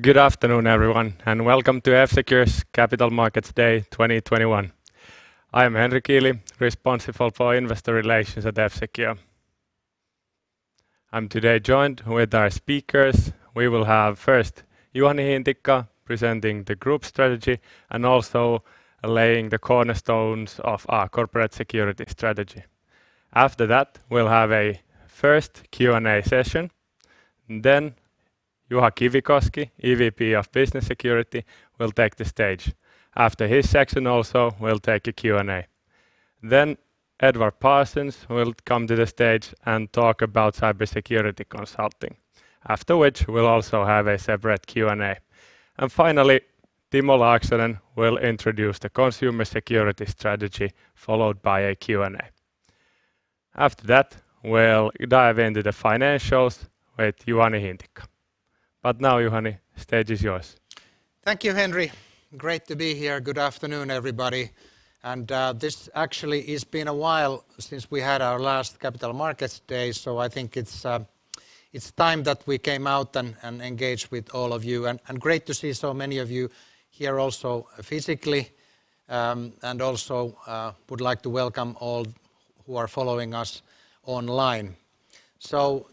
Good afternoon, everyone, and welcome to F-Secure's Capital Markets Day 2021. I am Henri Kiili, responsible for investor relations at F-Secure. I'm today joined with our speakers. We will have first Juhani Hintikka presenting the group strategy and also laying the cornerstones of our corporate security strategy. After that, we'll have a first Q&A session. Juha Kivikoski, EVP of Business Security, will take the stage. After his section also, we'll take a Q&A. Edward Parsons will come to the stage and talk about cybersecurity consulting, after which we'll also have a separate Q&A. Finally, Timo Laaksonen will introduce the consumer security strategy, followed by a Q&A. After that, we'll dive into the financials with Juhani Hintikka. Now, Juhani, stage is yours. Thank you, Henri. Great to be here. Good afternoon, everybody. This actually has been a while since we had our last Capital Markets Day, so I think it's time that we came out and engaged with all of you. Great to see so many of you here also physically, and also would like to welcome all who are following us online.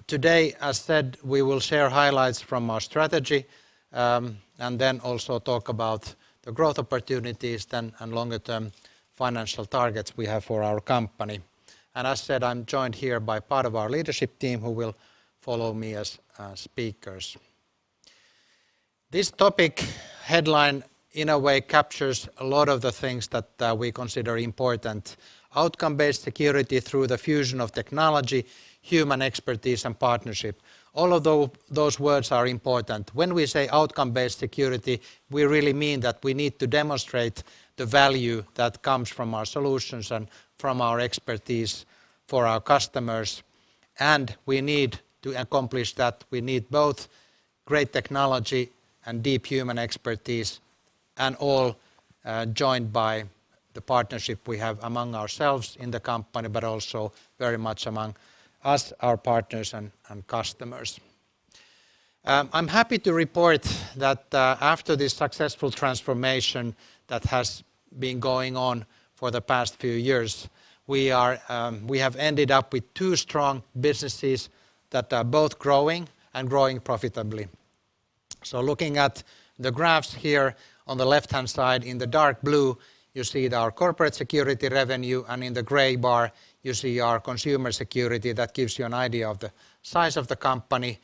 Today, as said, we will share highlights from our strategy, and then also talk about the growth opportunities then, and longer-term financial targets we have for our company. As said, I'm joined here by part of our leadership team who will follow me as speakers. This topic headline in a way captures a lot of the things that we consider important. Outcome-based Security through the fusion of technology, human expertise, and partnership. All of those words are important. When we say outcome-based security, we really mean that we need to demonstrate the value that comes from our solutions and from our expertise for our customers. We need to accomplish that. We need both great technology and deep human expertise, and all joined by the partnership we have among ourselves in the company, but also very much among us, our partners, and customers. I'm happy to report that after the successful transformation that has been going on for the past few years, we have ended up with two strong businesses that are both growing and growing profitably. Looking at the graphs here, on the left-hand side in the dark blue, you see our corporate security revenue, and in the gray bar, you see our consumer security. That gives you an idea of the size of the company.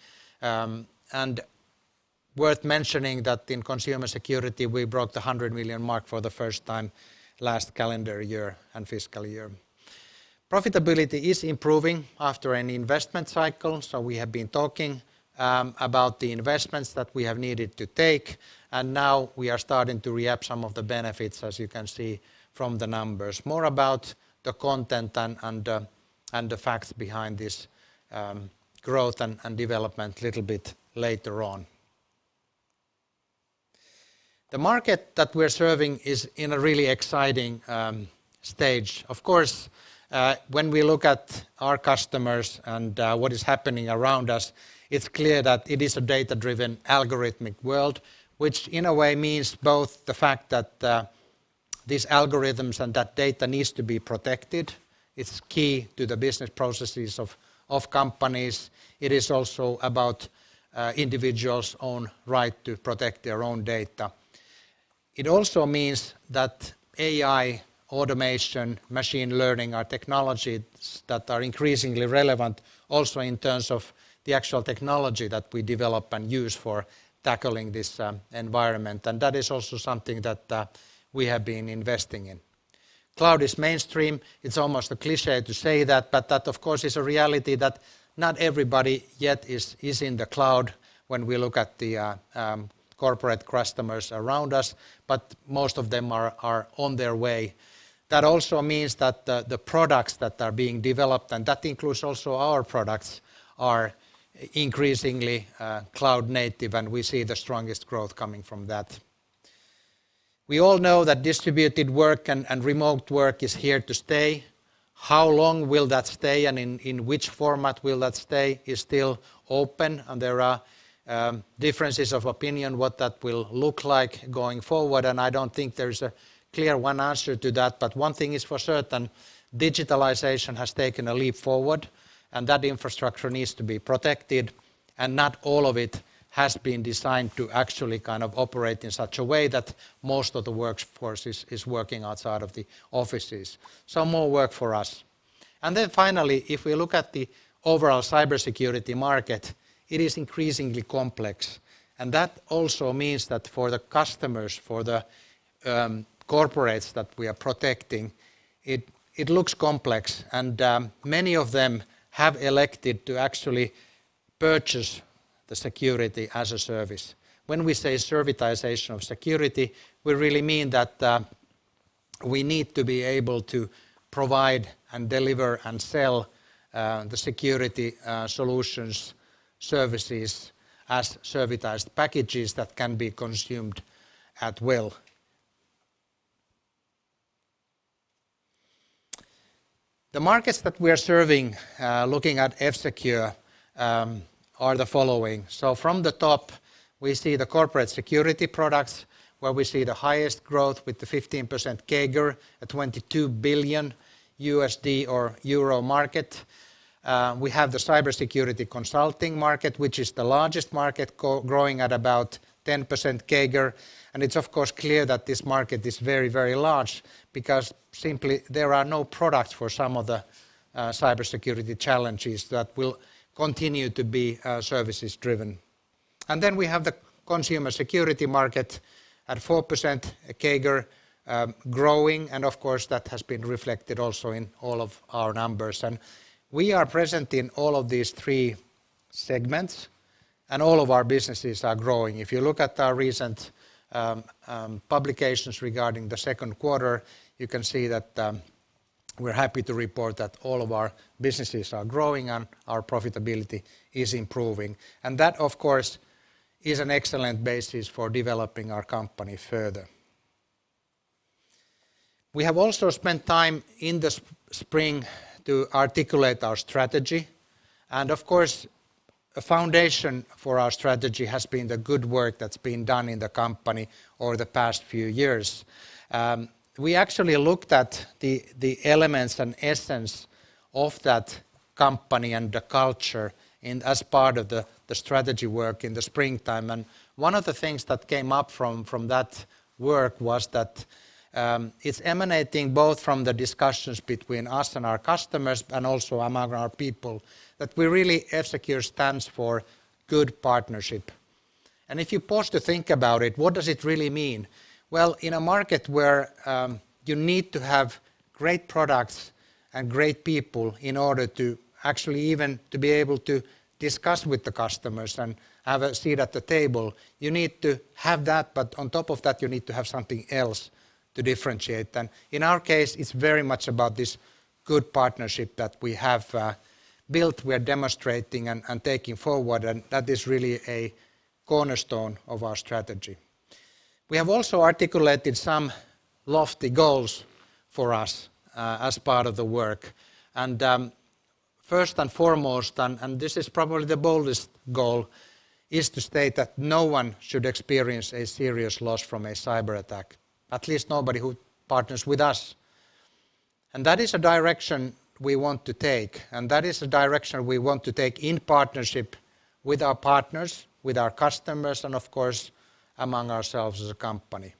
Worth mentioning that in consumer security, we broke the 100 million mark for the first time last calendar year and fiscal year. Profitability is improving after an investment cycle, so we have been talking about the investments that we have needed to take, and now we are starting to reap some of the benefits, as you can see from the numbers. More about the content and the facts behind this growth and development little bit later on. The market that we're serving is in a really exciting stage. Of course, when we look at our customers and what is happening around us, it's clear that it is a data-driven algorithmic world, which in a way means both the fact that these algorithms and that data needs to be protected. It's key to the business processes of companies. It is also about individuals' own right to protect their own data. It also means that AI, automation, machine learning are technologies that are increasingly relevant also in terms of the actual technology that we develop and use for tackling this environment. That is also something that we have been investing in. Cloud is mainstream. It's almost a cliché to say that, but that of course, is a reality that not everybody yet is in the cloud when we look at the corporate customers around us, but most of them are on their way. That also means that the products that are being developed, and that includes also our products, are increasingly cloud native, and we see the strongest growth coming from that. We all know that distributed work and remote work is here to stay. How long will that stay and in which format will that stay is still open, and there are differences of opinion what that will look like going forward, and I don't think there's a clear one answer to that. One thing is for certain, digitalization has taken a leap forward, and that infrastructure needs to be protected, and not all of it has been designed to actually kind of operate in such a way that most of the workforce is working outside of the offices. More work for us. Finally, if we look at the overall cybersecurity market, it is increasingly complex. That also means that for the customers, for the corporates that we are protecting, it looks complex. Many of them have elected to actually purchase the security-as-a-service. When we say servitization of security, we really mean that we need to be able to provide and deliver and sell the security solutions services as servitized packages that can be consumed at will. The markets that we are serving, looking at F-Secure, are the following. From the top, we see the corporate security products, where we see the highest growth with the 15% CAGR, a $22 billion or EUR 22 billion market. We have the cybersecurity consulting market, which is the largest market, growing at about 10% CAGR. It's of course clear that this market is very large, because simply there are no products for some of the cybersecurity challenges that will continue to be services driven. We have the consumer security market at 4% CAGR, growing, and of course, that has been reflected also in all of our numbers. We are present in all of these three segments, and all of our businesses are growing. If you look at our recent publications regarding the second quarter, you can see that we're happy to report that all of our businesses are growing and our profitability is improving. That, of course, is an excellent basis for developing our company further. We have also spent time in the spring to articulate our strategy. Of course, a foundation for our strategy has been the good work that's been done in the company over the past few years. We actually looked at the elements and essence of that company and the culture, and as part of the strategy work in the springtime. One of the things that came up from that work was that it's emanating both from the discussions between us and our customers and also among our people that we really, F-Secure stands for good partnership. If you pause to think about it, what does it really mean? Well, in a market where you need to have great products and great people in order to actually even to be able to discuss with the customers and have a seat at the table, you need to have that, but on top of that, you need to have something else to differentiate. In our case, it's very much about this good partnership that we have built, we are demonstrating and taking forward, and that is really a cornerstone of our strategy. We have also articulated some lofty goals for us as part of the work. First and foremost, this is probably the boldest goal, is to state that no one should experience a serious loss from a cyberattack, at least nobody who partners with us. That is a direction we want to take, that is a direction we want to take in partnership with our partners, with our customers, and of course, among ourselves as a company.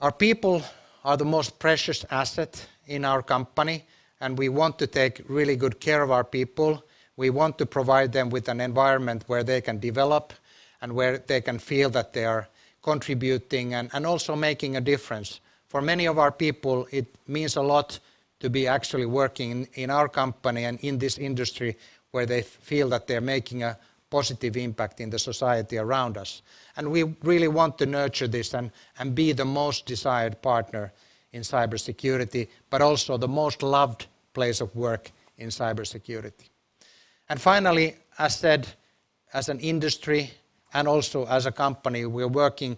Our people are the most precious asset in our company, we want to take really good care of our people. We want to provide them with an environment where they can develop and where they can feel that they are contributing and also making a difference. For many of our people, it means a lot to be actually working in our company and in this industry where they feel that they're making a positive impact in the society around us. We really want to nurture this and be the most desired partner in cybersecurity, but also the most loved place of work in cybersecurity. Finally, as said, as an industry and also as a company, we are working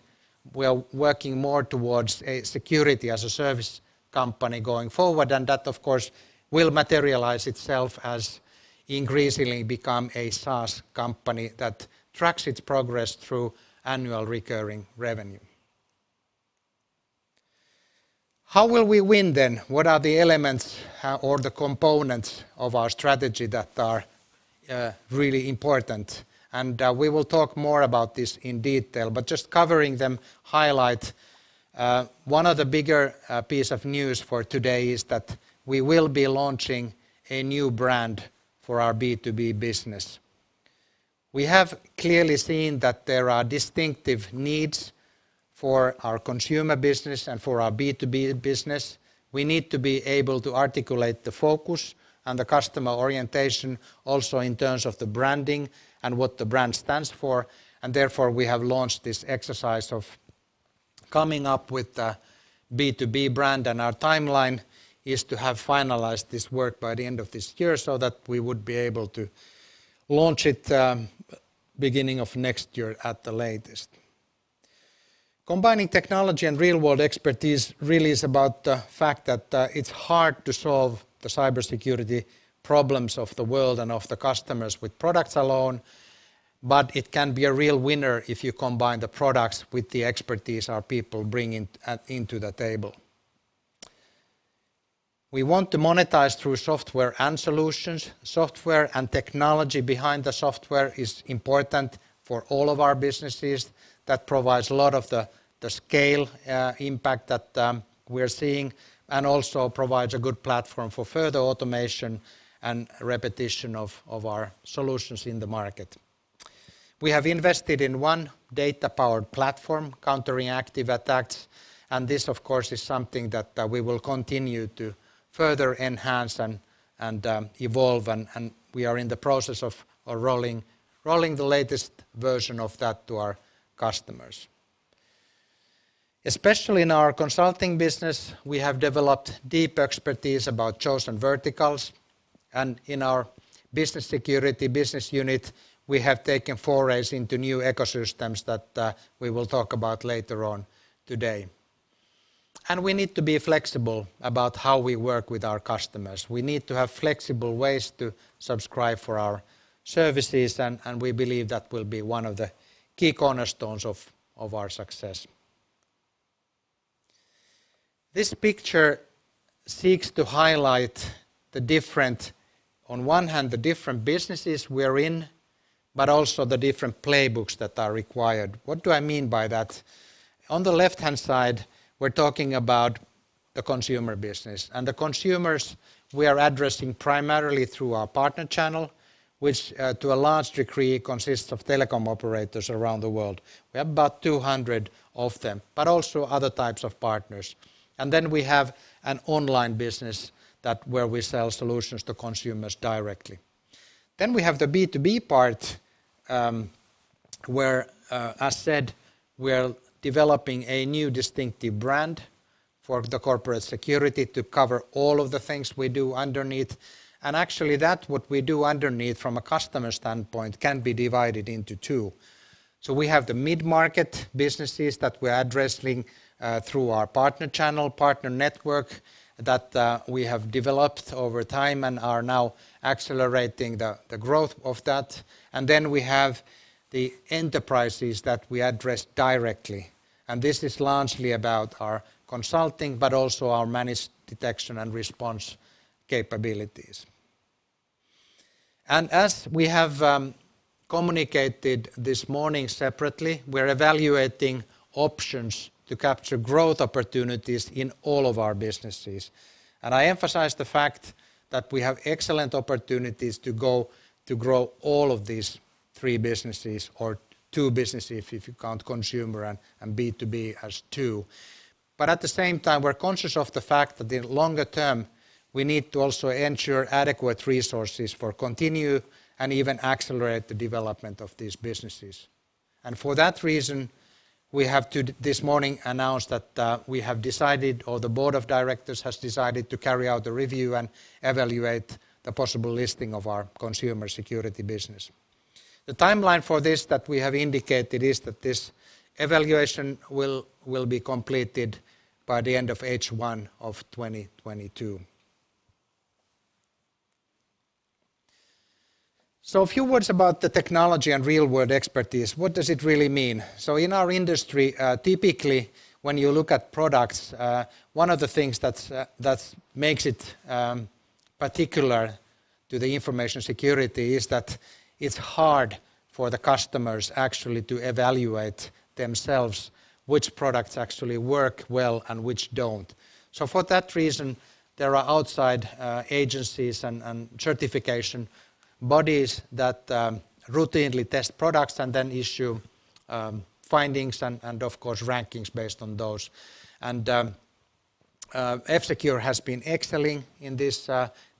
more towards a security-as-a-service company going forward. That, of course, will materialize itself as increasingly become a SaaS company that tracks its progress through annual recurring revenue. How will we win then? What are the elements or the components of our strategy that are really important? We will talk more about this in detail, but just covering them, highlight one of the bigger piece of news for today is that we will be launching a new brand for our B2B business. We have clearly seen that there are distinctive needs for our consumer business and for our B2B business. We need to be able to articulate the focus and the customer orientation also in terms of the branding and what the brand stands for, and therefore, we have launched this exercise of coming up with a B2B brand, and our timeline is to have finalized this work by the end of this year so that we would be able to launch it beginning of next year at the latest. Combining technology and real-world expertise really is about the fact that it's hard to solve the cybersecurity problems of the world and of the customers with products alone. It can be a real winner if you combine the products with the expertise our people bringing into the table. We want to monetize through software and solutions. Software and technology behind the software is important for all of our businesses. That provides a lot of the scale impact that we're seeing and also provides a good platform for further automation and repetition of our solutions in the market. We have invested in one data-powered platform countering active attacks, and this, of course, is something that we will continue to further enhance and evolve, and we are in the process of rolling the latest version of that to our customers. Especially in our consulting business, we have developed deep expertise about chosen verticals. In our Business Security business unit, we have taken forays into new ecosystems that we will talk about later on today. We need to be flexible about how we work with our customers. We need to have flexible ways to subscribe for our services, and we believe that will be one of the key cornerstones of our success. This picture seeks to highlight, on one hand, the different businesses we are in, but also the different playbooks that are required. What do I mean by that? On the left-hand side, we're talking about the consumer business. The consumers we are addressing primarily through our partner channel, which, to a large degree, consists of telecom operators around the world. We have about 200 of them, but also other types of partners. We have an online business where we sell solutions to consumers directly. We have the B2B part, where, as said, we're developing a new distinctive brand for the corporate security to cover all of the things we do underneath. Actually that what we do underneath from a customer standpoint can be divided into two. We have the mid-market businesses that we're addressing through our partner channel, partner network, that we have developed over time and are now accelerating the growth of that. We have the enterprises that we address directly, and this is largely about our consulting, but also our managed detection and response capabilities. As we have communicated this morning separately, we're evaluating options to capture growth opportunities in all of our businesses. I emphasize the fact that we have excellent opportunities to grow all of these three businesses or two businesses if you count consumer and B2B as 2. At the same time, we're conscious of the fact that in the longer term, we need to also ensure adequate resources for continue and even accelerate the development of these businesses. For that reason, we have this morning announced that we have decided, or the board of directors has decided to carry out a review and evaluate the possible listing of our consumer security business. The timeline for this that we have indicated is that this evaluation will be completed by the end of H1 of 2022. A few words about the technology and real-world expertise. What does it really mean? In our industry, typically, when you look at products, one of the things that makes it particular to the information security is that it's hard for the customers actually to evaluate themselves which products actually work well and which don't. For that reason, there are outside agencies and certification bodies that routinely test products and then issue findings and, of course, rankings based on those. F-Secure has been excelling in this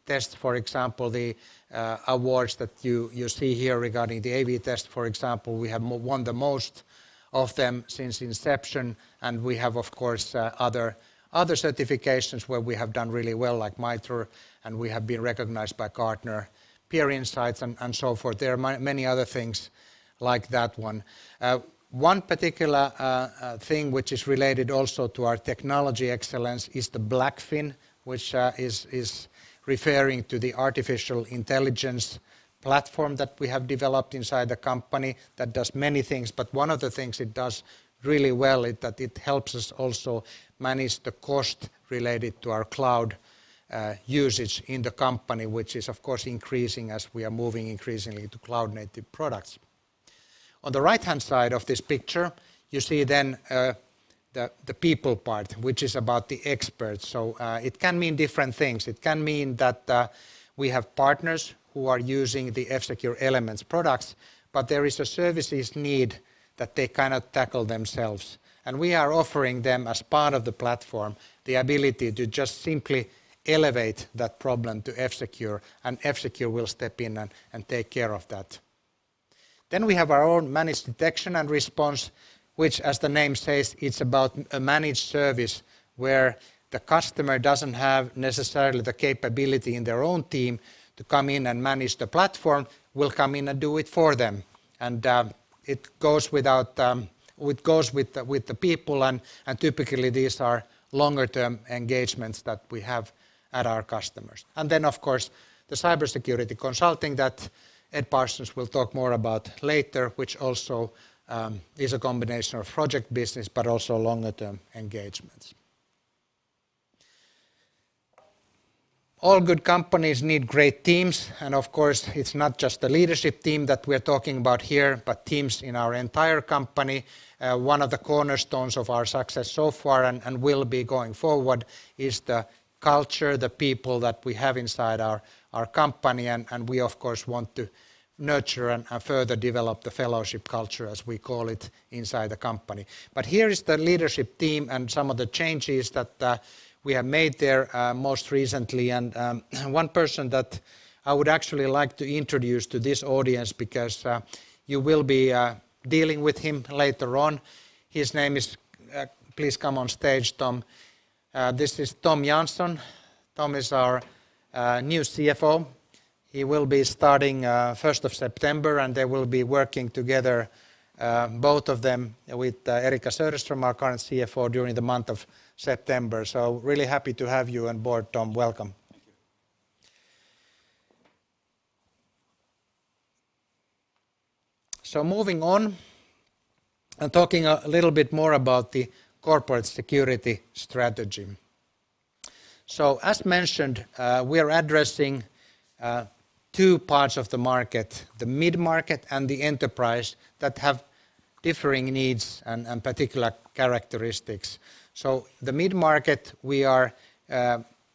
test. For example, the awards that you see here regarding the AV-TEST, for example, we have won the most of them since inception, and we have, of course, other certifications where we have done really well, like MITRE, and we have been recognized by Gartner Peer Insights and so forth. There are many other things like that one. One particular thing which is related also to our technology excellence is the Blackfin, which is referring to the artificial intelligence platform that we have developed inside the company that does many things. But one of the things it does really well is that it helps us also manage the cost related to our cloud usage in the company, which is, of course, increasing as we are moving increasingly to cloud-native products. On the right-hand side of this picture, you see then the people part, which is about the experts. It can mean different things. It can mean that we have partners who are using the F-Secure Elements products, but there is a services need that they cannot tackle themselves. We are offering them, as part of the platform, the ability to just simply elevate that problem to F-Secure, and F-Secure will step in and take care of that. We have our own managed detection and response, which, as the name says, it's about a managed service where the customer doesn't have necessarily the capability in their own team to come in and manage the platform. We'll come in and do it for them. It goes with the people and typically these are longer-term engagements that we have at our customers. Then, of course, the cybersecurity consulting that Ed Parsons will talk more about later, which also is a combination of project business but also longer-term engagements. All good companies need great teams. Of course, it's not just the leadership team that we're talking about here, but teams in our entire company. One of the cornerstones of our success so far, and will be going forward, is the culture, the people that we have inside our company, and we of course want to nurture and further develop the fellowship culture, as we call it inside the company. Here is the leadership team and some of the changes that we have made there most recently. One person that I would actually like to introduce to this audience because you will be dealing with him later on, his name is. Please come on stage, Tom. This is Tom Jansson. Tom is our new CFO. He will be starting September 1st. They will be working together, both of them, with Eriikka Söderström, our current CFO, during the month of September. Really happy to have you on board, Tom. Welcome. Thank you. Moving on and talking a little bit more about the corporate security strategy. As mentioned, we are addressing two parts of the market, the mid-market and the enterprise, that have differing needs and particular characteristics. The mid-market we are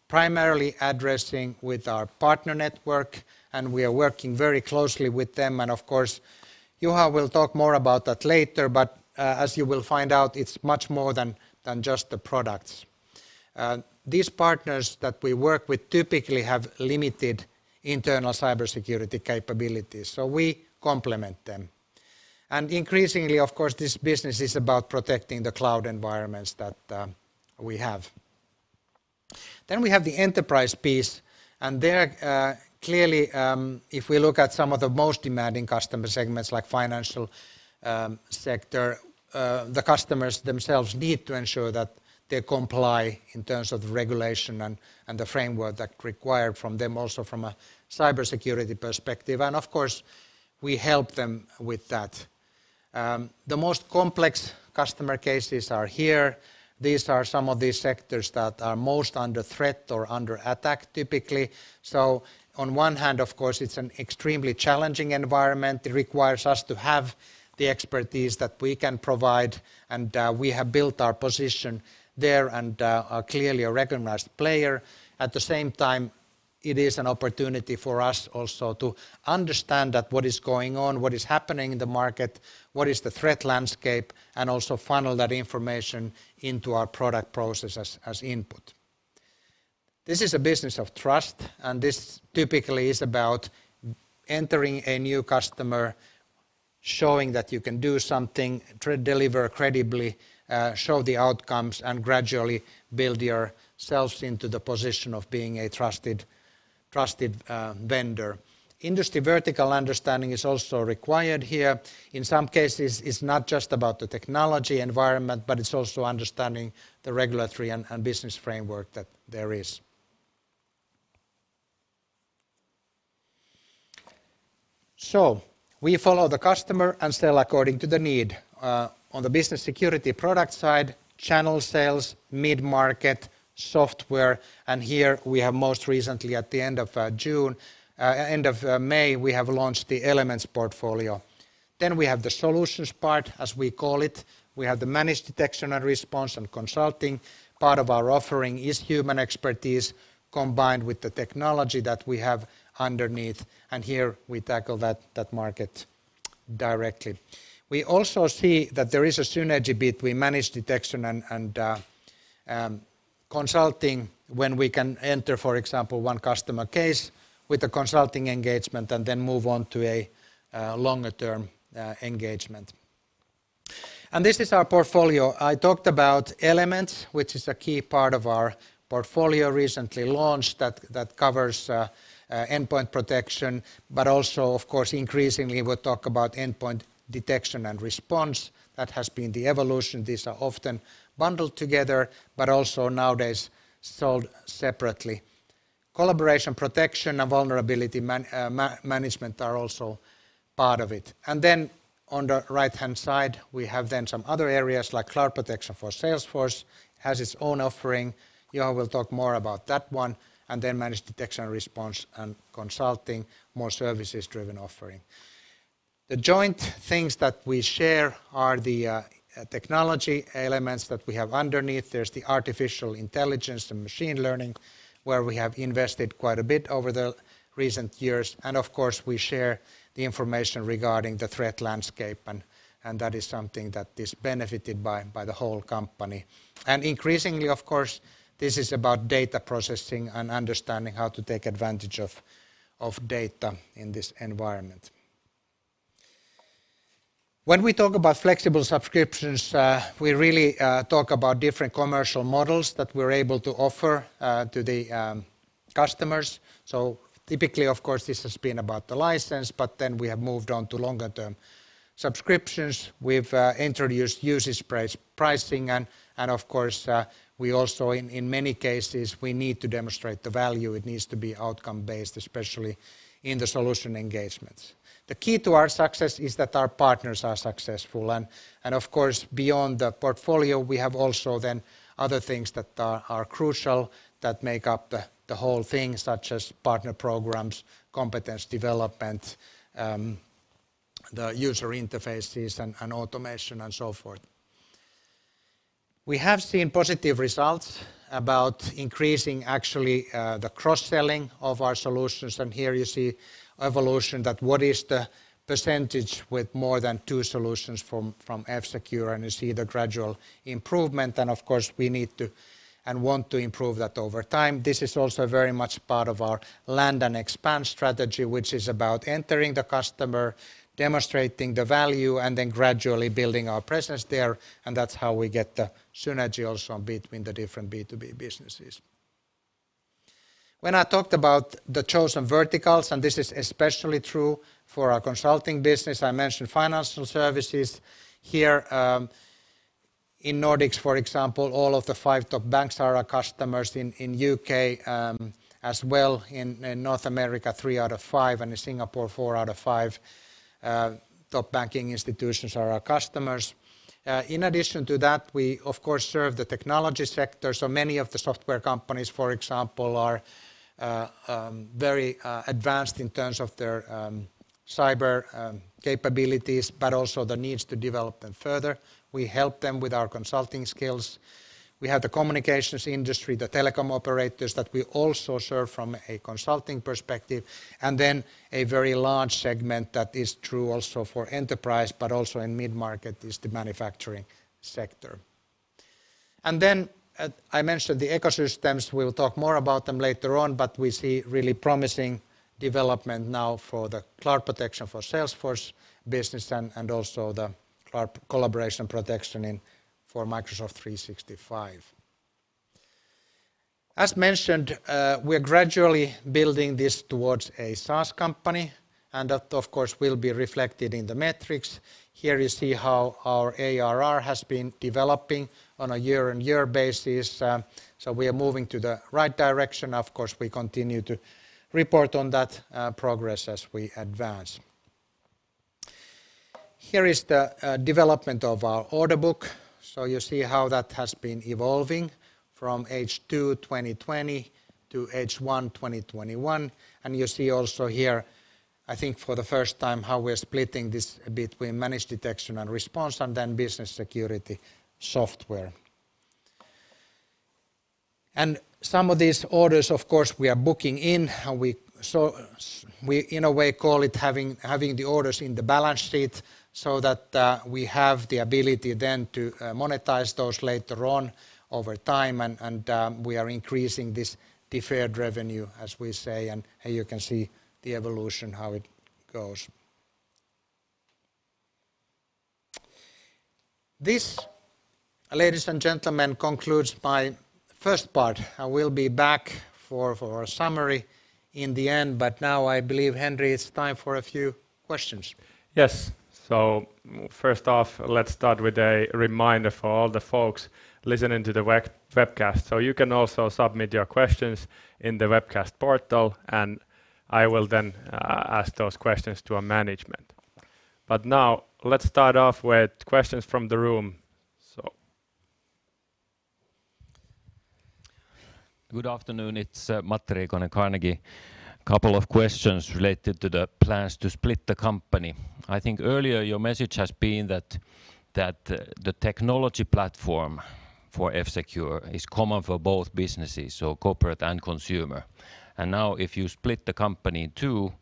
primarily addressing with our partner network, and we are working very closely with them. Of course, Juha will talk more about that later, but as you will find out, it's much more than just the products. These partners that we work with typically have limited internal cybersecurity capabilities, so we complement them. Increasingly, of course, this business is about protecting the cloud environments that we have. We have the enterprise piece, and there, clearly, if we look at some of the most demanding customer segments like financial sector, the customers themselves need to ensure that they comply in terms of regulation and the framework that require from them also from a cybersecurity perspective. Of course, we help them with that. The most complex customer cases are here. These are some of the sectors that are most under threat or under attack typically. On one hand, of course, it's an extremely challenging environment. It requires us to have the expertise that we can provide and we have built our position there and are clearly a recognized player. At the same time, it is an opportunity for us also to understand that what is going on, what is happening in the market, what is the threat landscape, and also funnel that information into our product process as input. This is a business of trust, and this typically is about entering a new customer, showing that you can do something to deliver credibly, show the outcomes, and gradually build yourselves into the position of being a trusted vendor. Industry vertical understanding is also required here. In some cases, it's not just about the technology environment, but it's also understanding the regulatory and business framework that there is. We follow the customer and sell according to the need. On the business security product side, channel sales, mid-market, software, and here we have most recently at the end of May, we have launched the Elements portfolio. We have the solutions part, as we call it. We have the managed detection and response and consulting. Part of our offering is human expertise combined with the technology that we have underneath, and here we tackle that market directly. We also see that there is a synergy bit. We manage detection and consulting when we can enter, for example, one customer case with a consulting engagement and then move on to a longer-term engagement. This is our portfolio. I talked about Elements, which is a key part of our portfolio recently launched that covers endpoint protection, but also of course increasingly we'll talk about endpoint detection and response. That has been the evolution. These are often bundled together, but also nowadays sold separately. Collaboration protection and vulnerability management are also part of it. On the right-hand side, we have some other areas like Cloud Protection for Salesforce has its own offering. Juha will talk more about that one, managed detection and response and consulting, more services-driven offering. The joint things that we share are the technology elements that we have underneath. There's the artificial intelligence, the machine learning, where we have invested quite a bit over the recent years. Of course, we share the information regarding the threat landscape, and that is something that is benefited by the whole company. Increasingly, of course, this is about data processing and understanding how to take advantage of data in this environment. When we talk about flexible subscriptions, we really talk about different commercial models that we're able to offer to the customers. Typically, of course, this has been about the license, we have moved on to longer-term subscriptions. We've introduced usage-based pricing, we also in many cases, we need to demonstrate the value. It needs to be outcome-based, especially in the solution engagements. The key to our success is that our partners are successful, beyond the portfolio, we have also other things that are crucial that make up the whole thing, such as partner programs, competence development, the user interfaces and automation and so forth. We have seen positive results about increasing actually the cross-selling of our solutions, here you see evolution that what is the percentage with more than two solutions from F-Secure, you see the gradual improvement. We need to and want to improve that over time. This is also very much part of our land and expand strategy, which is about entering the customer, demonstrating the value, and then gradually building our presence there, and that's how we get the synergy also between the different B2B businesses. When I talked about the chosen verticals, and this is especially true for our consulting business, I mentioned financial services here. In Nordics, for example, all of the five top banks are our customers. In U.K. as well, in North America, three out of five, and in Singapore, four out of five top banking institutions are our customers. In addition to that, we of course serve the technology sector, so many of the software companies, for example, are very advanced in terms of their cyber capabilities, but also the needs to develop them further. We help them with our consulting skills. We have the communications industry, the telecom operators that we also serve from a consulting perspective, and then a very large segment that is true also for enterprise, but also in mid-market, is the manufacturing sector. I mentioned the ecosystems. We'll talk more about them later on, but we see really promising development now for the Cloud Protection for Salesforce business and also the collaboration protection for Microsoft 365. As mentioned, we're gradually building this towards a SaaS company, and that, of course, will be reflected in the metrics. Here you see how our ARR has been developing on a year-on-year basis. We are moving to the right direction. Of course, we continue to report on that progress as we advance. Here is the development of our order book. You see how that has been evolving from H2 2020 to H1 2021, you see also here, I think for the first time, how we're splitting this between managed detection and response, and then Business Security software. Some of these orders, of course, we are booking in. We, in a way, call it having the orders in the balance sheet so that we have the ability then to monetize those later on over time, we are increasing this deferred revenue, as we say, here you can see the evolution, how it goes. This, ladies and gentlemen, concludes my first part. I will be back for a summary in the end, now I believe, Henri, it's time for a few questions. Yes. First off, let's start with a reminder for all the folks listening to the webcast. You can also submit your questions in the webcast portal, and I will then ask those questions to our management. Now, let's start off with questions from the room. Good afternoon. It's Matti Riikonen, Carnegie. Couple of questions related to the plans to split the company. I think earlier your message has been that the technology platform for F-Secure is common for both businesses, so corporate and consumer. Now if you split the company in two,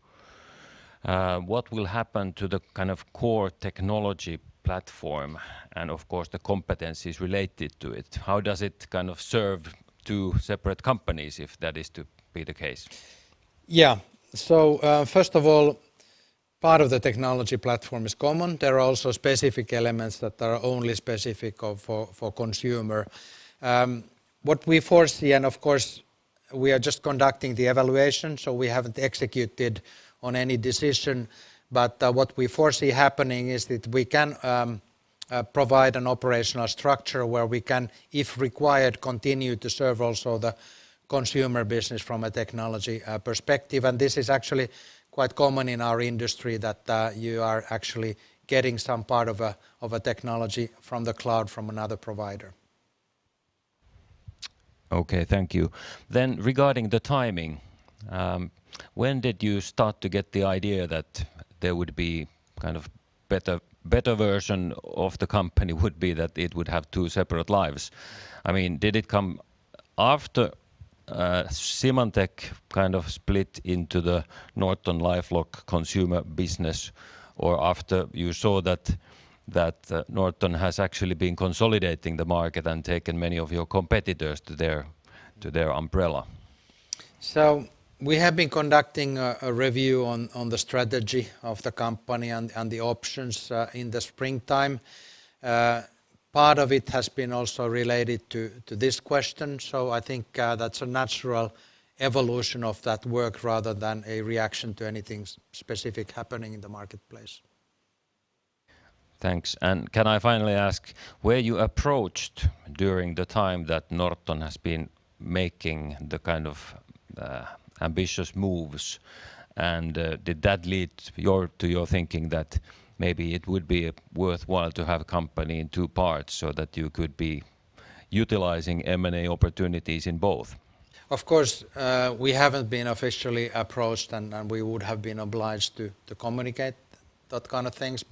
what will happen to the core technology platform and of course the competencies related to it? How does it serve two separate companies, if that is to be the case? Yeah. First of all, part of the technology platform is common. There are also specific elements that are only specific for consumer. What we foresee, and of course we are just conducting the evaluation, so we haven't executed on any decision, but what we foresee happening is that we can provide an operational structure where we can, if required, continue to serve also the consumer business from a technology perspective. This is actually quite common in our industry, that you are actually getting some part of a technology from the cloud from another provider. Okay. Thank you. Regarding the timing, when did you start to get the idea that there would be kind of better version of the company would be that it would have two separate lives? Did it come after Symantec kind of split into the NortonLifeLock consumer business or after you saw that Norton has actually been consolidating the market and taken many of your competitors to their umbrella? We have been conducting a review on the strategy of the company and the options in the springtime. Part of it has been also related to this question. I think that's a natural evolution of that work rather than a reaction to anything specific happening in the marketplace. Thanks. Can I finally ask, were you approached during the time that Norton has been making the kind of ambitious moves, and did that lead to your thinking that maybe it would be worthwhile to have a company in two parts so that you could be utilizing M&A opportunities in both? Of course, we haven't been officially approached, and we would have been obliged to communicate that kind of things.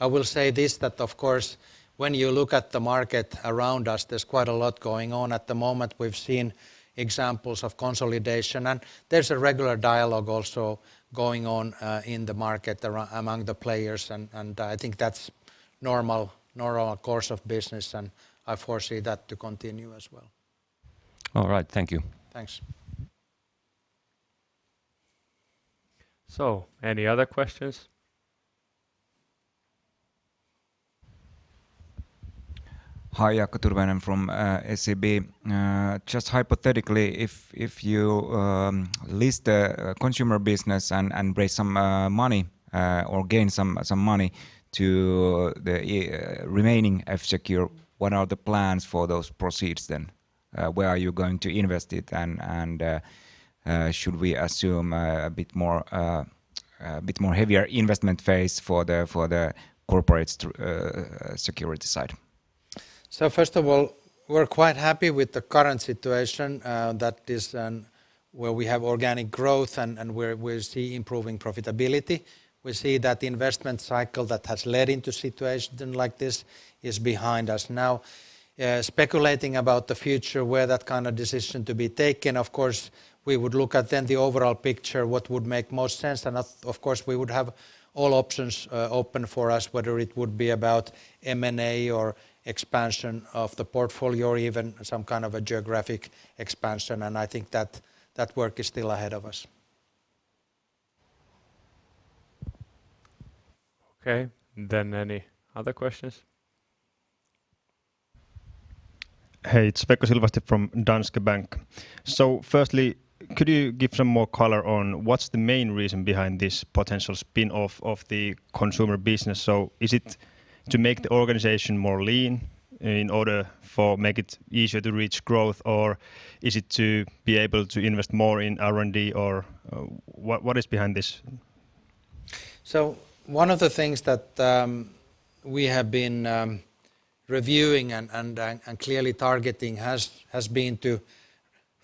I will say this, that of course, when you look at the market around us, there's quite a lot going on at the moment. We've seen examples of consolidation, and there's a regular dialogue also going on in the market among the players, and I think that's normal course of business, and I foresee that to continue as well. All right. Thank you. Thanks. Any other questions? Hi, Jaakko Turunen from SEB. Just hypothetically, if you lease the consumer business and raise some money or gain some money to the remaining F-Secure, what are the plans for those proceeds then? Where are you going to invest it and should we assume a bit more heavier investment phase for the corporate security side? First of all, we're quite happy with the current situation, that is where we have organic growth and we see improving profitability. We see that the investment cycle that has led into situations like this is behind us now. Speculating about the future, where that kind of decision to be taken, of course, we would look at then the overall picture, what would make most sense, and of course, we would have all options open for us, whether it would be about M&A or expansion of the portfolio or even some kind of a geographic expansion. And I think that work is still ahead of us. Okay. Any other questions? Hey, it's Veikko Silvasti from Danske Bank. Firstly, could you give some more color on what's the main reason behind this potential spin-off of the consumer business? Is it to make the organization more lean in order for make it easier to reach growth, or is it to be able to invest more in R&D, or what is behind this? One of the things that we have been reviewing and clearly targeting has been to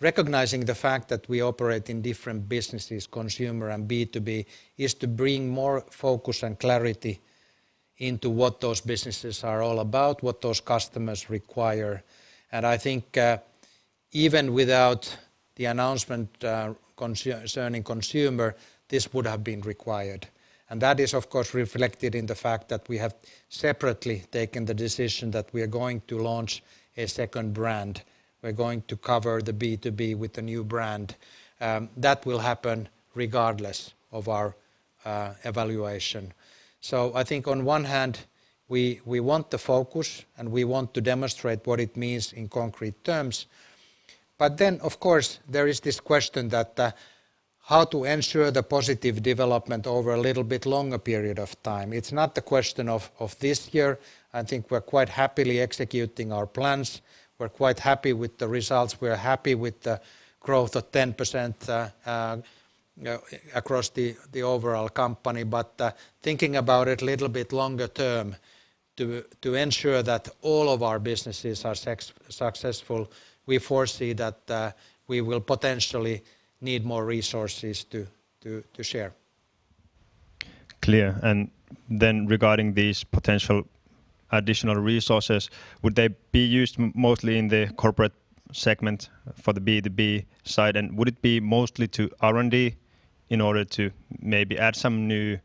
recognizing the fact that we operate in different businesses, consumer and B2B, is to bring more focus and clarity into what those businesses are all about, what those customers require. I think even without the announcement concerning consumer, this would have been required. That is of course reflected in the fact that we have separately taken the decision that we are going to launch a second brand. We're going to cover the B2B with a new brand. That will happen regardless of our evaluation. I think on one hand, we want the focus, and we want to demonstrate what it means in concrete terms. Then, of course, there is this question that how to ensure the positive development over a little bit longer period of time. It's not the question of this year. I think we're quite happily executing our plans. We're quite happy with the results. We're happy with the growth of 10% across the overall company. Thinking about it little bit longer term to ensure that all of our businesses are successful, we foresee that we will potentially need more resources to share. Clear. Regarding these potential additional resources, would they be used mostly in the corporate segment for the B2B side? Would it be mostly to R&D in order to maybe add some new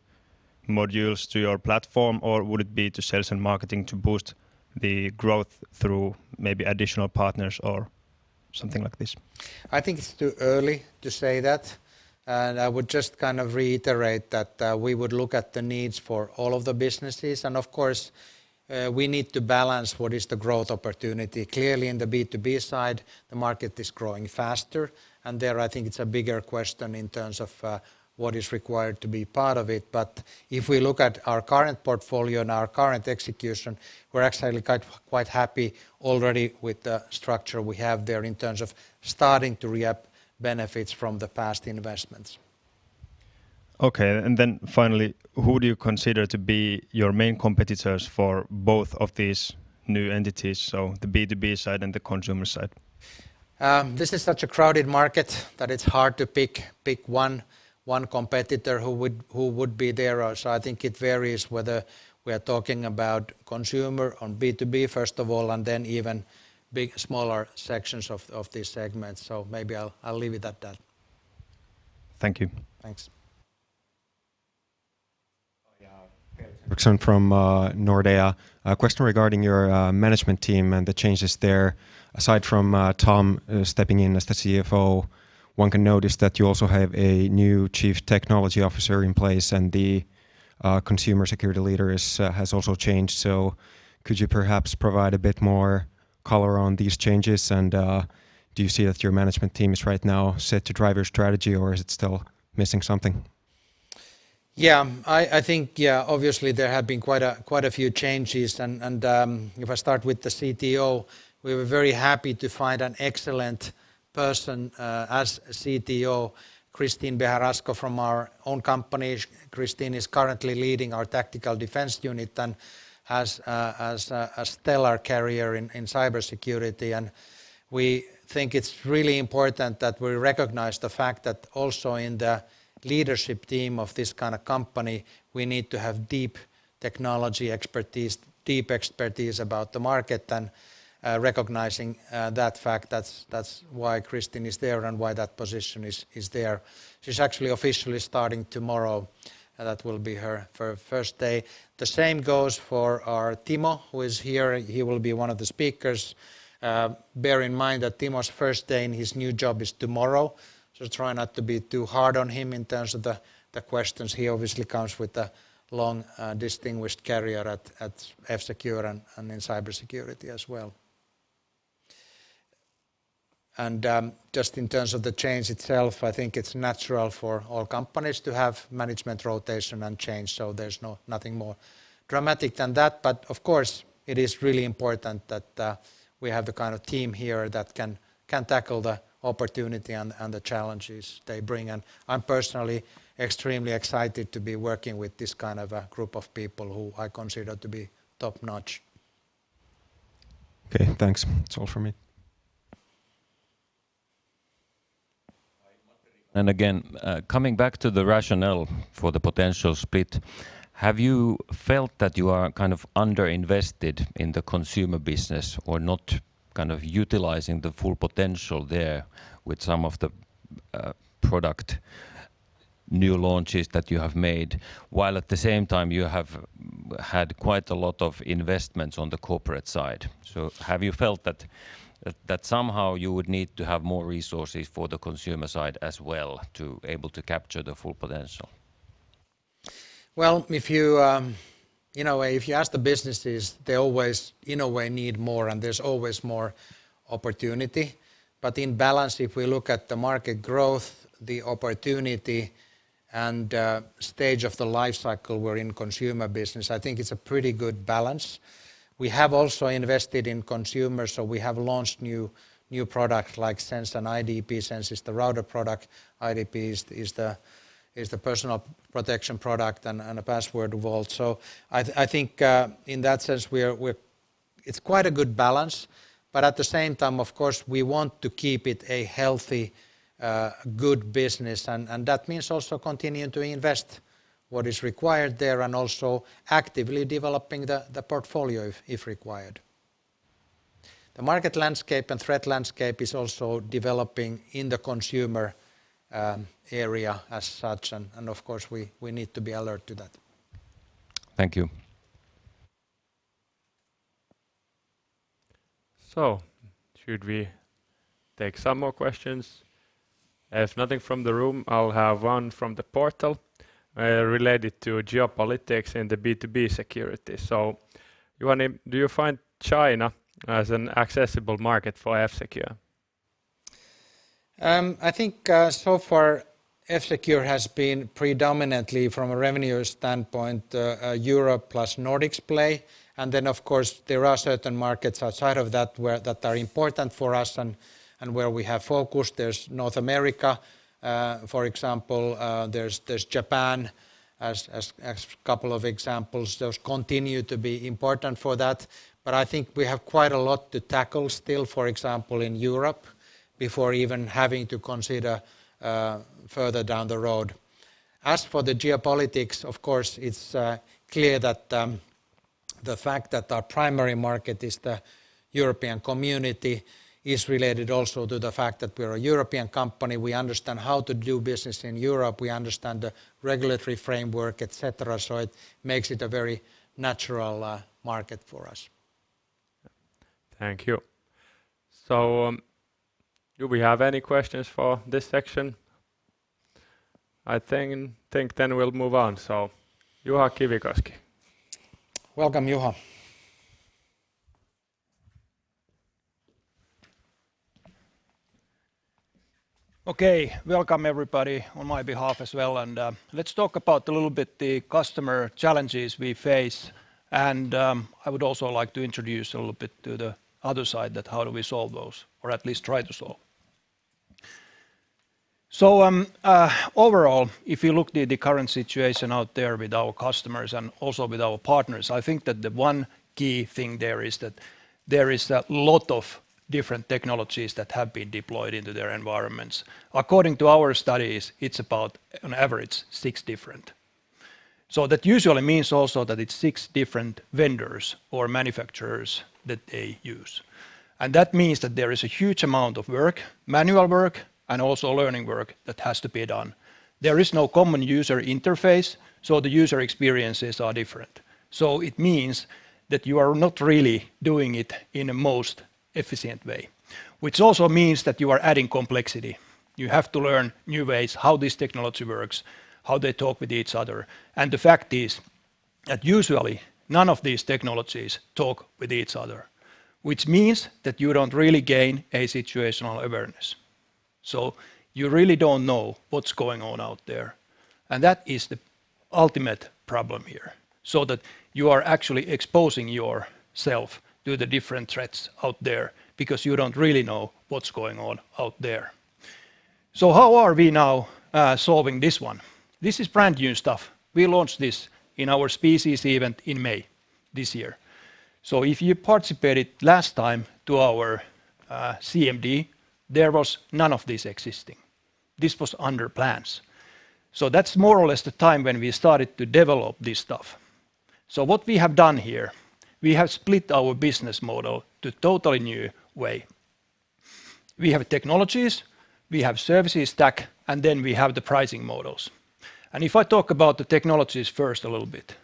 modules to your platform, or would it be to sales and marketing to boost the growth through maybe additional partners or something like this? I think it's too early to say that, and I would just kind of reiterate that we would look at the needs for all of the businesses. Of course, we need to balance what is the growth opportunity. Clearly in the B2B side, the market is growing faster, and there I think it's a bigger question in terms of what is required to be part of it. If we look at our current portfolio and our current execution, we're actually quite happy already with the structure we have there in terms of starting to reap benefits from the past investments. Okay, finally, who do you consider to be your main competitors for both of these new entities, so the B2B side and the consumer side? This is such a crowded market that it's hard to pick one competitor who would be there. I think it varies whether we are talking about consumer or B2B, first of all, and then even smaller sections of these segments. Maybe I'll leave it at that. Thank you. Thanks. Yeah. Felix Henriksson from Nordea. A question regarding your management team and the changes there. Aside from Tom stepping in as the CFO, one can notice that you also have a new Chief Technology Officer in place, and the consumer security leader has also changed. Could you perhaps provide a bit more color on these changes? Do you see that your management team is right now set to drive your strategy, or is it still missing something? Yeah, I think obviously there have been quite a few changes. If I start with the CTO, we were very happy to find an excellent person as CTO, Christine Bejerasco from our own company. Christine is currently leading our tactical defense unit and has a stellar career in cybersecurity. We think it's really important that we recognize the fact that also in the leadership team of this kind of company, we need to have deep technology expertise, deep expertise about the market, and recognizing that fact, that's why Christine is there and why that position is there. She's actually officially starting tomorrow. That will be her first day. The same goes for our Timo, who is here. He will be one of the speakers. Bear in mind that Timo's first day in his new job is tomorrow, so try not to be too hard on him in terms of the questions. He obviously comes with a long distinguished career at F-Secure and in cybersecurity as well. Just in terms of the change itself, I think it's natural for all companies to have management rotation and change, so there's nothing more dramatic than that. Of course, it is really important that we have the kind of team here that can tackle the opportunity and the challenges they bring. I'm personally extremely excited to be working with this kind of a group of people who I consider to be top-notch. Okay, thanks. That's all for me. Again, coming back to the rationale for the potential split, have you felt that you are under-invested in the consumer business or not utilizing the full potential there with some of the product new launches that you have made, while at the same time you have had quite a lot of investments on the corporate side? Have you felt that somehow you would need to have more resources for the consumer side as well to able to capture the full potential? Well, if you ask the businesses, they always, in a way, need more, and there's always more opportunity. In balance, if we look at the market growth, the opportunity, and stage of the life cycle we're in consumer business, I think it's a pretty good balance. We have also invested in consumers, we have launched new product like SENSE and ID P. SENSE is the router product, ID P is the personal protection product and a password vault. I think, in that sense, it's quite a good balance. At the same time, of course, we want to keep it a healthy good business, and that means also continuing to invest what is required there and also actively developing the portfolio if required. The market landscape and threat landscape is also developing in the consumer area as such, and of course we need to be alert to that. Thank you. Should we take some more questions? If nothing from the room, I'll have one from the portal related to geopolitics and the B2B security. Juhani, do you find China as an accessible market for F-Secure? I think so far F-Secure has been predominantly, from a revenue standpoint, a Europe plus Nordics play. Then, of course, there are certain markets outside of that that are important for us and where we have focused. There's North America, for example. There's Japan as couple of examples. Those continue to be important for that, but I think we have quite a lot to tackle still, for example, in Europe before even having to consider further down the road. As for the geopolitics, of course, it's clear that the fact that our primary market is the European Community is related also to the fact that we're a European company. We understand how to do business in Europe. We understand the regulatory framework, et cetera, so it makes it a very natural market for us. Thank you. Do we have any questions for this section? I think then we'll move on. Juha Kivikoski. Welcome, Juha. Okay. Welcome, everybody, on my behalf as well. Let's talk about a little bit the customer challenges we face. I would also like to introduce a little bit to the other side that how do we solve those, or at least try to solve. Overall, if you look at the current situation out there with our customers and also with our partners, I think that the one key thing there is that there is a lot of different technologies that have been deployed into their environments. According to our studies, it's about on average six different. That usually means also that it's six different vendors or manufacturers that they use. That means that there is a huge amount of work, manual work, and also learning work that has to be done. There is no common user interface, so the user experiences are different. It means that you are not really doing it in a most efficient way, which also means that you are adding complexity. You have to learn new ways how this technology works, how they talk with each other. The fact is that usually none of these technologies talk with each other, which means that you don't really gain a situational awareness. You really don't know what's going on out there, and that is the ultimate problem here. That you are actually exposing yourself to the different threats out there because you don't really know what's going on out there. How are we now solving this one? This is brand new stuff. We launched this in our SPHERE event in May this year. If you participated last time to our CMD, there was none of this existing. This was under plans. That's more or less the time when we started to develop this stuff. What we have done here, we have split our business model to totally new way. We have technologies, we have services stack, and then we have the pricing models. If I talk about the technologies first a little bit,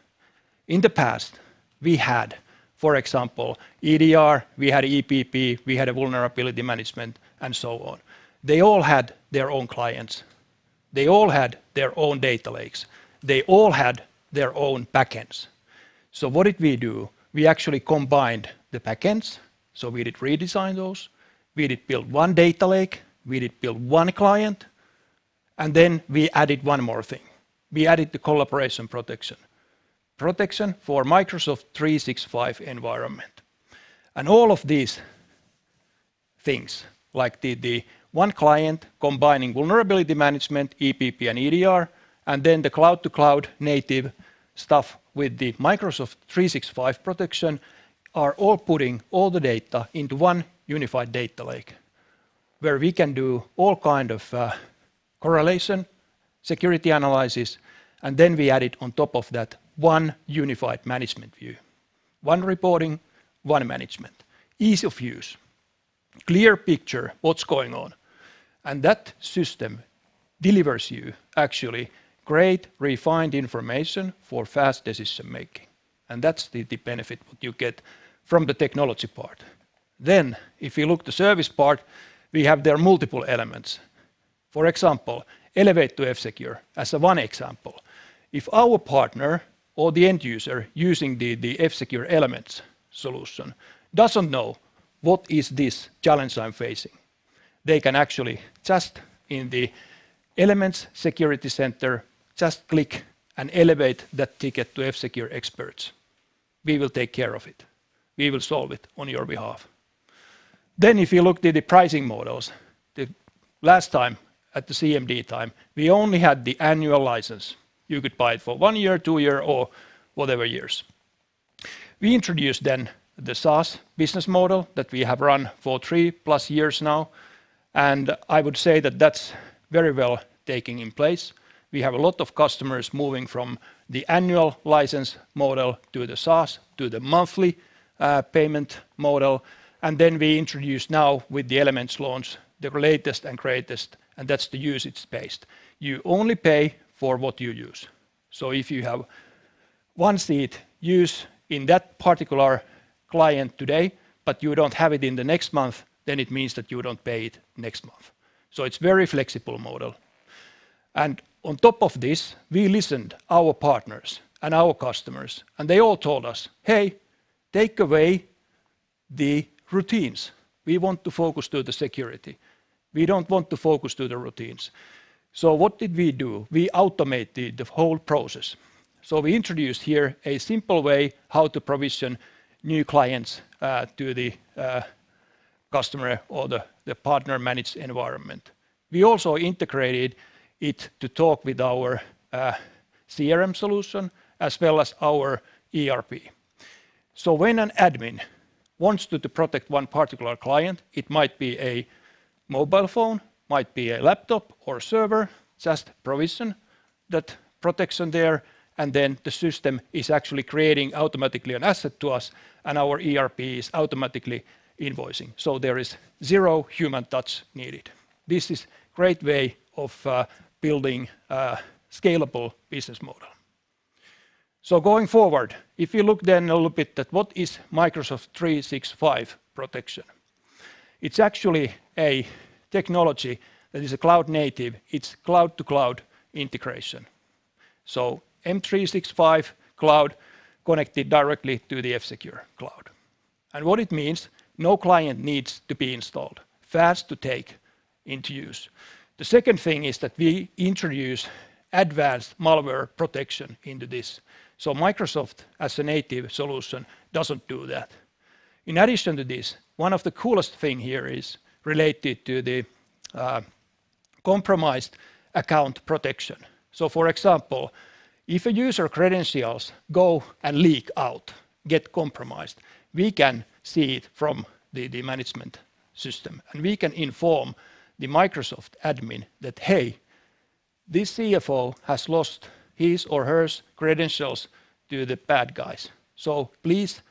in the past, we had, for example, EDR, we had EPP, we had vulnerability management, and so on. They all had their own clients. They all had their own data lakes. They all had their own backends. What did we do? We actually combined the backends, so we did redesign those. We did build one data lake, we did build one client, and then we added one more thing. We added the collaboration protection. Protection for Microsoft 365 environment. All of these things, like the one client combining vulnerability management, EPP and EDR, and then the cloud-to-cloud native stuff with the Microsoft 365 protection, are all putting all the data into one unified data lake where we can do all kind of correlation security analysis, and then we add it on top of that one unified management view. One reporting, one management. Ease of use. Clear picture of what's going on. That system delivers you actually great refined information for fast decision making. That's the benefit that you get from the technology part. If you look at the service part, we have there multiple elements. For example, Elevate to F-Secure as one example. If our partner or the end user using the F-Secure Elements solution doesn't know what is this challenge I'm facing, they can actually just in the Elements Security Center, just click and elevate that ticket to F-Secure experts. We will take care of it. We will solve it on your behalf. If you look at the pricing models, last time, at the CMD time, we only had the annual license. You could buy it for one year, two year, or whatever years. We introduced the SaaS business model that we have run for 3+ years now, and I would say that that's very well taking in place. We have a lot of customers moving from the annual license model to the SaaS, to the monthly payment model. We introduce now with the Elements launch, the latest and greatest, and that's the usage-based. You only pay for what you use. If you have one seat used in that particular client today, but you don't have it in the next month, then it means that you don't pay it next month. It's very flexible model. On top of this, we listened our partners and our customers, and they all told us, "Hey, take away the routines. We want to focus to the security. We don't want to focus to the routines." What did we do? We automated the whole process. We introduced here a simple way how to provision new clients to the customer or the partner managed environment. We also integrated it to talk with our CRM solution as well as our ERP. When an admin wants to protect one particular client, it might be a mobile phone, might be a laptop or a server, just provision that protection there, and then the system is actually creating automatically an asset to us and our ERP is automatically invoicing. There is zero human touch needed. This is great way of building a scalable business model. Going forward, if you look then a little bit at what is Microsoft 365 protection, it's actually a technology that is a cloud native. It's cloud to cloud integration. M365 cloud connected directly to the F-Secure cloud. What it means, no client needs to be installed. Fast to take into use. The second thing is that we introduce advanced malware protection into this. Microsoft as a native solution doesn't do that. In addition to this, one of the coolest thing here is related to the compromised account protection. For example, if a user credentials go and leak out, get compromised, we can see it from the management system, and we can inform the Microsoft admin that, hey, this CFO has lost his or hers credentials to the bad guys. Please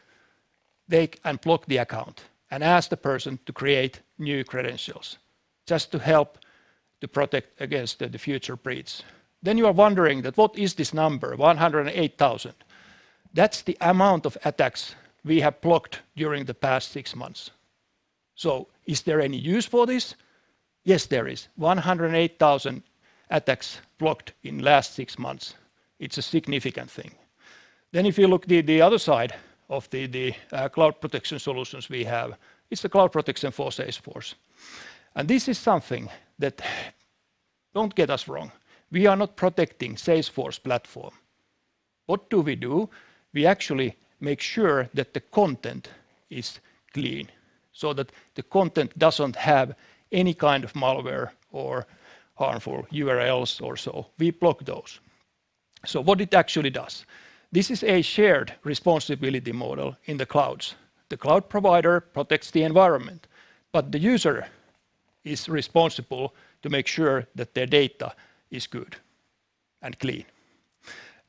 take and block the account and ask the person to create new credentials just to help to protect against the future breach. You are wondering that what is this number 108,000? That's the amount of attacks we have blocked during the past six months. Is there any use for this? Yes, there is. 108,000 attacks blocked in last six months. It's a significant thing. If you look the other side of the cloud protection solutions we have, it's the Cloud Protection for Salesforce. This is something that, don't get us wrong, we are not protecting Salesforce platform. What do we do? We actually make sure that the content is clean, so that the content doesn't have any kind of malware or harmful URLs or so. We block those. What it actually does, this is a shared responsibility model in the clouds. The cloud provider protects the environment, but the user is responsible to make sure that their data is good and clean.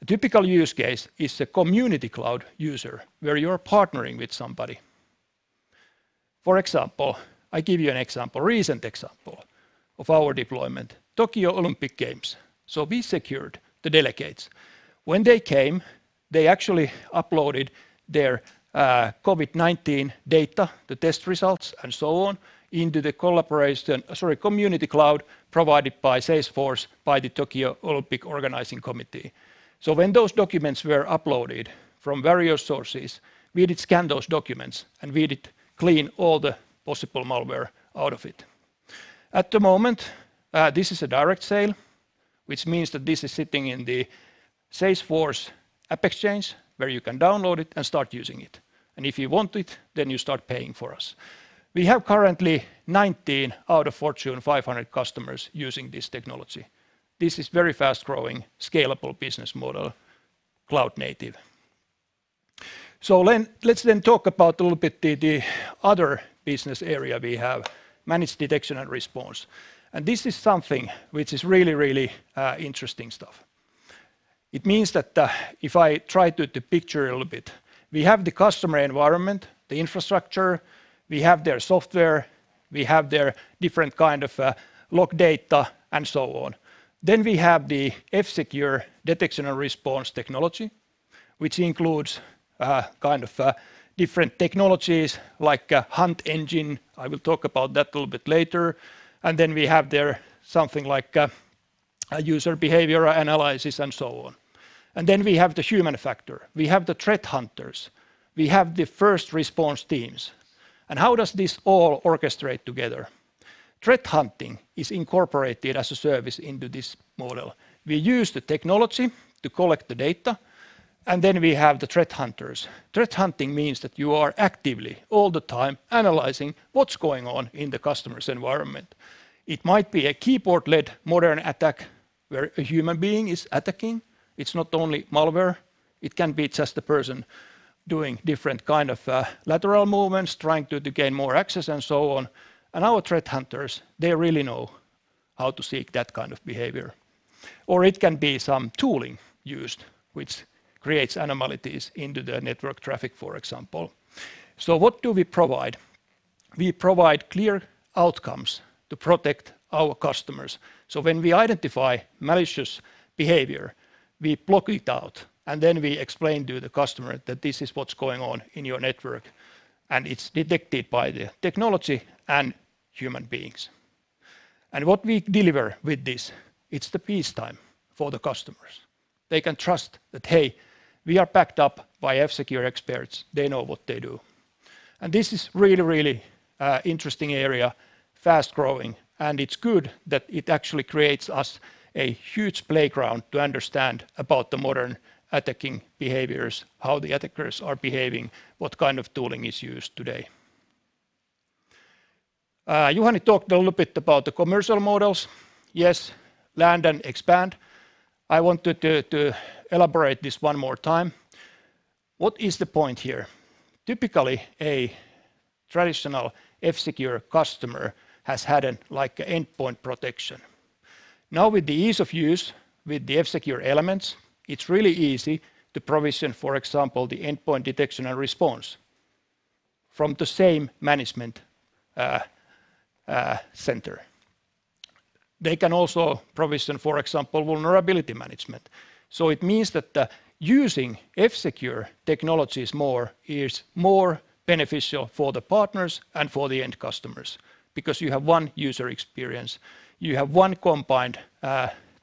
A typical use case is a community cloud user where you are partnering with somebody. For example, I give you an example, recent example of our deployment, Tokyo Olympic Games. We secured the delegates. When they came, they actually uploaded their COVID-19 data, the test results and so on, into the community cloud provided by Salesforce, by the Tokyo Organising Committee. When those documents were uploaded from various sources, we did scan those documents, and we did clean all the possible malware out of it. At the moment, this is a direct sale, which means that this is sitting in the Salesforce AppExchange, where you can download it and start using it. If you want it, you start paying for us. We have currently 19 out of Fortune 500 customers using this technology. This is very fast-growing, scalable business model, cloud native. Let's talk about a little bit the other business area we have, managed detection and response. This is something which is really, really interesting stuff. It means that if I try to picture a little bit, we have the customer environment, the infrastructure, we have their software, we have their different kind of log data, and so on. We have the F-Secure detection and response technology, which includes different technologies like Hunt Engine. I will talk about that a little bit later. We have there something like user behavior analysis and so on. We have the human factor. We have the threat hunters. We have the first response teams. How does this all orchestrate together? Threat hunting is incorporated as a service into this model. We use the technology to collect the data, and then we have the threat hunters. Threat hunting means that you are actively, all the time, analyzing what's going on in the customer's environment. It might be a keyboard-led modern attack where a human being is attacking. It is not only malware. It can be just a person doing different kind of lateral movements, trying to gain more access and so on. Our threat hunters, they really know how to seek that kind of behavior. It can be some tooling used which creates anomalies into the network traffic, for example. What do we provide? We provide clear outcomes to protect our customers. When we identify malicious behavior, we block it out, and then we explain to the customer that this is what's going on in your network, and it's detected by the technology and human beings. What we deliver with this, it's the peacetime for the customers. They can trust that, hey, we are backed up by F-Secure experts. They know what they do. This is really, really interesting area, fast-growing, and it's good that it actually creates us a huge playground to understand about the modern attacking behaviors, how the attackers are behaving, what kind of tooling is used today. Juhani talked a little bit about the commercial models. Yes, land and expand. I wanted to elaborate this one more time. What is the point here? Typically, a traditional F-Secure customer has had an endpoint protection. Now with the ease of use with the F-Secure Elements, it's really easy to provision, for example, the endpoint detection and response from the same management center. They can also provision, for example, vulnerability management. It means that using F-Secure technologies more is more beneficial for the partners and for the end customers because you have one user experience. You have one combined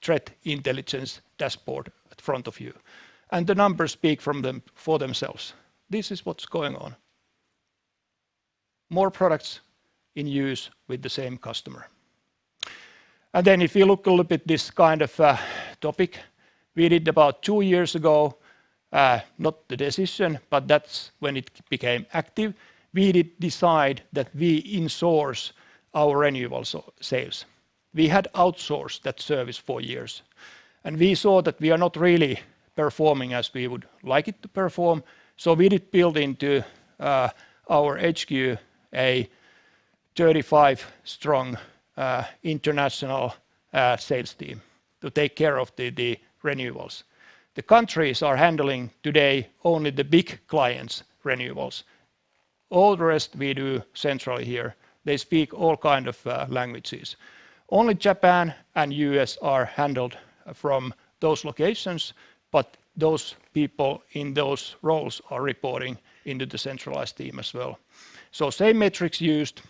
threat intelligence dashboard in front of you. The numbers speak for themselves. This is what's going on. More products in use with the same customer. If you look a little bit this kind of topic, we did about two years ago, not the decision, but that's when it became active. We did decide that we insource our renewal sales. We had outsourced that service for years, and we saw that we are not really performing as we would like it to perform. We did build into our HQ a 35-strong international sales team to take care of the renewals. The countries are handling today only the big clients' renewals. All the rest we do central here. They speak all kind of languages. Only Japan and U.S. are handled from those locations, those people in those roles are reporting into the centralized team as well. Same metrics used.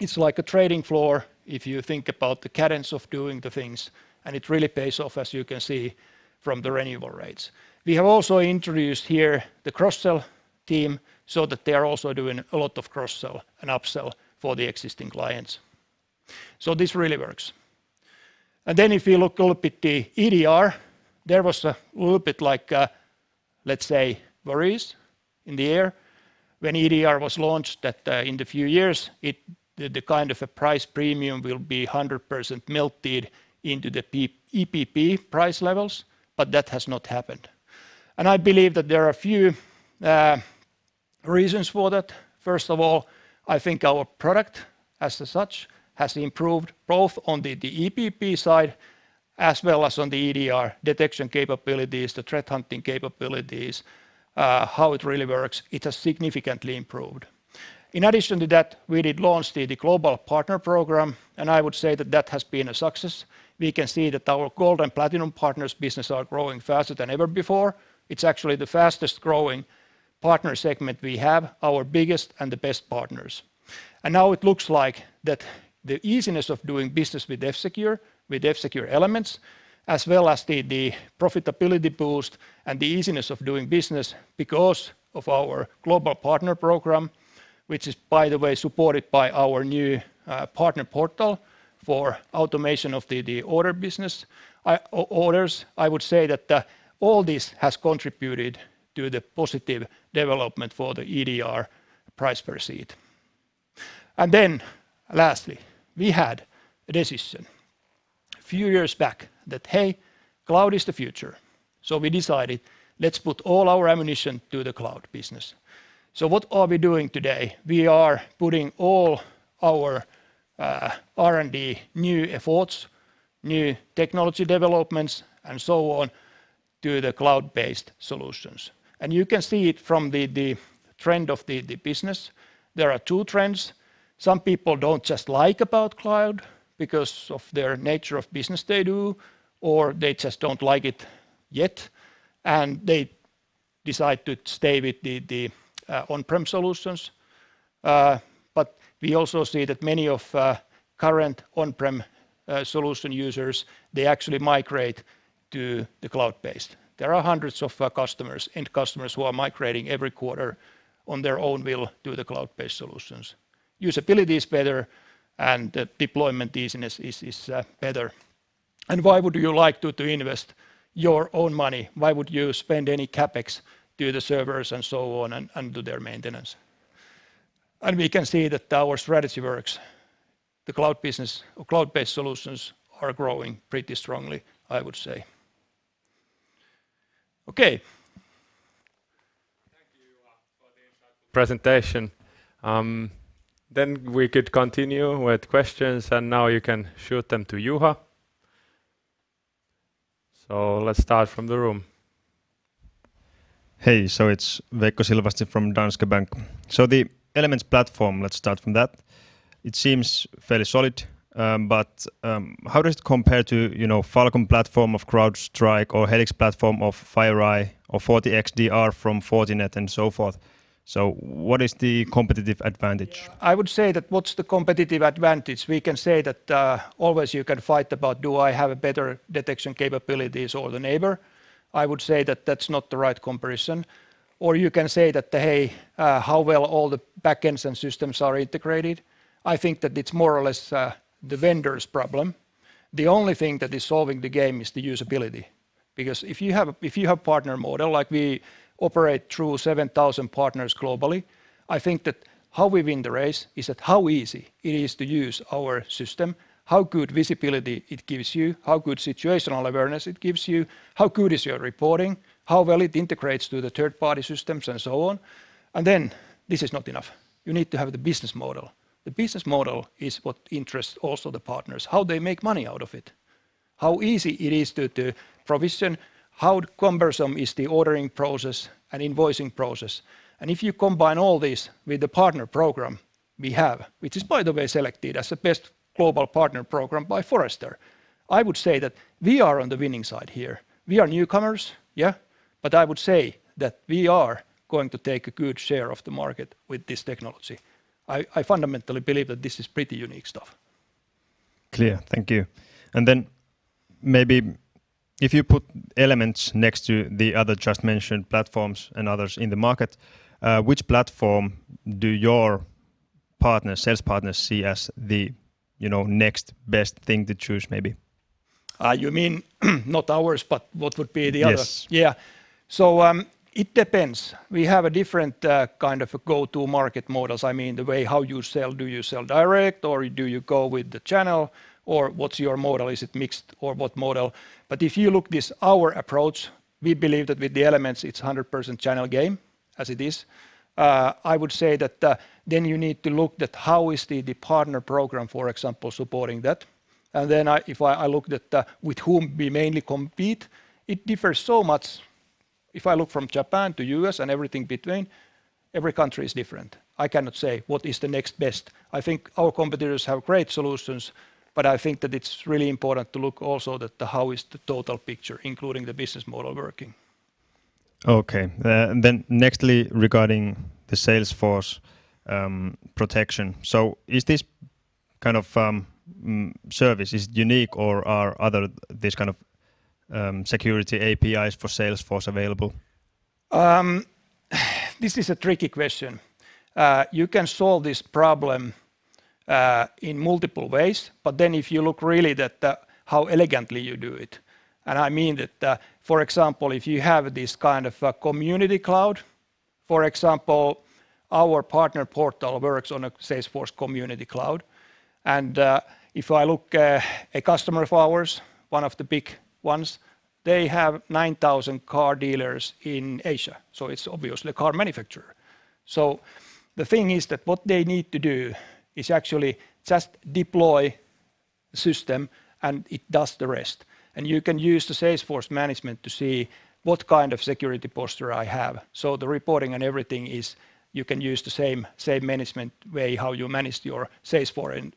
It's like a trading floor if you think about the cadence of doing the things, and it really pays off, as you can see from the renewal rates. We have also introduced here the cross-sell team so that they are also doing a lot of cross-sell and up-sell for the existing clients. This really works. If you look a little bit the EDR, there was a little bit like, let's say, worries in the air when EDR was launched that in the few years, the price premium will be 100% melted into the EPP price levels, but that has not happened. I believe that there are a few reasons for that, first of all, I think our product, as such, has improved both on the EPP side as well as on the EDR detection capabilities, the threat hunting capabilities, how it really works. It has significantly improved. In addition to that, we did launch the global partner program, and I would say that that has been a success. We can see that our gold and platinum partners' business are growing faster than ever before. It's actually the fastest-growing partner segment we have, our biggest and the best partners. Now it looks like that the easiness of doing business with F-Secure, with F-Secure Elements, as well as the profitability boost and the easiness of doing business because of our global partner program, which is, by the way, supported by our new partner portal for automation of the order business, orders. I would say that all this has contributed to the positive development for the EDR price per seat. Lastly, we had a decision a few years back that, "Hey, cloud is the future." We decided, let's put all our ammunition to the cloud business. What are we doing today? We are putting all our R&D, new efforts, new technology developments, and so on, to the cloud-based solutions. You can see it from the trend of the business. There are two trends. Some people don't just like about cloud because of their nature of business they do, or they just don't like it yet, and they decide to stay with the on-prem solutions. We also see that many of current on-prem solution users, they actually migrate to the cloud-based. There are hundreds of customers, end customers, who are migrating every quarter on their own will to the cloud-based solutions. Usability is better and deployment easiness is better. Why would you like to invest your own money? Why would you spend any CapEx to the servers and so on and to their maintenance? We can see that our strategy works. The cloud business or cloud-based solutions are growing pretty strongly, I would say. Okay. Thank you, Juha, for the presentation. We could continue with questions, and now you can shoot them to Juha. Let's start from the room. Hey, it's Veikko Silvasti from Danske Bank. The Elements platform, let's start from that. It seems fairly solid, but how does it compare to Falcon platform of CrowdStrike or Helix platform of FireEye or FortiXDR from Fortinet and so forth? What is the competitive advantage? I would say that what's the competitive advantage? We can say that always you can fight about, do I have a better detection capabilities or the neighbor? I would say that that's not the right comparison. You can say that, Hey, how well all the backends and systems are integrated? I think that it's more or less the vendor's problem. The only thing that is solving the game is the usability, because if you have partner model, like we operate through 7,000 partners globally, I think that how we win the race is that how easy it is to use our system, how good visibility it gives you, how good situational awareness it gives you, how good is your reporting, how well it integrates to the third-party systems and so on. Then this is not enough. You need to have the business model. The business model is what interests also the partners, how they make money out of it, how easy it is to provision, how cumbersome is the ordering process and invoicing process. If you combine all this with the partner program we have, which is, by the way, selected as the best global partner program by Forrester, I would say that we are on the winning side here. We are newcomers, yeah, but I would say that we are going to take a good share of the market with this technology. I fundamentally believe that this is pretty unique stuff. Clear. Thank you. Maybe if you put Elements next to the other just mentioned platforms and others in the market, which platform do your sales partners see as the next best thing to choose maybe? You mean not ours, but what would be the others? Yes. Yeah. It depends. We have a different kind of go-to market models. I mean, the way how you sell, do you sell direct or do you go with the channel or what's your model? Is it mixed or what model? If you look this, our approach, we believe that with the Elements, it's 100% channel game as it is. I would say that then you need to look at how is the partner program, for example, supporting that. If I look at with whom we mainly compete, it differs so much. If I look from Japan to U.S. and everything between, every country is different. I cannot say what is the next best. I think our competitors have great solutions, but I think that it's really important to look also that how is the total picture, including the business model working. Nextly, regarding the Salesforce Protection. Is this kind of service, is it unique or are other this kind of security APIs for Salesforce available? This is a tricky question. You can solve this problem in multiple ways, but then if you look really that how elegantly you do it, I mean that, for example, if you have this kind of community cloud, for example, our partner portal works on a Salesforce Community Cloud. If I look a customer of ours, one of the big ones. They have 9,000 car dealers in Asia, so it's obviously a car manufacturer. The thing is that what they need to do is actually just deploy the system, and it does the rest. You can use the Salesforce management to see what kind of security posture I have. The reporting and everything is you can use the same management way how you managed your Salesforce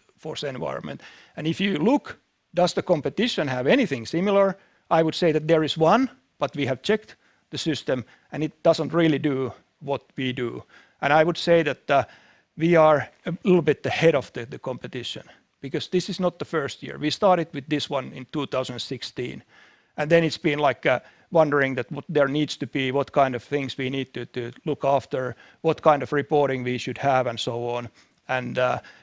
environment. If you look, does the competition have anything similar? I would say that there is one, but we have checked the system, and it doesn't really do what we do. I would say that we are a little bit ahead of the competition because this is not the first year. We started with this one in 2016, and then it's been like wondering what there needs to be, what kind of things we need to look after, what kind of reporting we should have, and so on.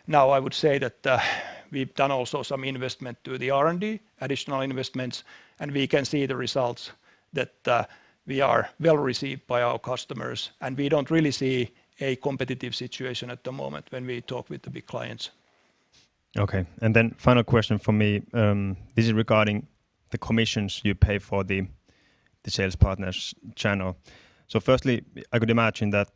Now I would say that we've done also some investment to the R&D, additional investments, and we can see the results that we are well-received by our customers, and we don't really see a competitive situation at the moment when we talk with the big clients. Final question from me. This is regarding the commissions you pay for the sales partners channel. Firstly, I could imagine that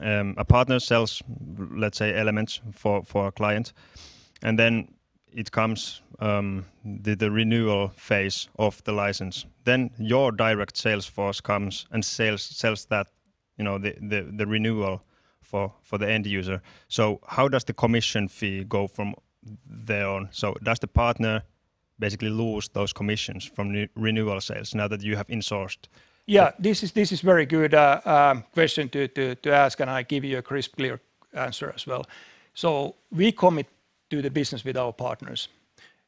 a partner sells, let's say, Elements for a client, and then it comes the renewal phase of the license. Your direct sales force comes and sells the renewal for the end user. How does the commission fee go from there on? Does the partner basically lose those commissions from renewal sales now that you have insourced? Yeah, this is very good question to ask, and I give you a crisp, clear answer as well. We commit to the business with our partners.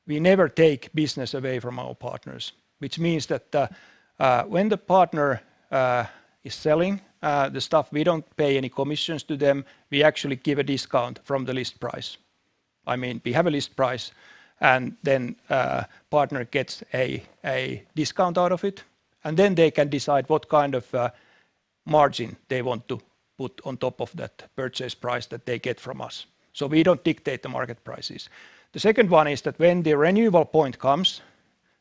We never take business away from our partners, which means that when the partner is selling the stuff, we don't pay any commissions to them. We actually give a discount from the list price. We have a list price, and then partner gets a discount out of it, and then they can decide what kind of margin they want to put on top of that purchase price that they get from us. We don't dictate the market prices. The second one is that when the renewal point comes,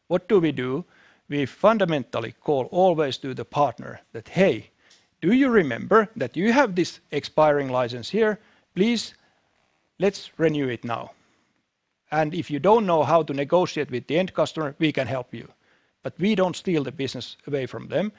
what do we do? We fundamentally call always to the partner that, "Hey, do you remember that you have this expiring license here? Please, let's renew it now." If you don't know how to negotiate with the end customer, we can help you. We don't steal the business away from them.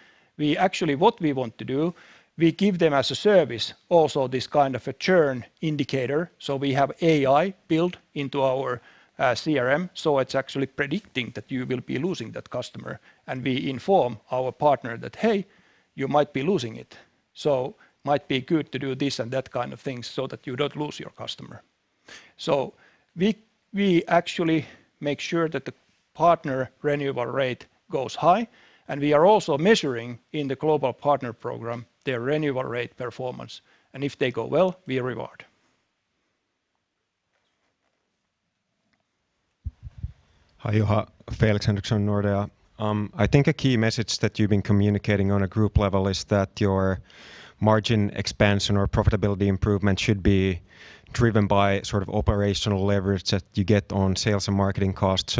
Actually, what we want to do, we give them as a service also this kind of a churn indicator. We have AI built into our CRM, so it's actually predicting that you will be losing that customer, and we inform our partner that, "Hey, you might be losing it, so might be good to do this and that kind of things so that you don't lose your customer." We actually make sure that the partner renewable rate goes high, and we are also measuring in the global partner program their renewable rate performance. If they go well, we reward. Hi, Juha. Felix Henriksson, Nordea. I think a key message that you've been communicating on a group level is that your margin expansion or profitability improvement should be driven by sort of operational leverage that you get on sales and marketing costs.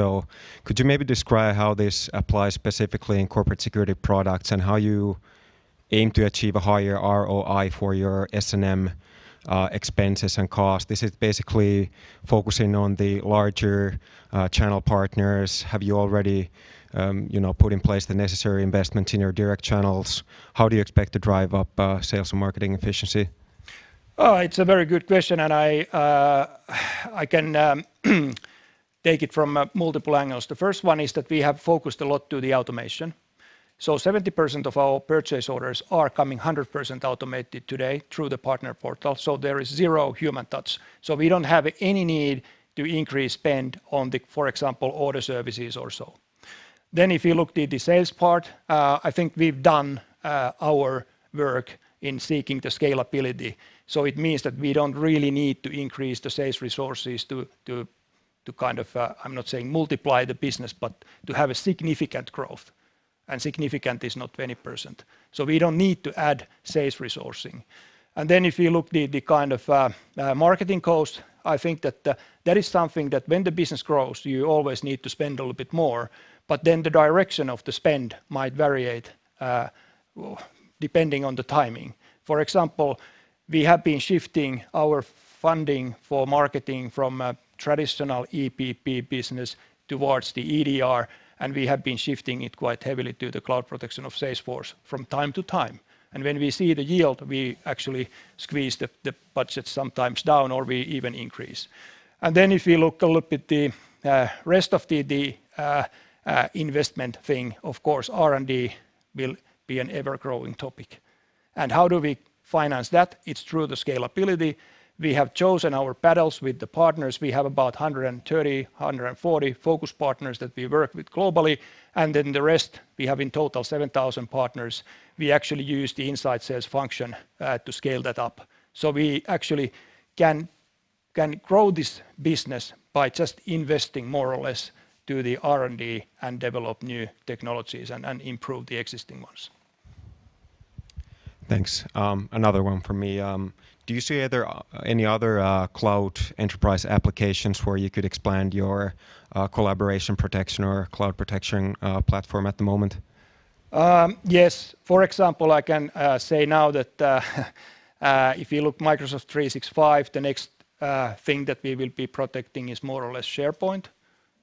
Could you maybe describe how this applies specifically in corporate security products and how you aim to achieve a higher ROI for your S&M expenses and cost? This is basically focusing on the larger channel partners. Have you already put in place the necessary investment in your direct channels? How do you expect to drive up sales and marketing efficiency? It's a very good question. I can take it from multiple angles. The first one is that we have focused a lot to the automation. 70% of our purchase orders are coming 100% automated today through the partner portal. There is zero human touch. We don't have any need to increase spend on the, for example, order services or so. If you looked at the sales part, I think we've done our work in seeking the scalability. It means that we don't really need to increase the sales resources to kind of, I'm not saying multiply the business, to have a significant growth. Significant is not 20%. We don't need to add sales resourcing. If you look the kind of marketing cost, I think that that is something that when the business grows, you always need to spend a little bit more, the direction of the spend might variate depending on the timing. For example, we have been shifting our funding for marketing from a traditional EPP business towards the EDR, and we have been shifting it quite heavily to the Cloud Protection for Salesforce from time to time. When we see the yield, we actually squeeze the budget sometimes down, or we even increase. If you look a little bit the rest of the investment thing, of course, R&D will be an ever-growing topic. How do we finance that? It's through the scalability. We have chosen our battles with the partners. We have about 130, 140 focus partners that we work with globally, and then the rest, we have in total 7,000 partners. We actually use the inside sales function to scale that up. We actually can grow this business by just investing more or less to the R&D and develop new technologies and improve the existing ones. Thanks. Another one from me. Do you see any other cloud enterprise applications where you could expand your collaboration protection or cloud protection platform at the moment? Yes. For example, I can say now that if you look at Microsoft 365, the next thing that we will be protecting is more or less SharePoint,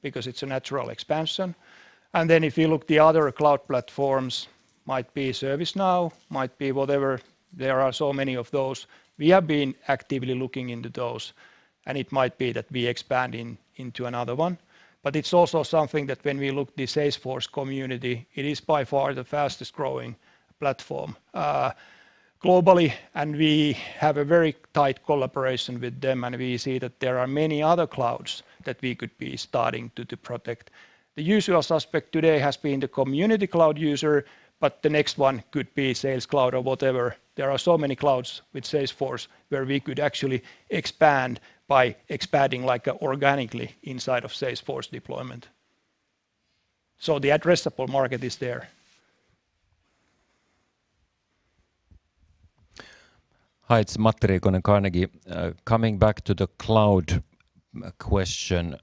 because it's a natural expansion. If you look at the other cloud platforms, might be ServiceNow, might be whatever, there are so many of those. We have been actively looking into those, and it might be that we expand into another one. It's also something that when we look at the Salesforce community, it is by far the fastest-growing platform globally, and we have a very tight collaboration with them, and we see that there are many other clouds that we could be starting to protect. The usual suspect today has been the community cloud user, but the next one could be Sales Cloud or whatever. There are so many clouds with Salesforce where we could actually expand by expanding organically inside of Salesforce deployment. The addressable market is there. Hi, it's Matti Riikonen, Carnegie. Coming back to the cloud question,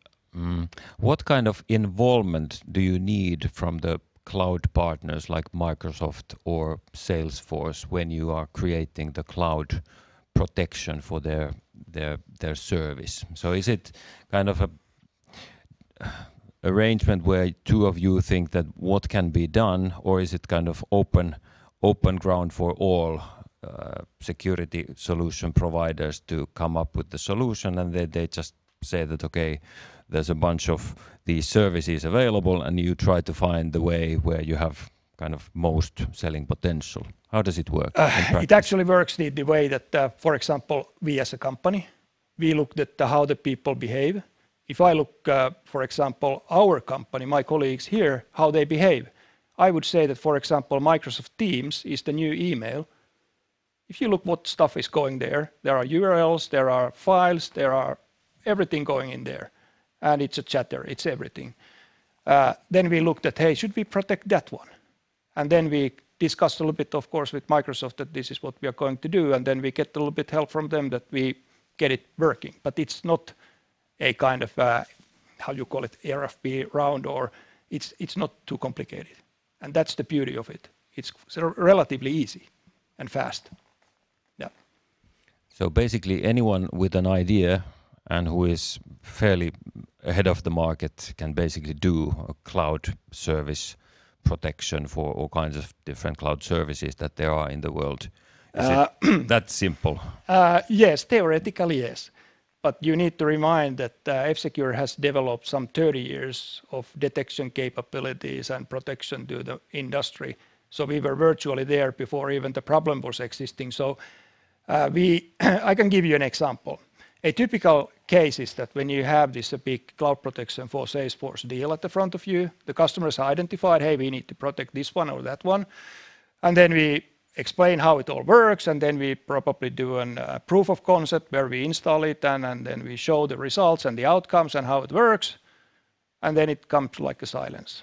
what kind of involvement do you need from the cloud partners like Microsoft or Salesforce when you are creating the cloud protection for their service? Is it an arrangement where two of you think that what can be done, or is it open ground for all security solution providers to come up with the solution and they just say that, okay, there's a bunch of these services available, and you try to find the way where you have most selling potential? How does it work in practice? It actually works the way that, for example, we as a company, we looked at how the people behave. If I look, for example, our company, my colleagues here, how they behave, I would say that, for example, Microsoft Teams is the new email. If you look what stuff is going there are URLs, there are files, there are everything going in there. It's a chatter, it's everything. We looked at, hey, should we protect that one? We discussed a little bit, of course, with Microsoft that this is what we are going to do, and then we get a little bit help from them that we get it working. It's not a, how you call it, RFP round, or it's not too complicated. That's the beauty of it. It's relatively easy and fast. Yeah. Basically anyone with an idea and who is fairly ahead of the market can basically do a cloud service protection for all kinds of different cloud services that there are in the world. Is it that simple? Yes. Theoretically, yes. You need to remind that F-Secure has developed some 30 years of detection capabilities and protection to the industry. We were virtually there before even the problem was existing. I can give you an example. A typical case is that when you have this big Cloud Protection for Salesforce deal at the front of you, the customer's identified, hey, we need to protect this one or that one. Then we explain how it all works, and then we probably do a proof of concept where we install it, and then we show the results and the outcomes and how it works. Then it comes like a silence.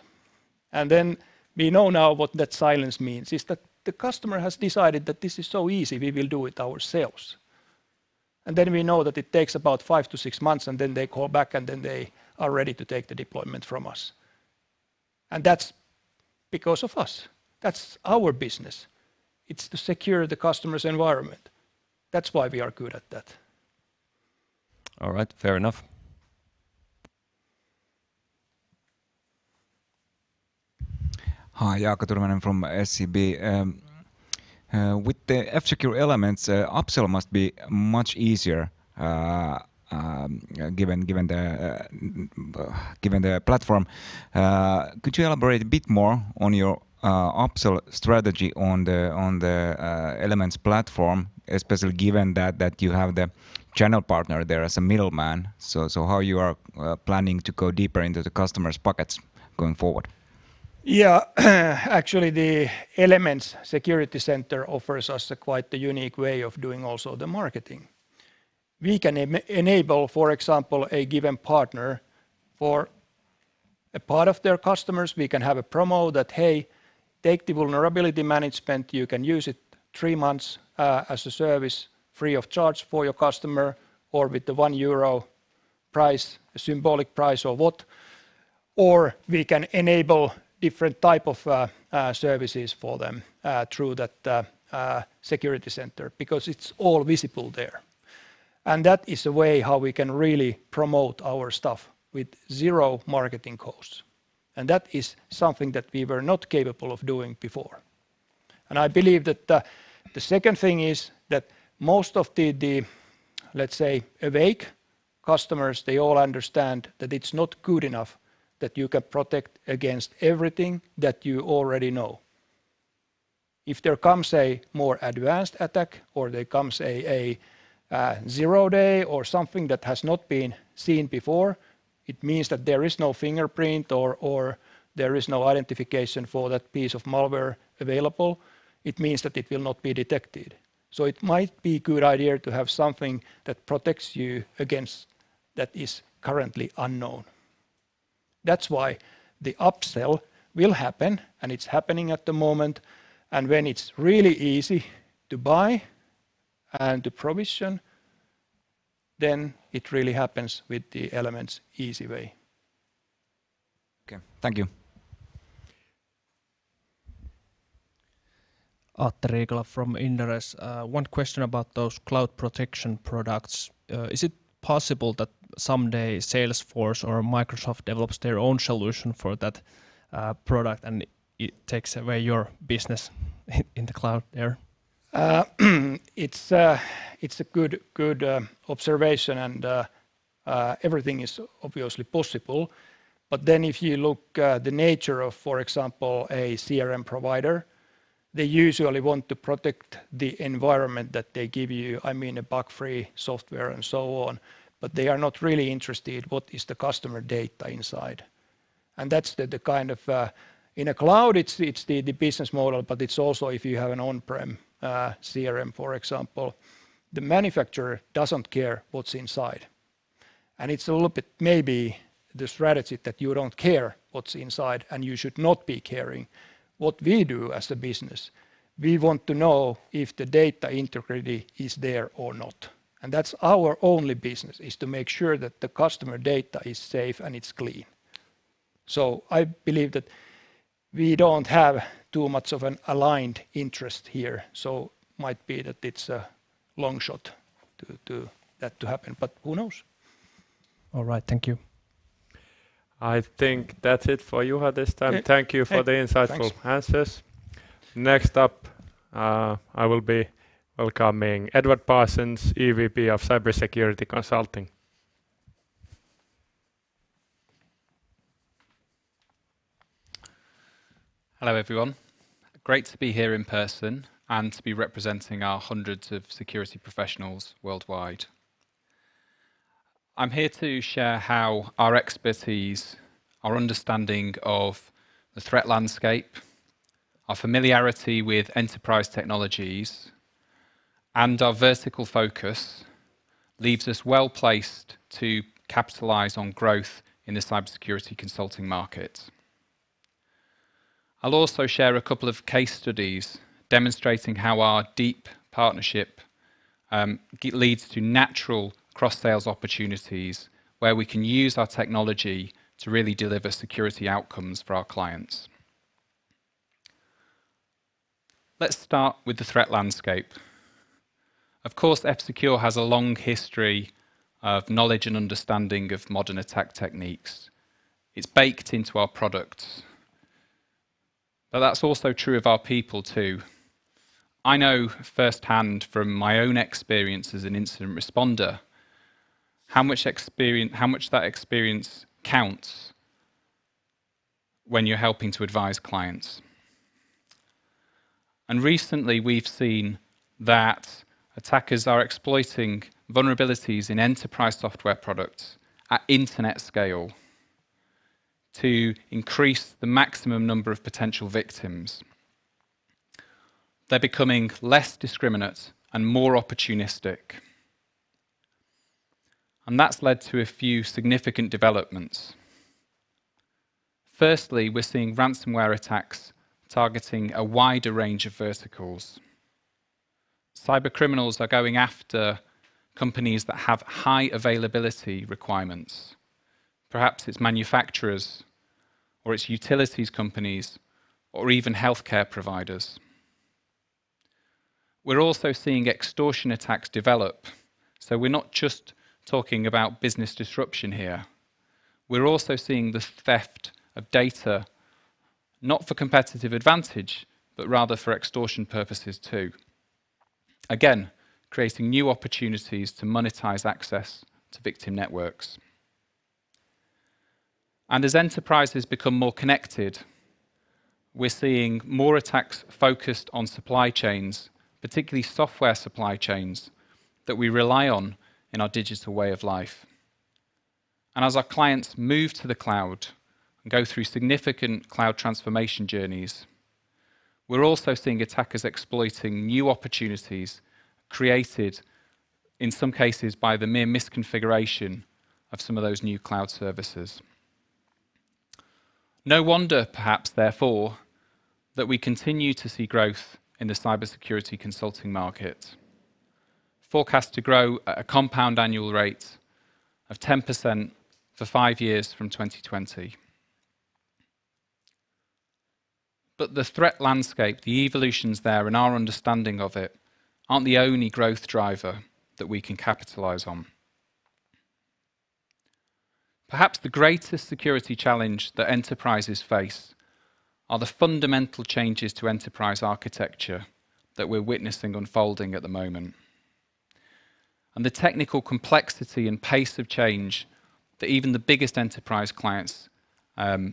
Then we know now what that silence means. It's that the customer has decided that this is so easy, we will do it ourselves. We know that it takes about five-six months, they call back, they are ready to take the deployment from us. That's because of us. That's our business. It's to secure the customer's environment. That's why we are good at that. All right. Fair enough. Hi, Jaakko Turunen from SEB. With the F-Secure Elements, upsell must be much easier given the platform. Could you elaborate a bit more on your upsell strategy on the Elements platform, especially given that you have the channel partner there as a middleman? How you are planning to go deeper into the customer's pockets going forward? Yeah. Actually, the Elements Security Center offers us quite a unique way of doing also the marketing. We can enable, for example, a given partner for a part of their customers. We can have a promo that, hey, take the vulnerability management. You can use it three months as a service free of charge for your customer, or with the 1 euro price, a symbolic price or what. We can enable different type of services for them through that security center, because it's all visible there. That is a way how we can really promote our stuff with zero marketing costs. That is something that we were not capable of doing before. I believe that the second thing is that most of the, let's say, awake customers, they all understand that it's not good enough that you can protect against everything that you already know. If there comes a more advanced attack or there comes a zero-day or something that has not been seen before, it means that there is no fingerprint or there is no identification for that piece of malware available. It means that it will not be detected. It might be a good idea to have something that protects you against that is currently unknown. That's why the upsell will happen, and it's happening at the moment. When it's really easy to buy and to provision, then it really happens with the Elements easy way. Okay. Thank you. Atte Riikola from Inderes. One question about those cloud protection products. Is it possible that someday Salesforce or Microsoft develops their own solution for that product and it takes away your business in the cloud there? It's a good observation and everything is obviously possible. If you look the nature of, for example, a CRM provider, they usually want to protect the environment that they give you, a bug-free software and so on, but they are not really interested what is the customer data inside. In a cloud, it's the business model, but it's also if you have an on-prem CRM, for example. The manufacturer doesn't care what's inside. It's a little bit maybe the strategy that you don't care what's inside, and you should not be caring. What we do as a business, we want to know if the data integrity is there or not. That's our only business, is to make sure that the customer data is safe and it's clean. I believe that we don't have too much of an aligned interest here, so might be that it's a long shot that to happen, but who knows? All right. Thank you. I think that's it for Juha this time. Yeah. Thank you - Thanks - for the insightful answers. Next up, I will be welcoming Edward Parsons, EVP of Cybersecurity Consulting. Hello, everyone. Great to be here in person and to be representing our hundreds of security professionals worldwide. I'm here to share how our expertise, our understanding of the threat landscape, our familiarity with enterprise technologies, and our vertical focus leaves us well-placed to capitalize on growth in the cybersecurity consulting market. I will also share a couple of case studies demonstrating how our deep partnership leads to natural cross-sales opportunities where we can use our technology to really deliver security outcomes for our clients. Let's start with the threat landscape. Of course, F-Secure has a long history of knowledge and understanding of modern attack techniques. It is baked into our products. That is also true of our people, too. I know firsthand from my own experience as an incident responder how much that experience counts when you are helping to advise clients. Recently we've seen that attackers are exploiting vulnerabilities in enterprise software products at internet scale to increase the maximum number of potential victims. They're becoming less discriminate and more opportunistic. That's led to a few significant developments. Firstly, we're seeing ransomware attacks targeting a wider range of verticals. Cybercriminals are going after companies that have high availability requirements. Perhaps it's manufacturers or it's utilities companies or even healthcare providers. We're also seeing extortion attacks develop, we're not just talking about business disruption here. We're also seeing the theft of data, not for competitive advantage, but rather for extortion purposes, too. Again, creating new opportunities to monetize access to victim networks. As enterprises become more connected, we're seeing more attacks focused on supply chains, particularly software supply chains that we rely on in our digital way of life. As our clients move to the cloud and go through significant cloud transformation journeys, we're also seeing attackers exploiting new opportunities created, in some cases, by the mere misconfiguration of some of those new cloud services. No wonder, perhaps, therefore, that we continue to see growth in the cybersecurity consulting market, forecast to grow at a compound annual rate of 10% for five years from 2020. The threat landscape, the evolutions there, and our understanding of it aren't the only growth driver that we can capitalize on. Perhaps the greatest security challenge that enterprises face are the fundamental changes to enterprise architecture that we're witnessing unfolding at the moment, and the technical complexity and pace of change that even the biggest enterprise clients are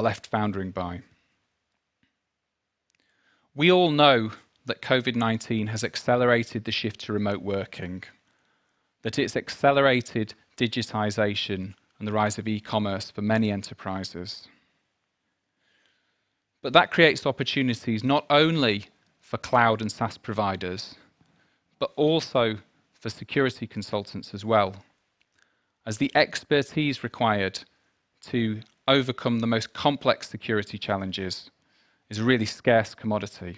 left foundering by. We all know that COVID-19 has accelerated the shift to remote working, that it's accelerated digitization and the rise of e-commerce for many enterprises. That creates opportunities not only for cloud and SaaS providers, but also for security consultants as well, as the expertise required to overcome the most complex security challenges is a really scarce commodity.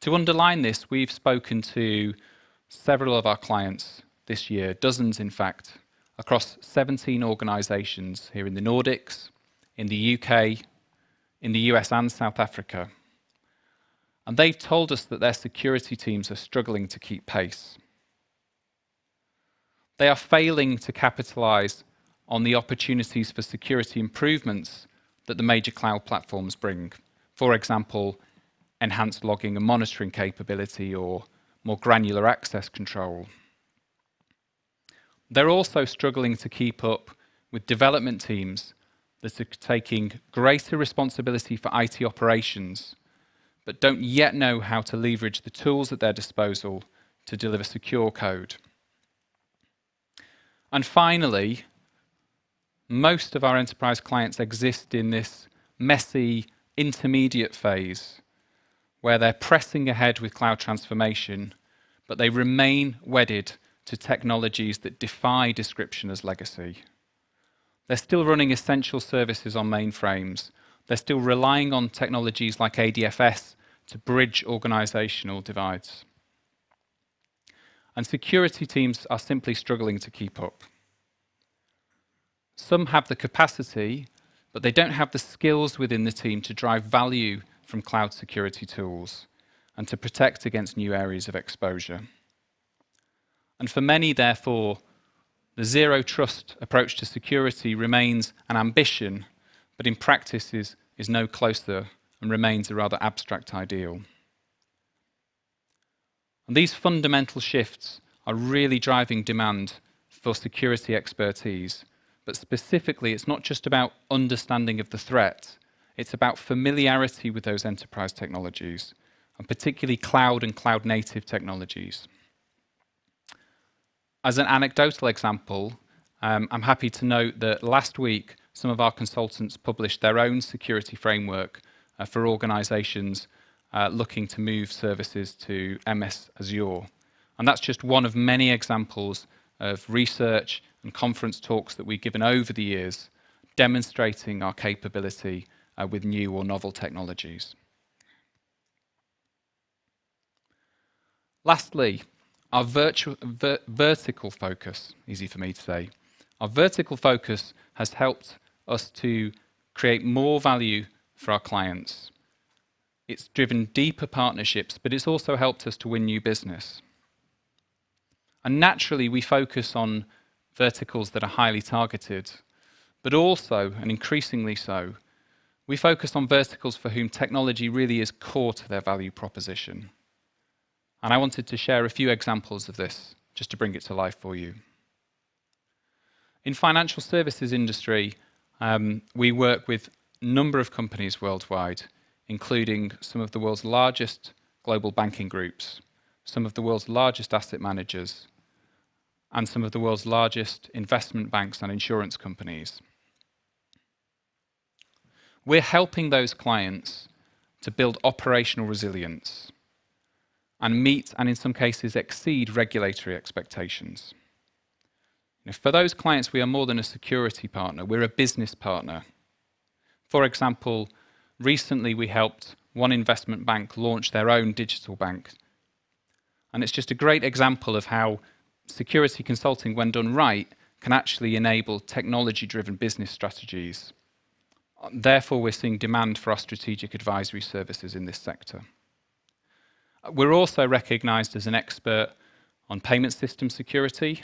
To underline this, we've spoken to several of our clients this year, dozens in fact, across 17 organizations here in the Nordics, in the U.K., in the U.S., and South Africa, and they've told us that their security teams are struggling to keep pace. They are failing to capitalize on the opportunities for security improvements that the major cloud platforms bring. For example, enhanced logging and monitoring capability or more granular access control. They're also struggling to keep up with development teams that are taking greater responsibility for IT operations, but don't yet know how to leverage the tools at their disposal to deliver secure code. Finally, most of our enterprise clients exist in this messy intermediate phase, where they're pressing ahead with cloud transformation, but they remain wedded to technologies that defy description as legacy. They're still running essential services on mainframes. They're still relying on technologies like ADFS to bridge organizational divides. Security teams are simply struggling to keep up. Some have the capacity, but they don't have the skills within the team to drive value from cloud security tools and to protect against new areas of exposure. For many, therefore, the zero trust approach to security remains an ambition, but in practice is no closer and remains a rather abstract ideal. These fundamental shifts are really driving demand for security expertise. Specifically, it's not just about understanding of the threat, it's about familiarity with those enterprise technologies, and particularly cloud and cloud-native technologies. As an anecdotal example, I'm happy to note that last week some of our consultants published their own security framework for organizations looking to move services to Microsoft Azure. That's just one of many examples of research and conference talks that we've given over the years demonstrating our capability with new or novel technologies. Lastly, our vertical focus-- easy for me to say. Our vertical focus has helped us to create more value for our clients. It's driven deeper partnerships, but it's also helped us to win new business. Naturally, we focus on verticals that are highly targeted, but also, and increasingly so, we focus on verticals for whom technology really is core to their value proposition. I wanted to share a few examples of this just to bring it to life for you. In financial services industry, we work with a number of companies worldwide, including some of the world's largest global banking groups, some of the world's largest asset managers, and some of the world's largest investment banks and insurance companies. We're helping those clients to build operational resilience and meet, and in some cases exceed, regulatory expectations. For those clients, we are more than a security partner, we're a business partner. For example, recently we helped one investment bank launch their own digital bank, and it's just a great example of how security consulting, when done right, can actually enable technology-driven business strategies. Therefore, we're seeing demand for our strategic advisory services in this sector. We're also recognized as an expert on payment system security,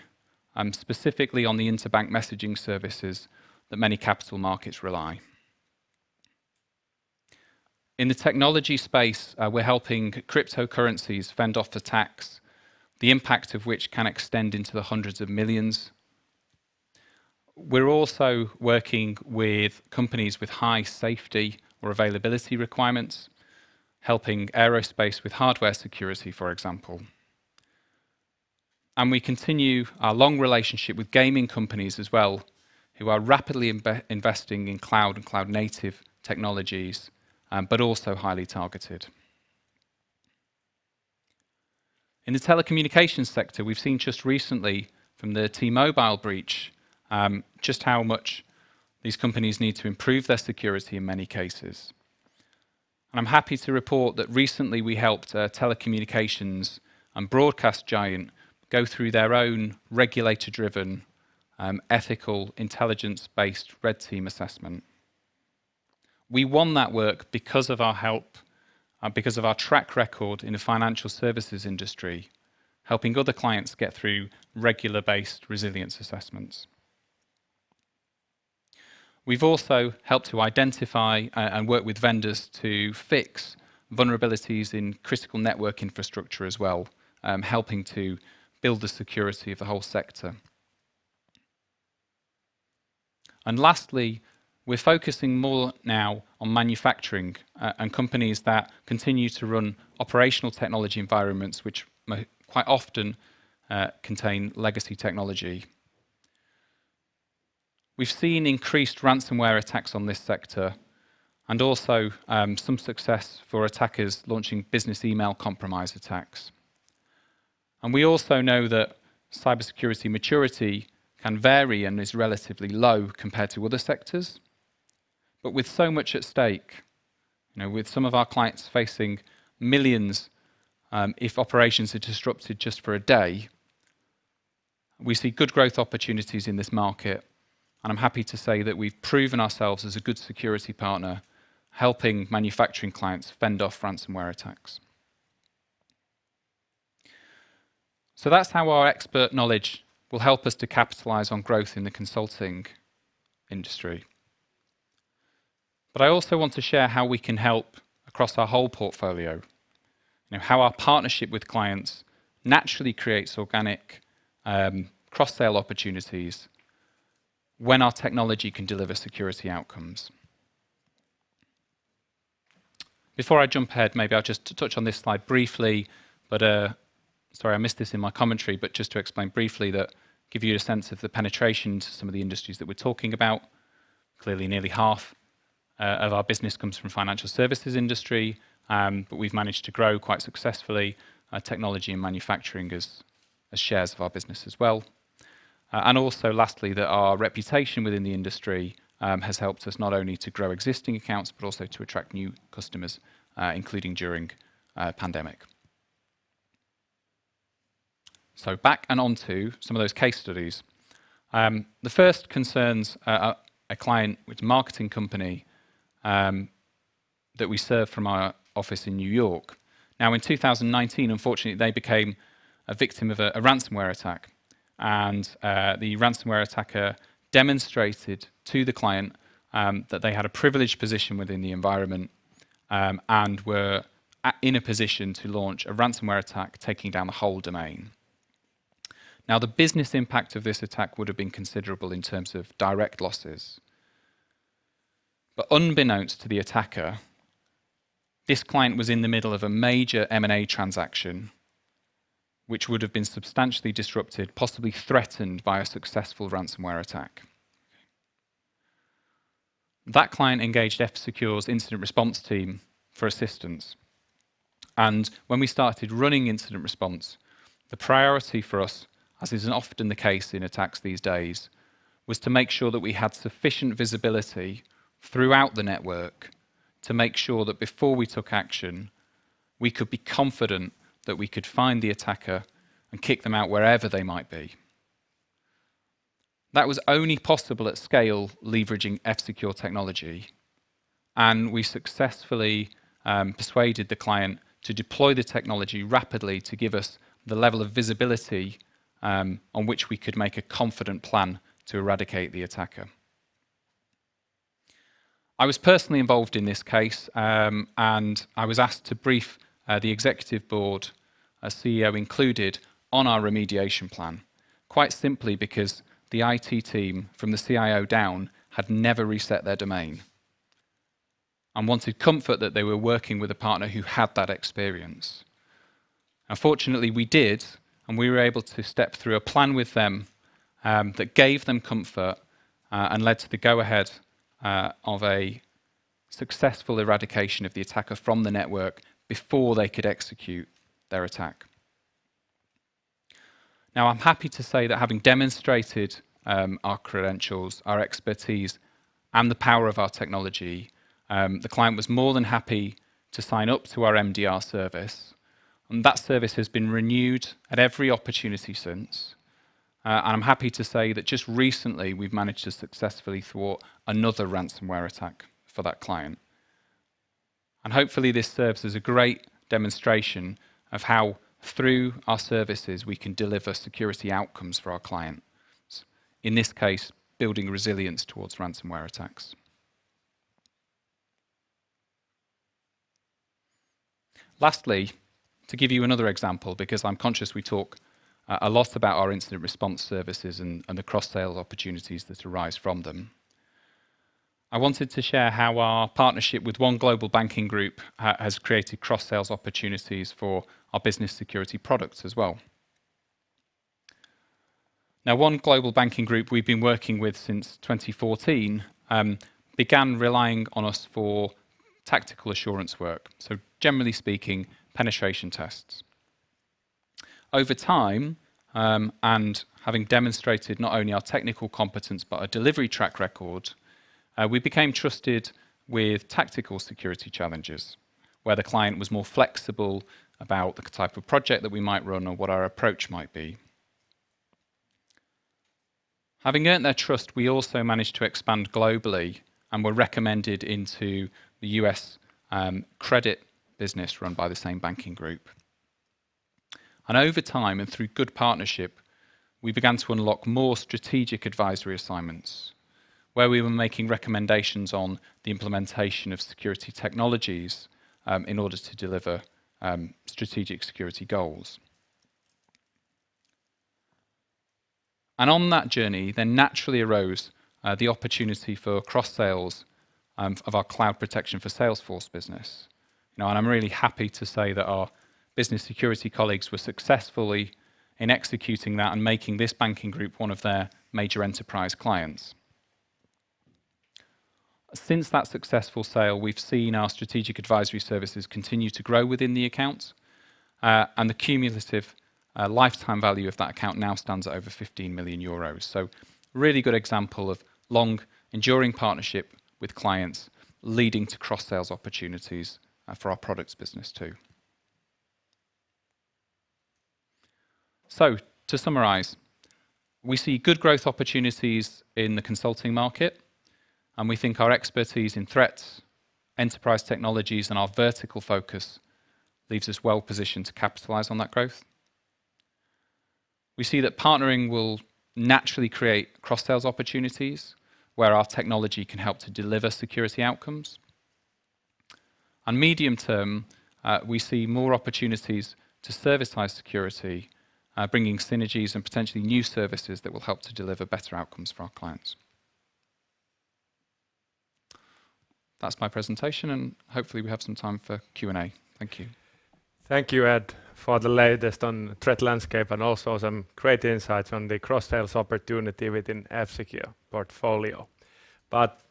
specifically on the interbank messaging services that many capital markets rely. In the technology space, we're helping cryptocurrencies fend off attacks, the impact of which can extend into the hundreds of millions. We're also working with companies with high safety or availability requirements, helping aerospace with hardware security, for example. We continue our long relationship with gaming companies as well who are rapidly investing in cloud and cloud-native technologies, but also highly targeted. In the telecommunications sector, we've seen just recently from the T-Mobile breach, just how much these companies need to improve their security in many cases. I'm happy to report that recently we helped a telecommunications and broadcast giant go through their own regulator-driven, ethical, intelligence-based red team assessment. We won that work because of our help and because of our track record in the financial services industry, helping other clients get through regular based resilience assessments. We've also helped to identify and work with vendors to fix vulnerabilities in critical network infrastructure as well, helping to build the security of the whole sector. Lastly, we're focusing more now on manufacturing and companies that continue to run operational technology environments, which may quite often contain legacy technology. We've seen increased ransomware attacks on this sector, also some success for attackers launching business email compromise attacks. We also know that cybersecurity maturity can vary and is relatively low compared to other sectors. With so much at stake, with some of our clients facing millions if operations are disrupted just for a day, we see good growth opportunities in this market. I'm happy to say that we've proven ourselves as a good security partner, helping manufacturing clients fend off ransomware attacks. That's how our expert knowledge will help us to capitalize on growth in the consulting industry. I also want to share how we can help across our whole portfolio. How our partnership with clients naturally creates organic cross-sale opportunities when our technology can deliver security outcomes. Before I jump ahead, maybe I'll just touch on this slide briefly. Sorry I missed this in my commentary, but just to explain briefly that give you a sense of the penetration to some of the industries that we're talking about. Clearly, nearly half of our business comes from financial services industry, but we've managed to grow quite successfully technology and manufacturing as shares of our business as well. Also lastly, that our reputation within the industry has helped us not only to grow existing accounts, but also to attract new customers, including during a pandemic. Back and onto some of those case studies. The first concerns a client with a marketing company that we serve from our office in New York. Now, in 2019, unfortunately, they became a victim of a ransomware attack. The ransomware attacker demonstrated to the client that they had a privileged position within the environment, and were in a position to launch a ransomware attack, taking down the whole domain. Now, the business impact of this attack would've been considerable in terms of direct losses. Unbeknownst to the attacker, this client was in the middle of a major M&A transaction, which would've been substantially disrupted, possibly threatened by a successful ransomware attack. That client engaged F-Secure's incident response team for assistance. When we started running incident response, the priority for us, as is often the case in attacks these days, was to make sure that we had sufficient visibility throughout the network to make sure that before we took action, we could be confident that we could find the attacker and kick them out wherever they might be. That was only possible at scale leveraging F-Secure technology. We successfully persuaded the client to deploy the technology rapidly to give us the level of visibility on which we could make a confident plan to eradicate the attacker. I was personally involved in this case, I was asked to brief the executive board, CEO included, on our remediation plan, quite simply because the IT team from the CIO down had never reset their domain and wanted comfort that they were working with a partner who had that experience. Fortunately, we did, we were able to step through a plan with them that gave them comfort, led to the go-ahead of a successful eradication of the attacker from the network before they could execute their attack. Now, I'm happy to say that having demonstrated our credentials, our expertise, and the power of our technology the client was more than happy to sign up to our MDR service, that service has been renewed at every opportunity since. I'm happy to say that just recently, we've managed to successfully thwart another ransomware attack for that client. Hopefully, this serves as a great demonstration of how through our services, we can deliver security outcomes for our clients. In this case, building resilience towards ransomware attacks. Lastly, to give you another example, because I'm conscious we talk a lot about our incident response services and the cross-sale opportunities that arise from them. I wanted to share how our partnership with one global banking group has created cross-sales opportunities for our business security products as well. One global banking group we've been working with since 2014 began relying on us for tactical assurance work, generally speaking, penetration tests. Over time, having demonstrated not only our technical competence but our delivery track record, we became trusted with tactical security challenges where the client was more flexible about the type of project that we might run or what our approach might be. Having earned their trust, we also managed to expand globally and were recommended into the U.S. credit business run by the same banking group. Over time and through good partnership, we began to unlock more strategic advisory assignments where we were making recommendations on the implementation of security technologies in order to deliver strategic security goals. On that journey, then naturally arose the opportunity for cross-sales of our Cloud Protection for Salesforce business. I'm really happy to say that our business security colleagues were successfully in executing that and making this banking group one of their major enterprise clients. Since that successful sale, we've seen our strategic advisory services continue to grow within the account, and the cumulative lifetime value of that account now stands at over 15 million euros. Really good example of long enduring partnership with clients leading to cross-sales opportunities for our products business too. To summarize, we see good growth opportunities in the consulting market, and we think our expertise in threats, enterprise technologies, and our vertical focus leaves us well positioned to capitalize on that growth. We see that partnering will naturally create cross-sales opportunities where our technology can help to deliver security outcomes. On medium term, we see more opportunities to service high security, bringing synergies and potentially new services that will help to deliver better outcomes for our clients. That's my presentation, and hopefully we have some time for Q&A. Thank you. Thank you, Ed, for the latest on threat landscape and also some great insights on the cross-sales opportunity within F-Secure portfolio.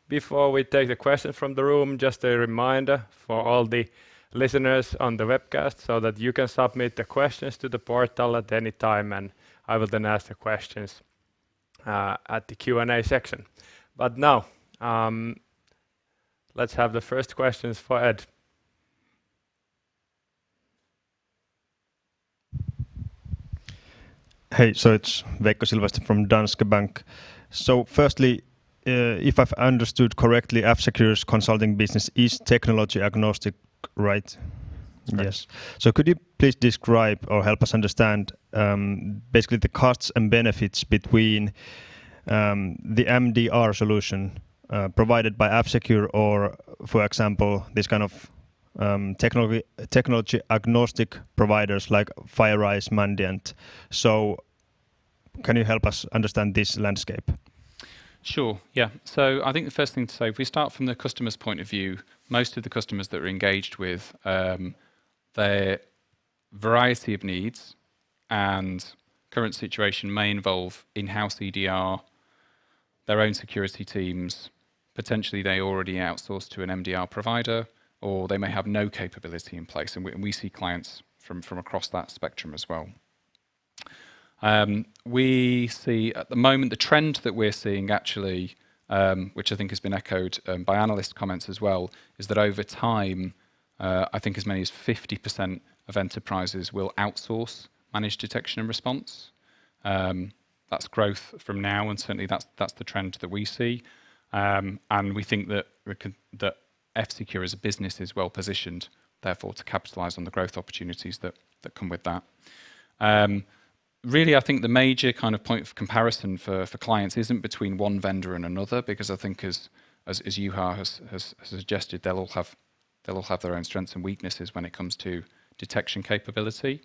Before we take the questions from the room, just a reminder for all the listeners on the webcast so that you can submit the questions to the portal at any time, and I will then ask the questions at the Q&A section. Now, let's have the first questions for Ed. Hey, it's Veikko Silvasti from Danske Bank. Firstly, if I've understood correctly, F-Secure's consulting business is technology agnostic, right? Yes. Could you please describe or help us understand basically the costs and benefits between the MDR solution provided by F-Secure or, for example, this kind of technology agnostic providers like FireEye, Mandiant. Can you help us understand this landscape? Sure, yeah. I think the first thing to say, if we start from the customer's point of view, most of the customers that we're engaged with their variety of needs and current situation may involve in-house EDR, their own security teams, potentially they already outsource to an MDR provider, or they may have no capability in place, and we see clients from across that spectrum as well. At the moment, the trend that we're seeing actually, which I think has been echoed by analyst comments as well, is that over time, I think as many as 50% of enterprises will outsource managed detection and response. That's growth from now, and certainly that's the trend that we see. We think that F-Secure as a business is well positioned, therefore, to capitalize on the growth opportunities that come with that. Really, I think the major point of comparison for clients isn't between one vendor and another because I think as Juha has suggested, they'll all have their own strengths and weaknesses when it comes to detection capability.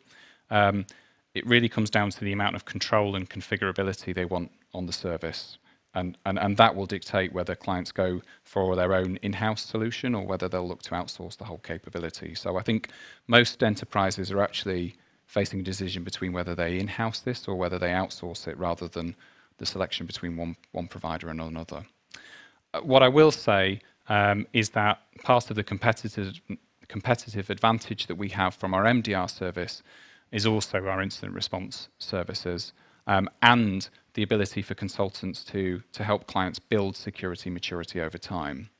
It really comes down to the amount of control and configurability they want on the service. That will dictate whether clients go for their own in-house solution or whether they'll look to outsource the whole capability. I think most enterprises are actually facing a decision between whether they in-house this or whether they outsource it rather than the selection between one provider and another. What I will say is that part of the competitive advantage that we have from our MDR service is also our incident response services, and the ability for consultants to help clients build security maturity over time.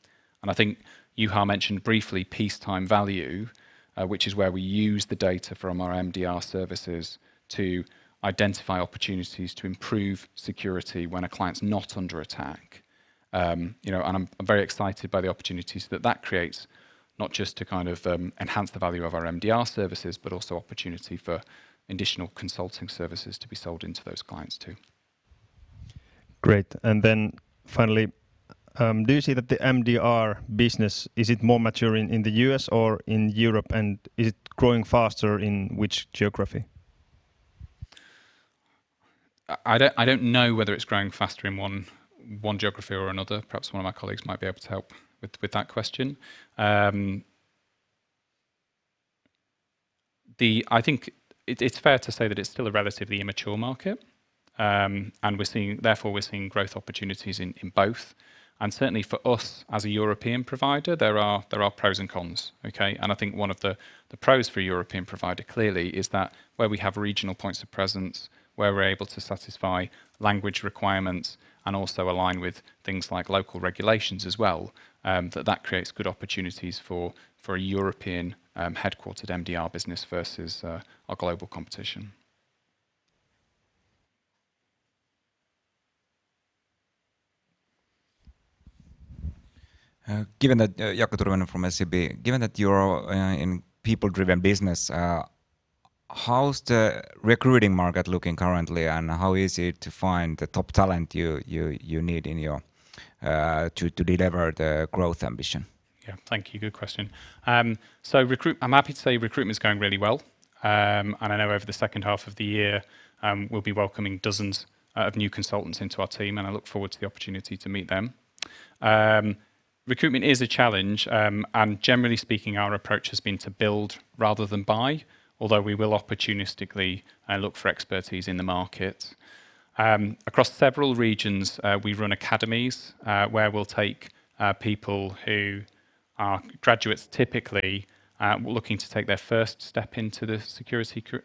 I think Juha mentioned briefly peacetime value, which is where we use the data from our MDR services to identify opportunities to improve security when a client's not under attack. I'm very excited by the opportunities that that creates, not just to enhance the value of our MDR services, but also opportunity for additional consulting services to be sold into those clients too. Great. Finally, do you see that the MDR business, is it more mature in the U.S. or in Europe? Is it growing faster in which geography? I don't know whether it's growing faster in one geography or another. Perhaps one of my colleagues might be able to help with that question. I think it's fair to say that it's still a relatively immature market. We're seeing growth opportunities in both. Certainly for us as a European provider, there are pros and cons, okay. I think one of the pros for a European provider clearly is that where we have regional points of presence, where we're able to satisfy language requirements and also align with things like local regulations as well, that creates good opportunities for a European headquartered MDR business versus our global competition. Jaakko Turunen from SEB. Given that you're in people-driven business, how's the recruiting market looking currently, and how easy to find the top talent you need to deliver the growth ambition? Yeah. Thank you. Good question. I'm happy to say recruitment's going really well. I know over the second half of the year, we'll be welcoming dozens of new consultants into our team, and I look forward to the opportunity to meet them. Recruitment is a challenge, generally speaking, our approach has been to build rather than buy, although we will opportunistically look for expertise in the market. Across several regions, we run academies, where we'll take people who are graduates, typically, looking to take their first step into security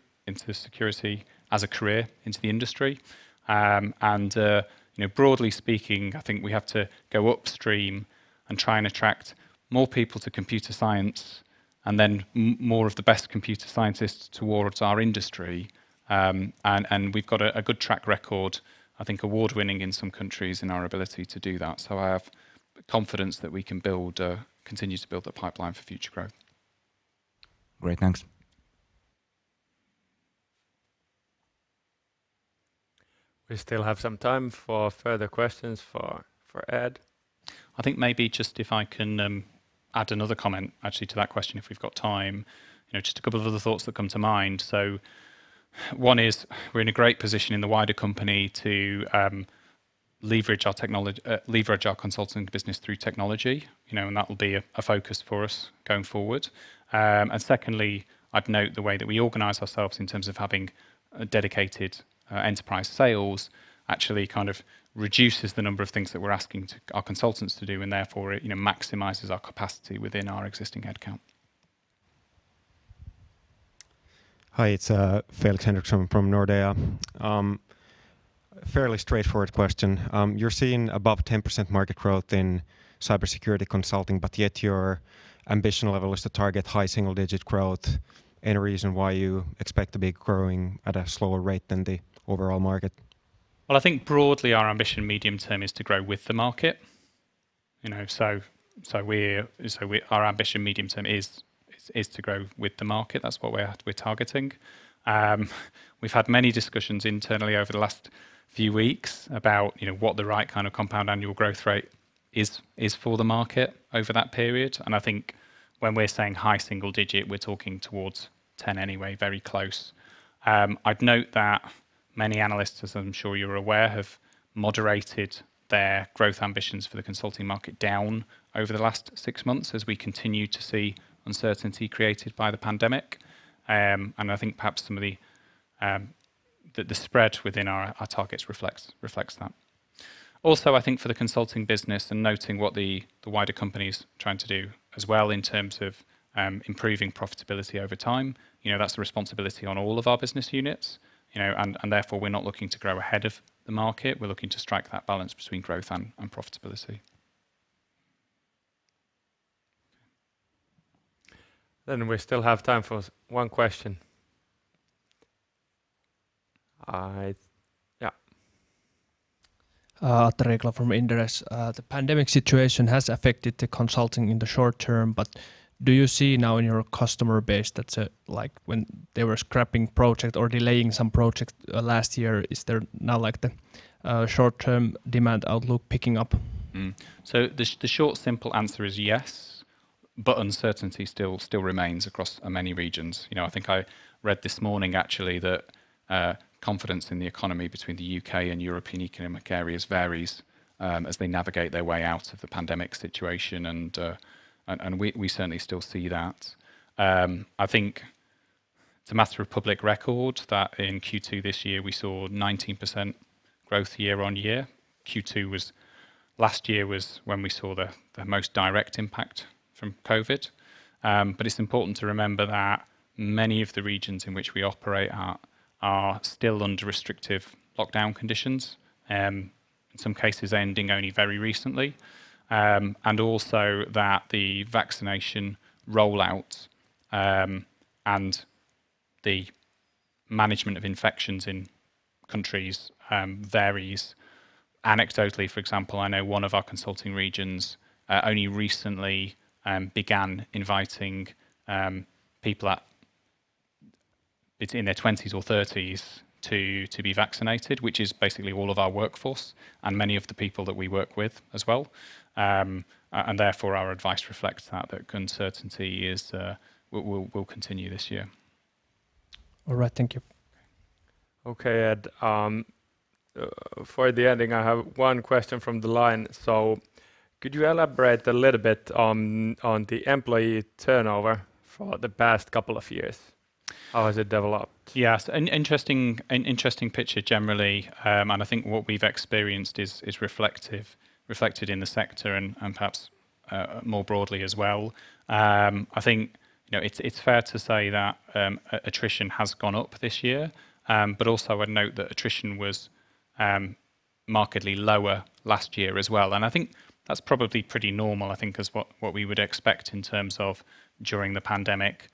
as a career, into the industry. Broadly speaking, I think we have to go upstream and try and attract more people to computer science, and then more of the best computer scientists towards our industry. We've got a good track record, I think award-winning in some countries, in our ability to do that. I have confidence that we can continue to build that pipeline for future growth. Great. Thanks. We still have some time for further questions for Ed. I think maybe just if I can add another comment actually to that question, if we've got time. Just a couple of other thoughts that come to mind. One is we're in a great position in the wider company to leverage our consulting business through technology, and that'll be a focus for us going forward. Secondly, I'd note the way that we organize ourselves in terms of having dedicated enterprise sales actually kind of reduces the number of things that we're asking our consultants to do, and therefore it maximizes our capacity within our existing headcount. Hi, it's Felix Henriksson from Nordea. Fairly straightforward question. You're seeing above 10% market growth in cybersecurity consulting, yet your ambition level is to target high single-digit growth. Any reason why you expect to be growing at a slower rate than the overall market? Well, I think broadly, our ambition medium term is to grow with the market. Our ambition medium term is to grow with the market. That's what we're targeting. We've had many discussions internally over the last few weeks about what the right kind of compound annual growth rate is for the market over that period. I think when we're saying high single digit, we're talking towards 10 anyway, very close. I'd note that many analysts, as I'm sure you're aware, have moderated their growth ambitions for the consulting market down over the last six months as we continue to see uncertainty created by the pandemic. I think perhaps some of the spread within our targets reflects that. Also, I think for the consulting business, and noting what the wider company's trying to do as well in terms of improving profitability over time, that's the responsibility on all of our business units. Therefore, we're not looking to grow ahead of the market. We're looking to strike that balance between growth and profitability. We still have time for one question. Yeah. Atte Riikola from Inderes. The pandemic situation has affected the consulting in the short term. Do you see now in your customer base that's when they were scrapping project or delaying some project last year, is there now the short-term demand outlook picking up? The short, simple answer is yes, but uncertainty still remains across many regions. I think I read this morning actually that confidence in the economy between the U.K. and European economic areas varies as they navigate their way out of the pandemic situation, and we certainly still see that. I think it's a matter of public record that in Q2 this year, we saw 19% growth year-on-year. Q2 last year was when we saw the most direct impact from COVID-19. It's important to remember that many of the regions in which we operate are still under restrictive lockdown conditions, in some cases ending only very recently, and also that the vaccination rollout, and the management of infections in countries varies. Anecdotally, for example, I know one of our consulting regions only recently began inviting people between their 20s or 30s to be vaccinated, which is basically all of our workforce and many of the people that we work with as well. Therefore, our advice reflects that uncertainty will continue this year. All right. Thank you. Okay, Ed. For the ending, I have one question from the line. Could you elaborate a little bit on the employee turnover for the past couple of years? How has it developed? Yes. An interesting picture generally. I think what we've experienced is reflected in the sector and perhaps more broadly as well. I think it's fair to say that attrition has gone up this year. Also, I'd note that attrition was markedly lower last year as well. I think that's probably pretty normal, I think is what we would expect in terms of during the pandemic,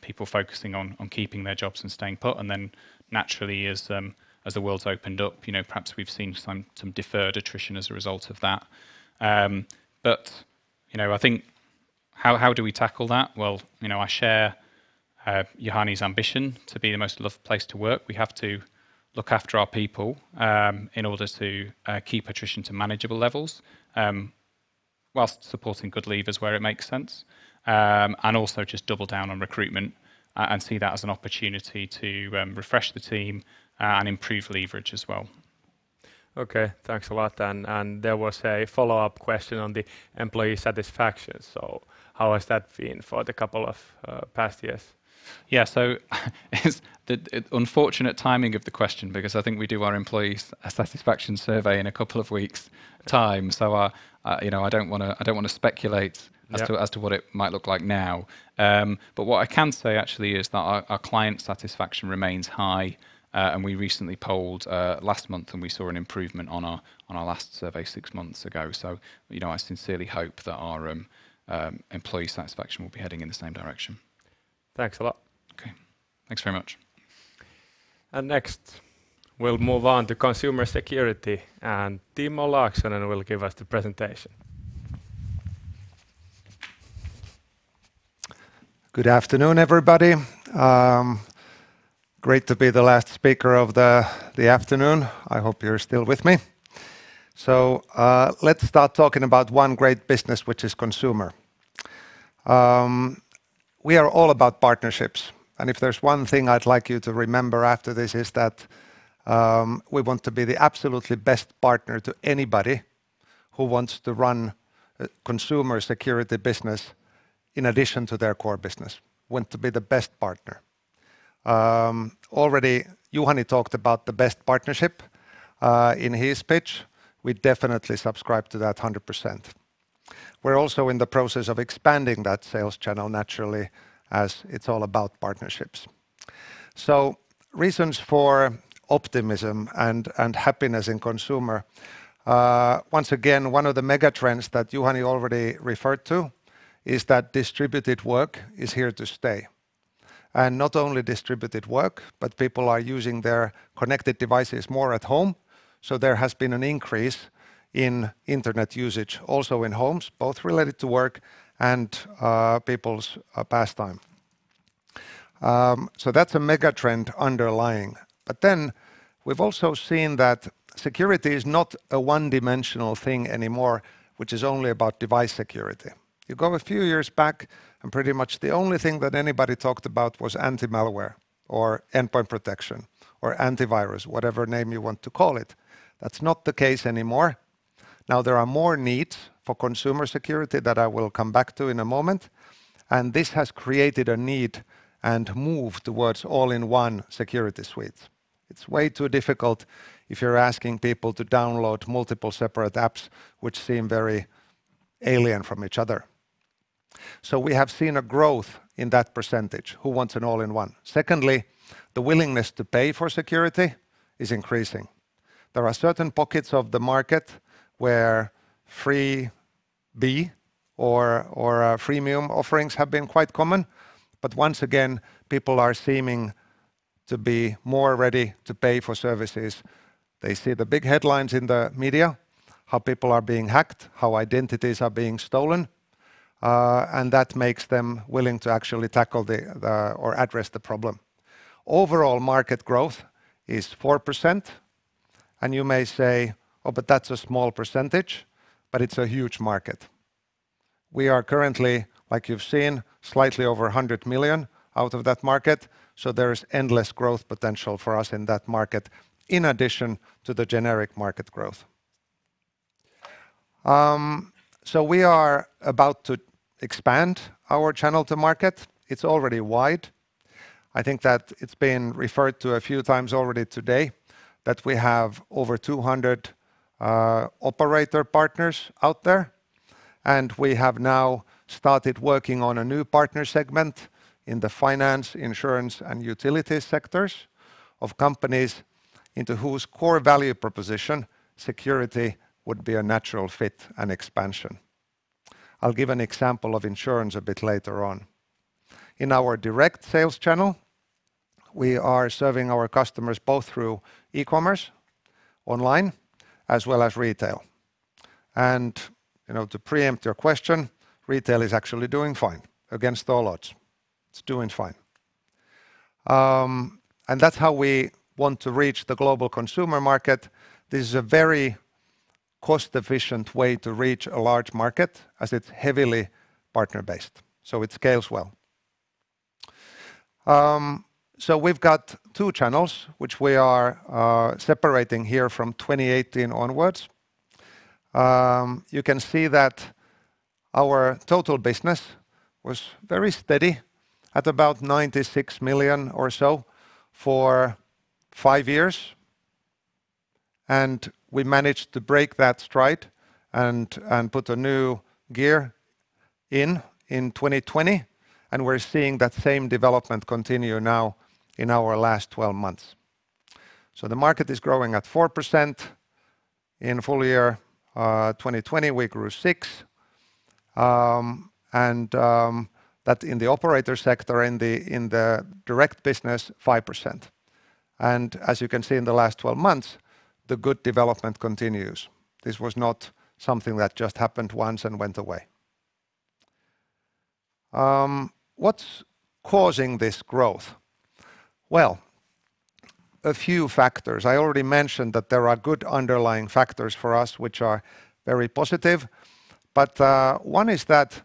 people focusing on keeping their jobs and staying put, and then naturally as the world's opened up, perhaps we've seen some deferred attrition as a result of that. How do we tackle that? Well, I share Juhani's ambition to be the most loved place to work. We have to look after our people in order to keep attrition to manageable levels, whilst supporting good leavers where it makes sense. Also just double down on recruitment, and see that as an opportunity to refresh the team, and improve leverage as well. Okay. Thanks a lot. There was a follow-up question on the employee satisfaction. How has that been for the couple of past years? Yeah. It's the unfortunate timing of the question, because I think we do our employee satisfaction survey in a couple of weeks' time. I don't want to speculate. Yeah As to what it might look like now. What I can say, actually, is that our client satisfaction remains high. We recently polled last month, and we saw an improvement on our last survey six months ago. I sincerely hope that our employee satisfaction will be heading in the same direction. Thanks a lot. Okay. Thanks very much. Next, we'll move on to consumer security, and Timo Laaksonen will give us the presentation. Good afternoon, everybody. Great to be the last speaker of the afternoon. I hope you're still with me. Let's start talking about one great business, which is consumer. We are all about partnerships, and if there's one thing I'd like you to remember after this, is that we want to be the absolutely best partner to anybody who wants to run a consumer security business in addition to their core business. We want to be the best partner. Already Juhani talked about the best partnership in his pitch. We definitely subscribe to that 100%. We're also in the process of expanding that sales channel naturally, as it's all about partnerships. Reasons for optimism and happiness in consumer. Once again, one of the mega trends that Juhani already referred to is that distributed work is here to stay, and not only distributed work, but people are using their connected devices more at home. There has been an increase in internet usage also in homes, both related to work and people's pastime. That's a mega trend underlying. We've also seen that security is not a one-dimensional thing anymore, which is only about device security. You go a few years back and pretty much the only thing that anybody talked about was anti-malware or endpoint protection or antivirus, whatever name you want to call it. That's not the case anymore. Now there are more needs for consumer security that I will come back to in a moment, and this has created a need and move towards all-in-one security suites. It's way too difficult if you're asking people to download multiple separate apps which seem very alien from each other. We have seen a growth in that percentage, who wants an all-in-one. Secondly, the willingness to pay for security is increasing. There are certain pockets of the market where freebie or freemium offerings have been quite common. Once again, people are seeming to be more ready to pay for services. They see the big headlines in the media, how people are being hacked, how identities are being stolen, and that makes them willing to actually tackle or address the problem. Overall market growth is 4%, and you may say, "Oh, but that's a small percentage," but it's a huge market. We are currently, like you've seen, slightly over 100 million out of that market, there is endless growth potential for us in that market, in addition to the generic market growth. We are about to expand our channel to market. It's already wide. I think that it's been referred to a few times already today that we have over 200 operator partners out there, and we have now started working on a new partner segment in the finance, insurance, and utility sectors of companies into whose core value proposition security would be a natural fit and expansion. I'll give an example of insurance a bit later on. In our direct sales channel, we are serving our customers both through e-commerce online as well as retail. To preempt your question, retail is actually doing fine against all odds. It's doing fine. That's how we want to reach the global consumer market. This is a very cost-efficient way to reach a large market, as it's heavily partner-based, so it scales well. We've got two channels, which we are separating here from 2018 onwards. You can see that our total business was very steady at about 96 million or so for five years. We managed to break that stride and put a new gear in in 2020. We're seeing that same development continue now in our last 12 months. The market is growing at 4%. In full year 2020, we grew 6%. That in the operator sector, in the direct business, 5%. As you can see in the last 12 months, the good development continues. This was not something that just happened once and went away. What's causing this growth? Well, a few factors. I already mentioned that there are good underlying factors for us which are very positive. One is that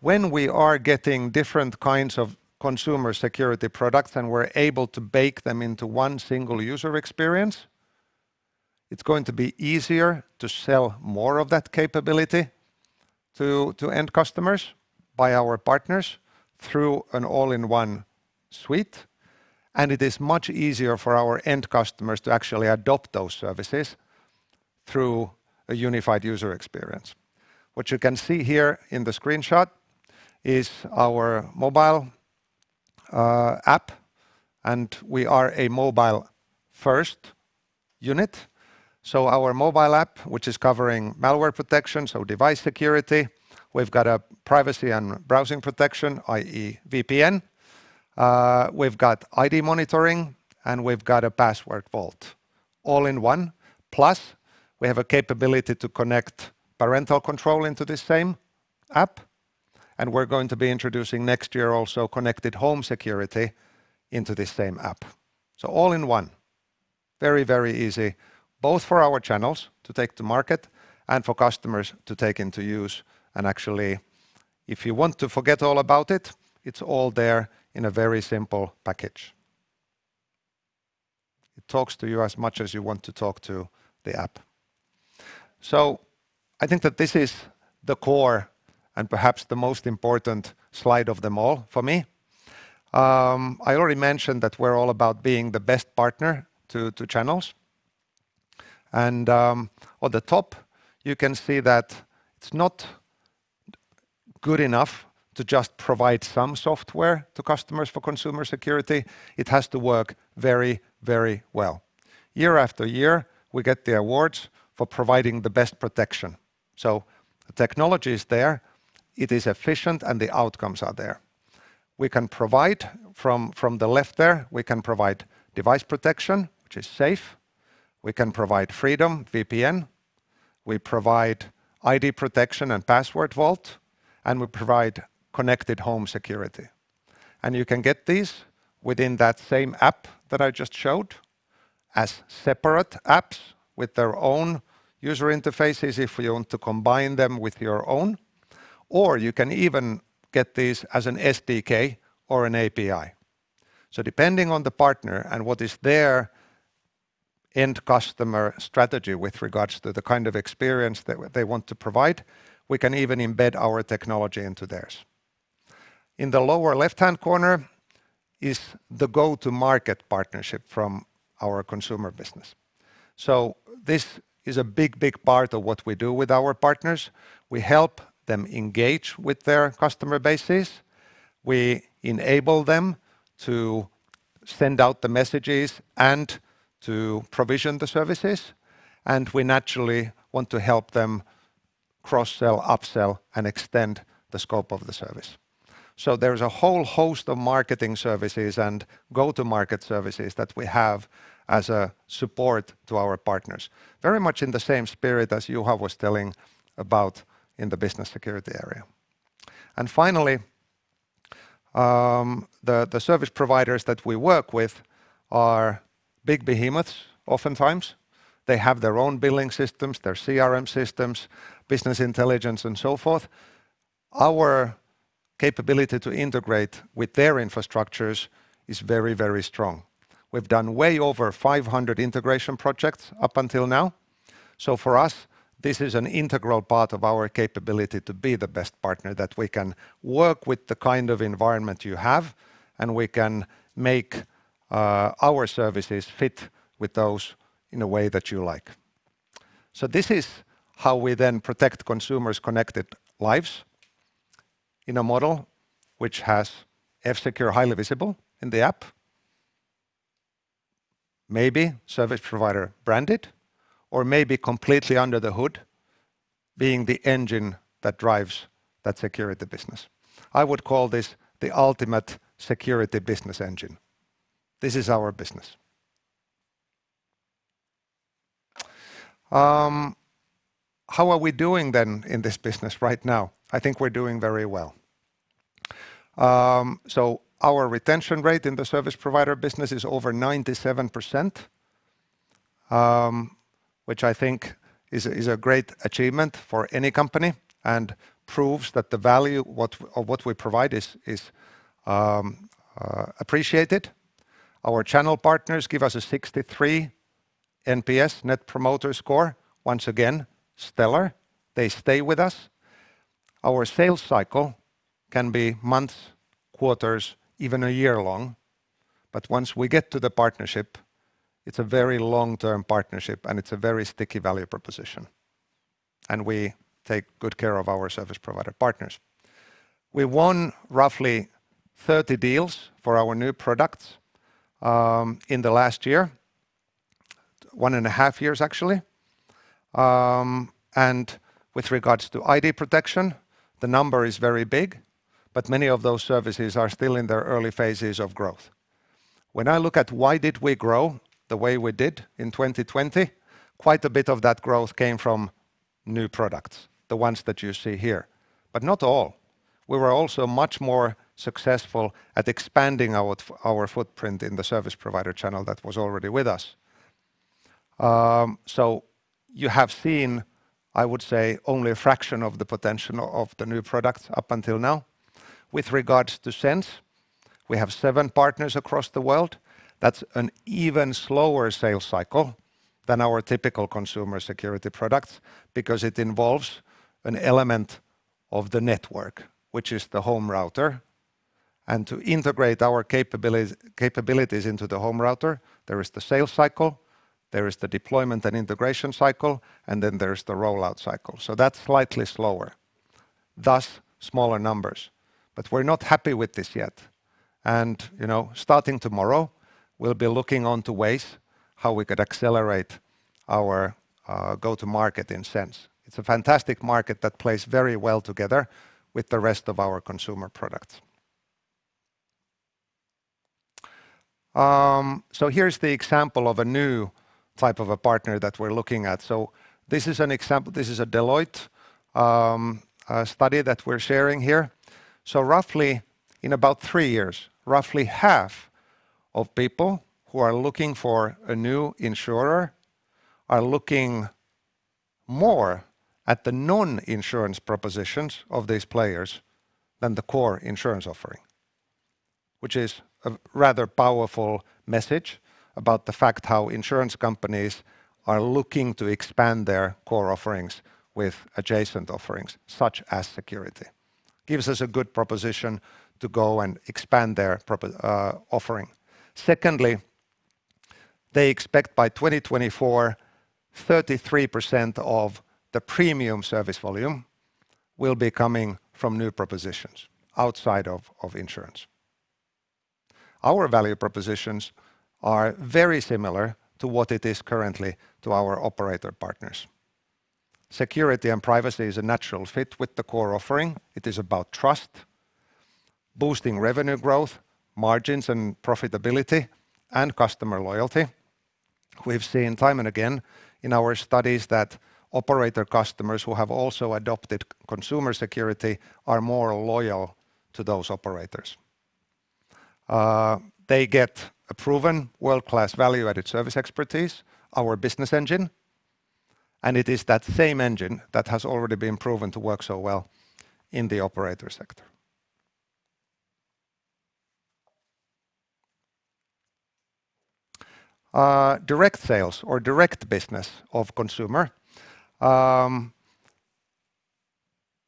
when we are getting different kinds of consumer security products and we're able to bake them into one single user experience, it's going to be easier to sell more of that capability to end customers by our partners through an all-in-one suite. It is much easier for our end customers to actually adopt those services through a unified user experience. What you can see here in the screenshot is our mobile app, and we are a mobile first unit. Our mobile app, which is covering malware protection, so device security, we've got a privacy and browsing protection, i.e., VPN. We've got ID monitoring, and we've got a password vault all-in-one. Plus, we have a capability to connect parental control into the same app, and we're going to be introducing next year also connected home security into the same app. All-in-one. Very easy, both for our channels to take to market and for customers to take into use. Actually, if you want to forget all about it's all there in a very simple package. It talks to you as much as you want to talk to the app. I think that this is the core and perhaps the most important slide of them all for me. I already mentioned that we're all about being the best partner to channels. On the top, you can see that it's not good enough to just provide some software to customers for consumer security. It has to work very well. Year-after-year, we get the awards for providing the best protection. The technology is there, it is efficient, and the outcomes are there. From the left there, we can provide device protection, which is safe. We can provide Freedome VPN. We provide ID PROTECTION and password vault, and we provide connected home security. You can get these within that same app that I just showed as separate apps with their own user interfaces if you want to combine them with your own, or you can even get these as an SDK or an API. Depending on the partner and what is their end customer strategy with regards to the kind of experience they want to provide, we can even embed our technology into theirs. In the lower left-hand corner is the go-to-market partnership from our consumer business. This is a big part of what we do with our partners. We help them engage with their customer bases. We enable them to send out the messages and to provision the services, and we naturally want to help them cross-sell, upsell, and extend the scope of the service. There is a whole host of marketing services and go-to-market services that we have as a support to our partners, very much in the same spirit as Juha was telling about in the business security area. Finally, the service providers that we work with are big behemoths oftentimes. They have their own billing systems, their CRM systems, business intelligence, and so forth. Our capability to integrate with their infrastructures is very strong. We've done way over 500 integration projects up until now. For us, this is an integral part of our capability to be the best partner that we can work with the kind of environment you have, and we can make our services fit with those in a way that you like. This is how we then protect consumers' connected lives in a model which has F-Secure highly visible in the app, maybe service provider branded, or maybe completely under the hood, being the engine that drives that security business. I would call this the ultimate security business engine. This is our business. How are we doing then in this business right now? I think we're doing very well. Our retention rate in the service provider business is over 97%, which I think is a great achievement for any company and proves that the value of what we provide is appreciated. Our channel partners give us a 63 NPS, Net Promoter Score. Once again, stellar. They stay with us. Our sales cycle can be months, quarters, even a year long. Once we get to the partnership, it's a very long-term partnership, and it's a very sticky value proposition. We take good care of our service provider partners. We won roughly 30 deals for our new products in the last 1.5 years, actually. With regards to ID PROTECTION, the number is very big, but many of those services are still in their early phases of growth. When I look at why did we grow the way we did in 2020, quite a bit of that growth came from new products, the ones that you see here. Not all. We were also much more successful at expanding our footprint in the service provider channel that was already with us. You have seen, I would say, only a fraction of the potential of the new products up until now. With regards to SENSE, we have seven partners across the world. That's an even slower sales cycle than our typical consumer security products because it involves an element of the network, which is the home router. To integrate our capabilities into the home router, there is the sales cycle, there is the deployment and integration cycle, and then there's the rollout cycle. That's slightly slower, thus smaller numbers. We're not happy with this yet. Starting tomorrow, we'll be looking onto ways how we could accelerate our go to market in SENSE. It's a fantastic market that plays very well together with the rest of our consumer products. Here's the example of a new type of a partner that we're looking at. This is an example. This is a Deloitte study that we're sharing here. Roughly in about three years, roughly half of people who are looking for a new insurer are looking more at the non-insurance propositions of these players than the core insurance offering, which is a rather powerful message about the fact how insurance companies are looking to expand their core offerings with adjacent offerings such as security. Gives us a good proposition to go and expand their offering. Secondly, they expect by 2024, 33% of the premium service volume will be coming from new propositions outside of insurance. Our value propositions are very similar to what it is currently to our operator partners. Security and privacy is a natural fit with the core offering. It is about trust, boosting revenue growth, margins and profitability, and customer loyalty. We've seen time and again in our studies that operator customers who have also adopted consumer security are more loyal to those operators. They get a proven world-class value-added service expertise, our business engine, and it is that same engine that has already been proven to work so well in the operator sector. Direct sales or direct B2C.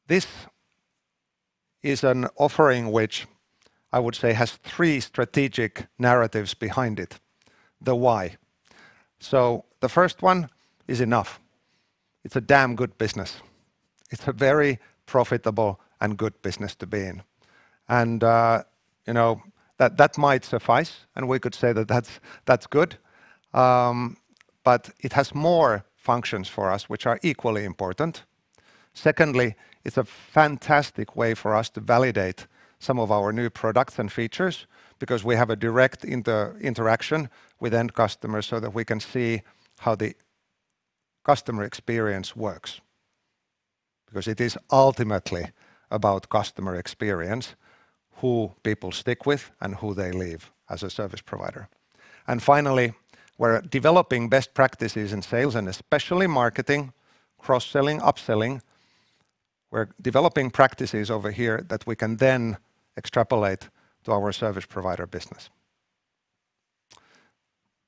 This is an offering which I would say has three strategic narratives behind it. The why. The first one is enough. It's a damn good business. It's a very profitable and good business to be in. That might suffice. We could say that that's good. It has more functions for us, which are equally important. Secondly, it's a fantastic way for us to validate some of our new products and features, because we have a direct interaction with end customers so that we can see how the customer experience works, because it is ultimately about customer experience, who people stick with and who they leave as a service provider. Finally, we're developing best practices in sales and especially marketing, cross-selling, upselling. We're developing practices over here that we can then extrapolate to our service provider business.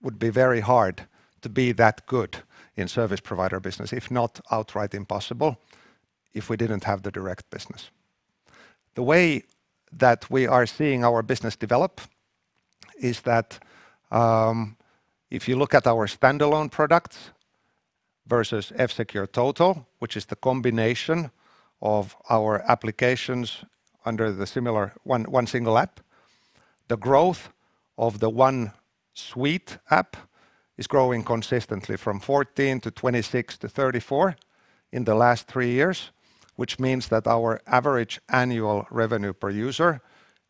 Would be very hard to be that good in service provider business, if not outright impossible, if we didn't have the direct business. The way that we are seeing our business develop is that if you look at our standalone products versus F-Secure Total, which is the combination of our applications under one single app, the growth of the one suite app is growing consistently from 14 to 26 to 34 in the last three years, which means that our average annual revenue per user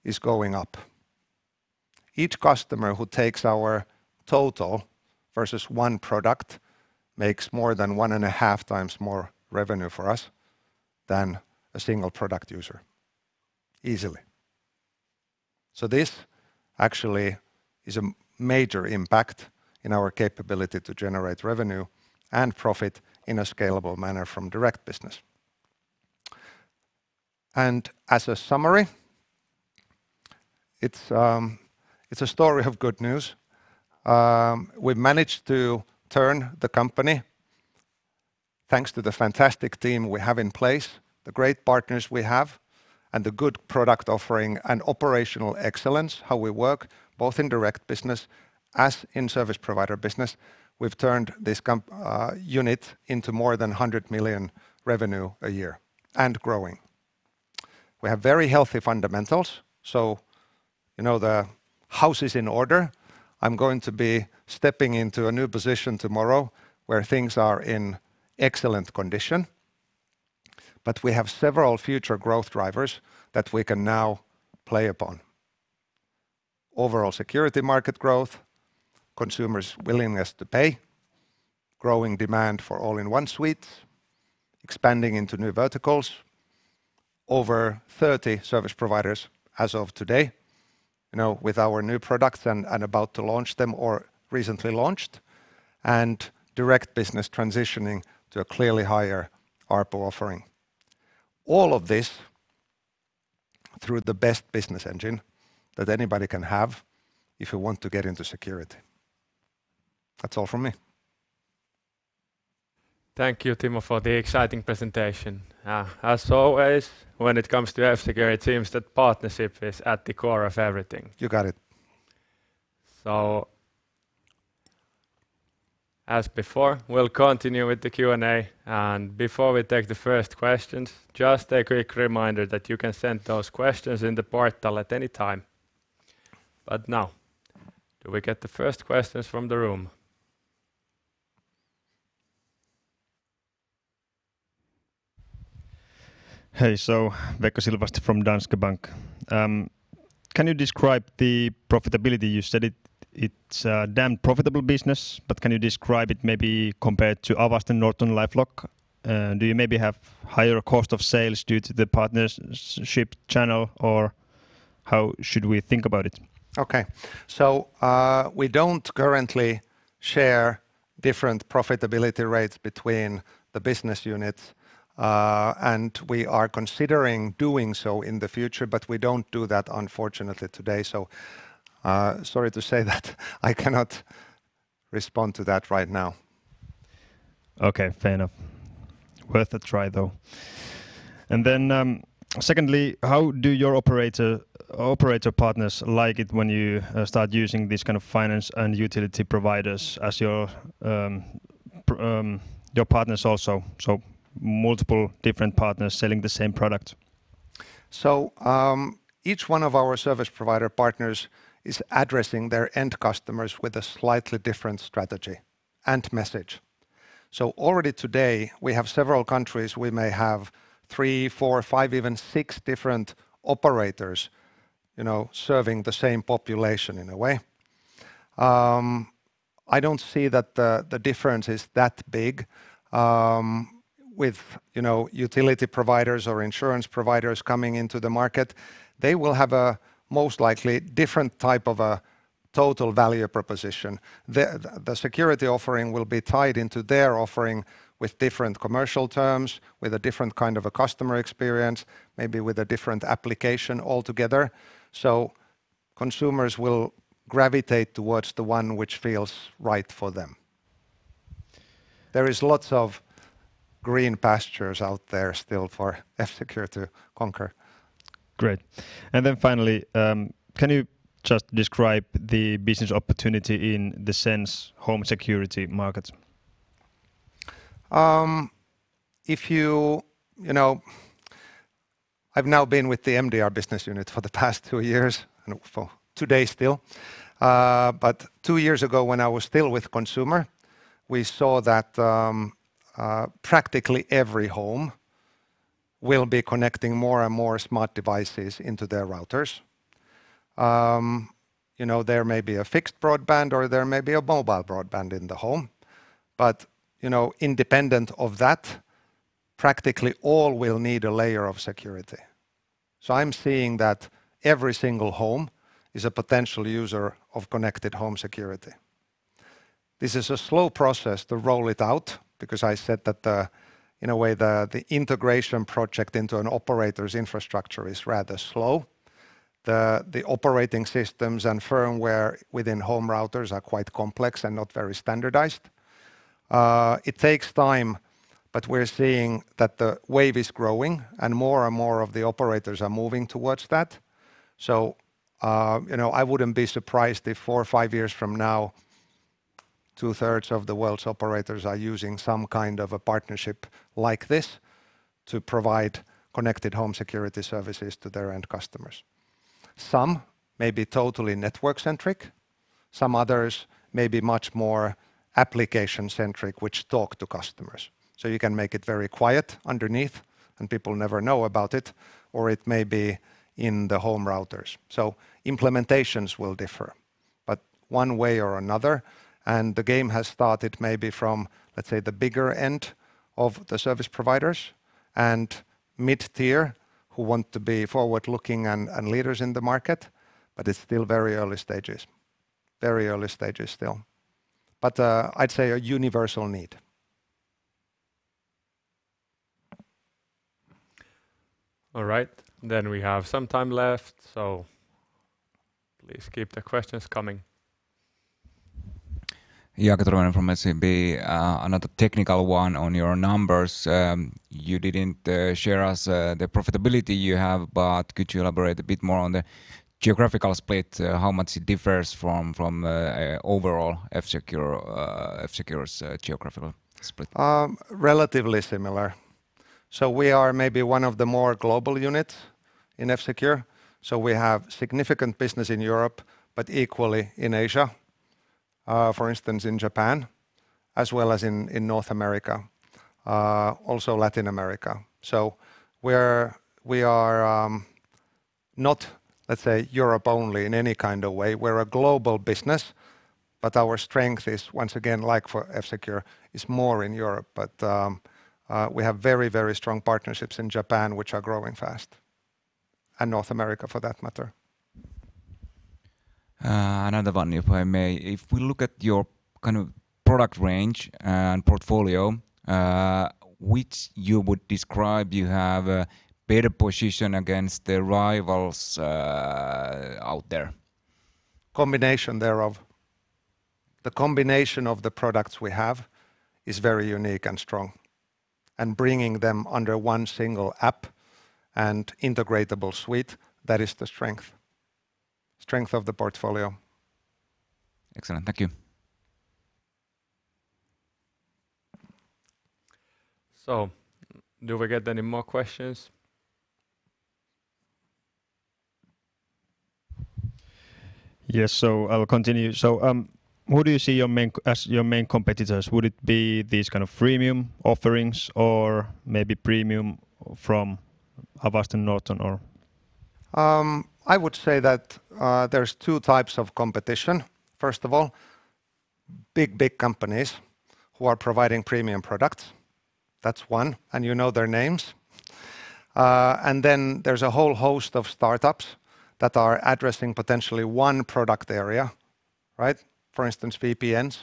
is going up. Each customer who takes our Total versus one product makes more than 1.5x more revenue for us than a one product user, easily. This actually is a major impact in our capability to generate revenue and profit in a scalable manner from direct business. As a summary, it's a story of good news. We've managed to turn the company, thanks to the fantastic team we have in place, the great partners we have, and the good product offering and operational excellence, how we work, both in direct business as in service provider business. We've turned this unit into more than 100 million revenue a year and growing. We have very healthy fundamentals. The house is in order. I'm going to be stepping into a new position tomorrow where things are in excellent condition, but we have several future growth drivers that we can now play upon. Overall security market growth, consumers' willingness to pay, growing demand for all-in-one suites, expanding into new verticals, over 30 service providers as of today, with our new products and about to launch them or recently launched, and direct business transitioning to a clearly higher ARPU offering. All of this through the best business engine that anybody can have if you want to get into security. That's all from me. Thank you, Timo, for the exciting presentation. As always, when it comes to F-Secure, it seems that partnership is at the core of everything. You got it. As before, we'll continue with the Q&A. Before we take the first questions, just a quick reminder that you can send those questions in the portal at any time. Now, do we get the first questions from the room? Veikko Silvasti from Danske Bank. Can you describe the profitability? You said it's a damn profitable business, but can you describe it maybe compared to Avast and NortonLifeLock? Do you maybe have higher cost of sales due to the partnership channel, or how should we think about it? Okay. We don't currently share different profitability rates between the business units. We are considering doing so in the future, but we don't do that unfortunately today. Sorry to say that I cannot respond to that right now. Okay, fair enough. Worth a try, though. Secondly, how do your operator partners like it when you start using these kind of finance and utility providers as your partners also, so multiple different partners selling the same product? Each one of our service provider partners is addressing their end customers with a slightly different strategy and message. Already today, we have several countries, we may have three, four, five, even six different operators serving the same population in a way. I don't see that the difference is that big, with utility providers or insurance providers coming into the market. They will have a most likely different type of a total value proposition. The security offering will be tied into their offering with different commercial terms, with a different kind of a customer experience, maybe with a different application altogether. Consumers will gravitate towards the one which feels right for them. There is lots of green pastures out there still for F-Secure to conquer. Great. Finally, can you just describe the business opportunity in the SENSE home security markets? I've now been with the MDR business unit for the past two years, and for two days still. Two years ago, when I was still with consumer, we saw that practically every home will be connecting more and more smart devices into their routers. There may be a fixed broadband or there may be a mobile broadband in the home, but independent of that, practically all will need a layer of security. I'm seeing that every single home is a potential user of connected home security. This is a slow process to roll it out, because I said that, in a way, the integration project into an operator's infrastructure is rather slow. The operating systems and firmware within home routers are quite complex and not very standardized. It takes time. We're seeing that the wave is growing and more and more of the operators are moving towards that. I wouldn't be surprised if four or five years from now, two-thirds of the world's operators are using some kind of a partnership like this to provide connected home security services to their end customers. Some may be totally network-centric. Some others may be much more application-centric, which talk to customers. You can make it very quiet underneath and people never know about it, or it may be in the home routers. Implementations will differ, but one way or another, and the game has started maybe from, let's say, the bigger end of the service providers and mid-tier who want to be forward-looking and leaders in the market, but it's still very early stages. Very early stages still. I'd say a universal need. All right. We have some time left, so please keep the questions coming. Jaakko Turunen from SEB. Another technical one on your numbers. You didn't share us the profitability you have, could you elaborate a bit more on the geographical split, how much it differs from overall F-Secure's geographical split? Relatively similar we are maybe one of the more global unit in F-Secure. We have significant business in Europe, but equally in Asia, for instance, in Japan as well as in North America, also Latin America. We are not, let's say, Europe only in any kind of way. We're a global business, our strength is, once again, like for F-Secure, is more in Europe. We have very strong partnerships in Japan, which are growing fast, and North America for that matter. Another one, if I may. If we look at your product range and portfolio, which you would describe you have a better position against the rivals out there? Combination thereof. The combination of the products we have is very unique and strong, and bringing them under one single app and integratable suite, that is the strength of the portfolio. Excellent. Thank you. Do we get any more questions? Yes, I will continue. Who do you see as your main competitors? Would it be these kind of freemium offerings or maybe premium from Avast and Norton, or? I would say that there's two types of competition. First of all, big companies who are providing premium products. That's one, you know their names. Then there's a whole host of startups that are addressing potentially one product area, right? For instance, VPNs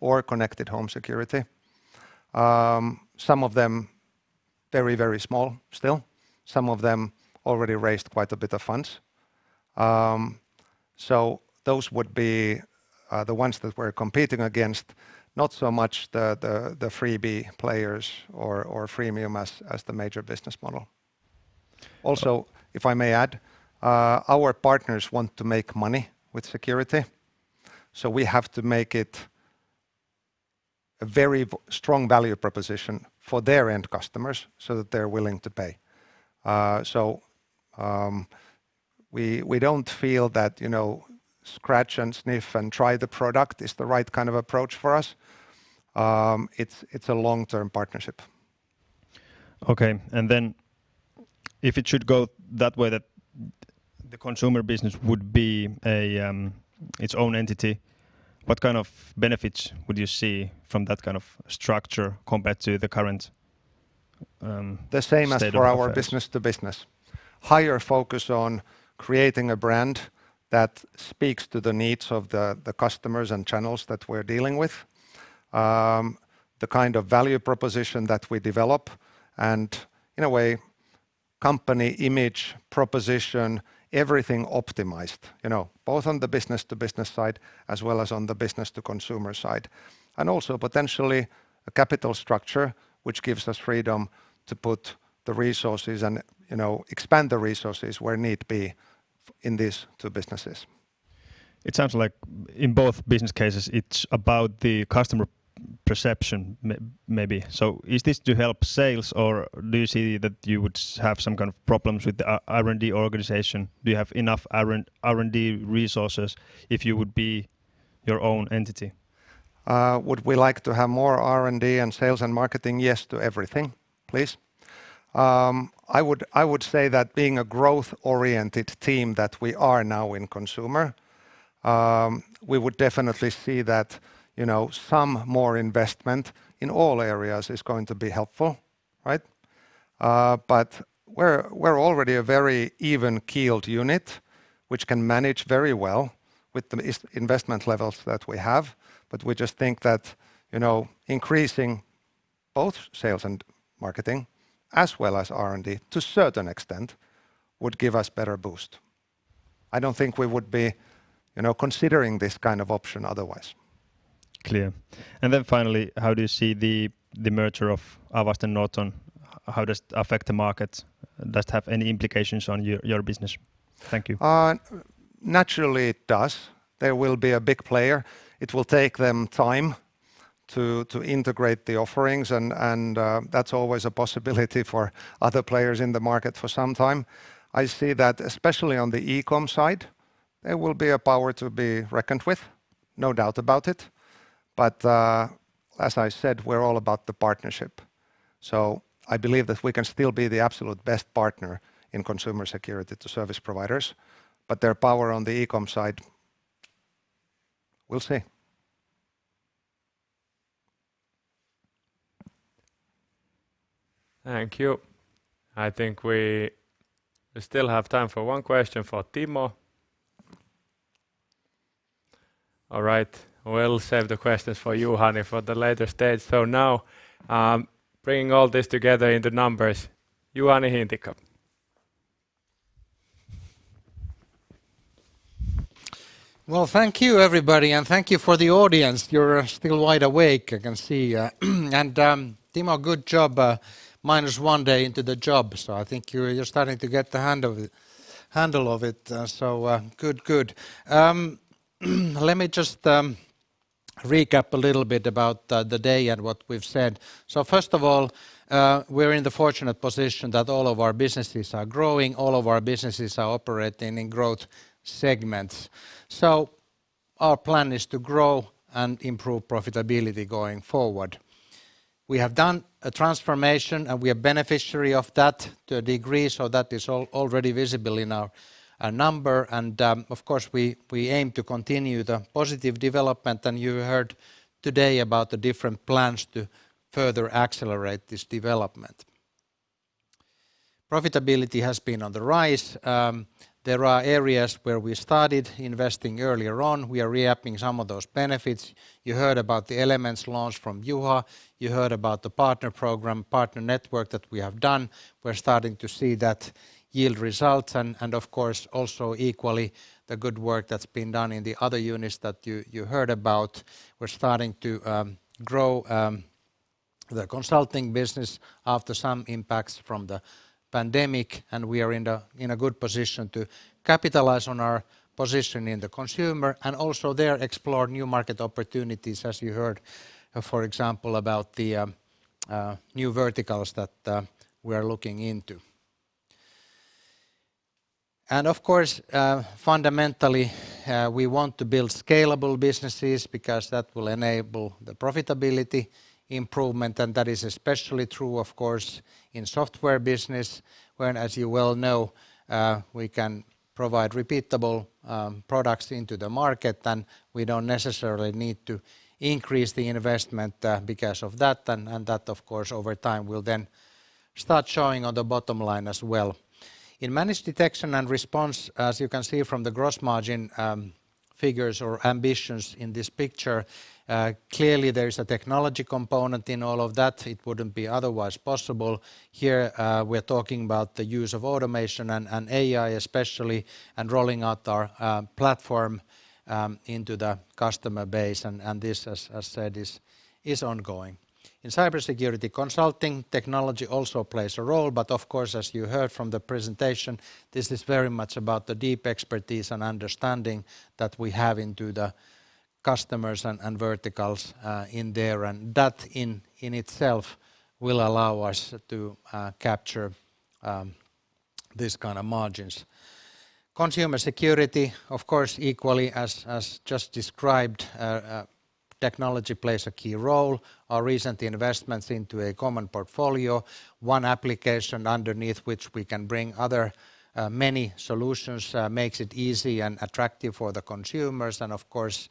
or connected home security. Some of them very small still. Some of them already raised quite a bit of funds. Those would be the ones that we're competing against, not so much the freebie players or freemium as the major business model. Also, if I may add, our partners want to make money with security, so we have to make it a very strong value proposition for their end customers so that they're willing to pay. We don't feel that scratch and sniff and try the product is the right kind of approach for us. It's a long-term partnership. Okay, if it should go that way that the consumer business would be its own entity, what kind of benefits would you see from that kind of structure compared to the current state of affairs? The same as for our business to business. Higher focus on creating a brand that speaks to the needs of the customers and channels that we're dealing with, the kind of value proposition that we develop, in a way, company image proposition, everything optimized, both on the business-to-business side as well as on the business-to-consumer side. Also potentially a capital structure, which gives us freedom to put the resources and expand the resources where need be in these two businesses. It sounds like in both business cases, it's about the customer perception maybe. Is this to help sales, or do you see that you would have some kind of problems with the R&D organization? Do you have enough R&D resources if you would be your own entity? Would we like to have more R&D and sales and marketing? Yes to everything, please. I would say that being a growth-oriented team that we are now in consumer, we would definitely see that some more investment in all areas is going to be helpful, right? We're already a very even-keeled unit, which can manage very well with the investment levels that we have. We just think that increasing both sales and marketing as well as R&D to certain extent would give us better boost. I don't think we would be considering this kind of option otherwise. Clear. Finally, how do you see the merger of Avast and Norton? How does it affect the market? Does it have any implications on your business? Thank you. Naturally, it does. There will be a big player. It will take them time to integrate the offerings and that's always a possibility for other players in the market for some time. I see that especially on the e-com side, it will be a power to be reckoned with, no doubt about it. As I said, we're all about the partnership. I believe that we can still be the absolute best partner in consumer security to service providers, but their power on the e-com side, we'll see. Thank you. I think we still have time for one question for Timo. All right, we'll save the questions for Juhani for the later stage. Now, bringing all this together into numbers, Juhani Hintikka. Well, thank you everybody, and thank you for the audience. You are still wide awake, I can see. Timo, good job minus one day into the job. I think you are starting to get the handle of it, so good. Recap a little bit about the day and what we've said. First of all, we're in the fortunate position that all of our businesses are growing, all of our businesses are operating in growth segments. Our plan is to grow and improve profitability going forward. We have done a transformation, and we are beneficiary of that to a degree. That is already visible in our number. Of course, we aim to continue the positive development. You heard today about the different plans to further accelerate this development. Profitability has been on the rise. There are areas where we started investing earlier on. We are reaping some of those benefits. You heard about the Elements launched from Juha. You heard about the partner program, partner network that we have done. We're starting to see that yield results and of course, also equally the good work that's been done in the other units that you heard about. We're starting to grow the consulting business after some impacts from the pandemic, and we are in a good position to capitalize on our position in the consumer, and also there explore new market opportunities. As you heard, for example, about the new verticals that we are looking into. Of course, fundamentally, we want to build scalable businesses because that will enable the profitability improvement, and that is especially true, of course, in software business, where, as you well know, we can provide repeatable products into the market, and we don't necessarily need to increase the investment because of that. That, of course, over time will then start showing on the bottom line as well. In managed detection and response, as you can see from the gross margin figures or ambitions in this picture, clearly there is a technology component in all of that. It wouldn't be otherwise possible. Here, we're talking about the use of automation and AI especially, and rolling out our platform into the customer base. This, as said, is ongoing. In cybersecurity consulting, technology also plays a role. Of course, as you heard from the presentation, this is very much about the deep expertise and understanding that we have into the customers and verticals in there. That in itself will allow us to capture these kind of margins. Consumer security, of course, equally as just described, technology plays a key role. Our recent investments into a common portfolio, one application underneath which we can bring other many solutions, makes it easy and attractive for the consumers. Of course,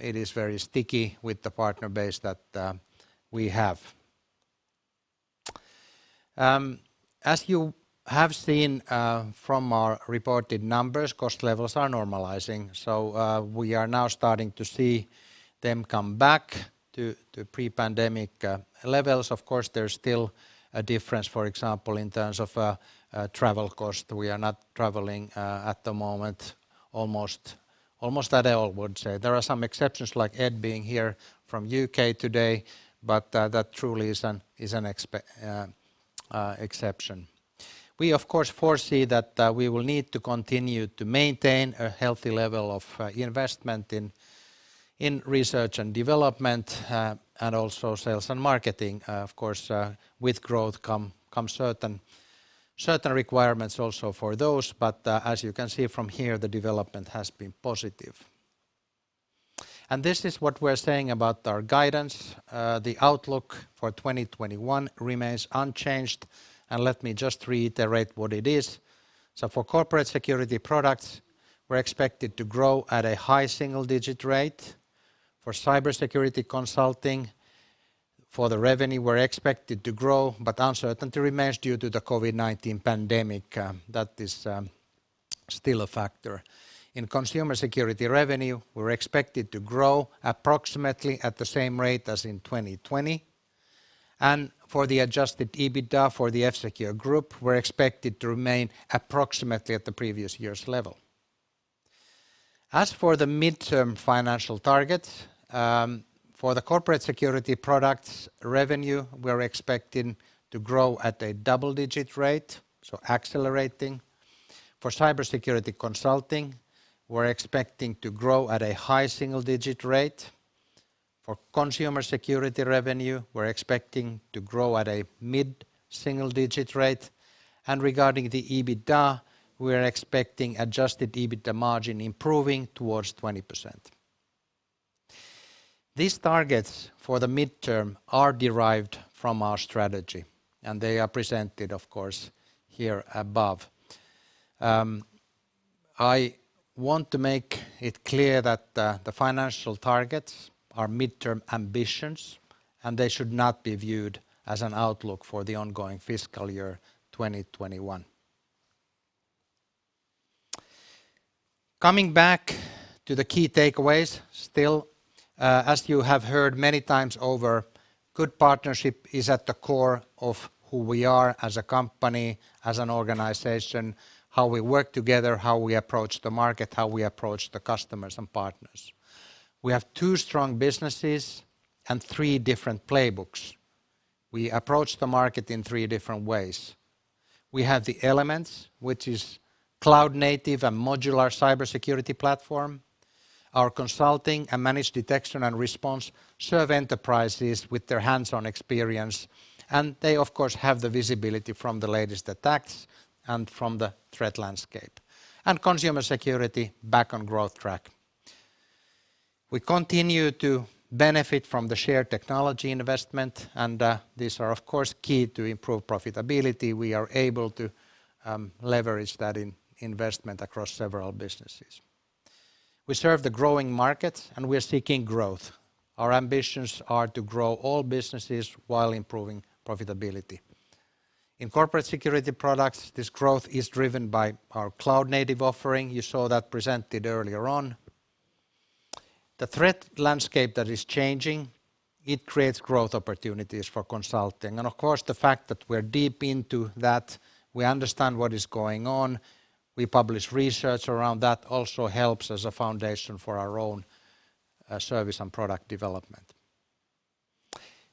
it is very sticky with the partner base that we have. As you have seen from our reported numbers, cost levels are normalizing. We are now starting to see them come back to pre-pandemic levels. Of course, there's still a difference, for example, in terms of travel cost. We are not traveling at the moment, almost at all, I would say. There are some exceptions like Ed being here from U.K. today, but that truly is an exception. We of course foresee that we will need to continue to maintain a healthy level of investment in research and development and also sales and marketing. Of course, with growth come certain requirements also for those. But as you can see from here, the development has been positive. This is what we're saying about our guidance. The outlook for 2021 remains unchanged. Let me just reiterate what it is. For corporate security products, we're expected to grow at a high single-digit rate. For cybersecurity consulting, for the revenue, we're expected to grow, but uncertainty remains due to the COVID-19 pandemic. That is still a factor. In consumer security revenue, we're expected to grow approximately at the same rate as in 2020. For the adjusted EBITDA for the F-Secure group, we're expected to remain approximately at the previous year's level. For the midterm financial target, for the corporate security products revenue, we're expecting to grow at a double-digit rate. Accelerating. For cybersecurity consulting, we're expecting to grow at a high single-digit rate. For consumer security revenue, we're expecting to grow at a mid-single digit rate. Regarding the EBITDA, we're expecting adjusted EBITDA margin improving towards 20%. These targets for the midterm are derived from our strategy, and they are presented, of course, here above. I want to make it clear that the financial targets are midterm ambitions, and they should not be viewed as an outlook for the ongoing fiscal year 2021. Coming back to the key takeaways still, as you have heard many times over, good partnership is at the core of who we are as a company, as an organization, how we work together, how we approach the market, how we approach the customers and partners. We have two strong businesses and three different playbooks. We approach the market in three different ways. We have the Elements, which is cloud-native and modular cybersecurity platform. Our consulting and managed detection and response serve enterprises with their hands-on experience, and they of course have the visibility from the latest attacks and from the threat landscape. Consumer security back on growth track. We continue to benefit from the shared technology investment, and these are of course key to improved profitability. We are able to leverage that investment across several businesses. We serve the growing market, and we are seeking growth. Our ambitions are to grow all businesses while improving profitability. In corporate security products, this growth is driven by our cloud-native offering. You saw that presented earlier on. The threat landscape that is changing, it creates growth opportunities for consulting. Of course, the fact that we're deep into that, we understand what is going on, we publish research around that also helps as a foundation for our own service and product development.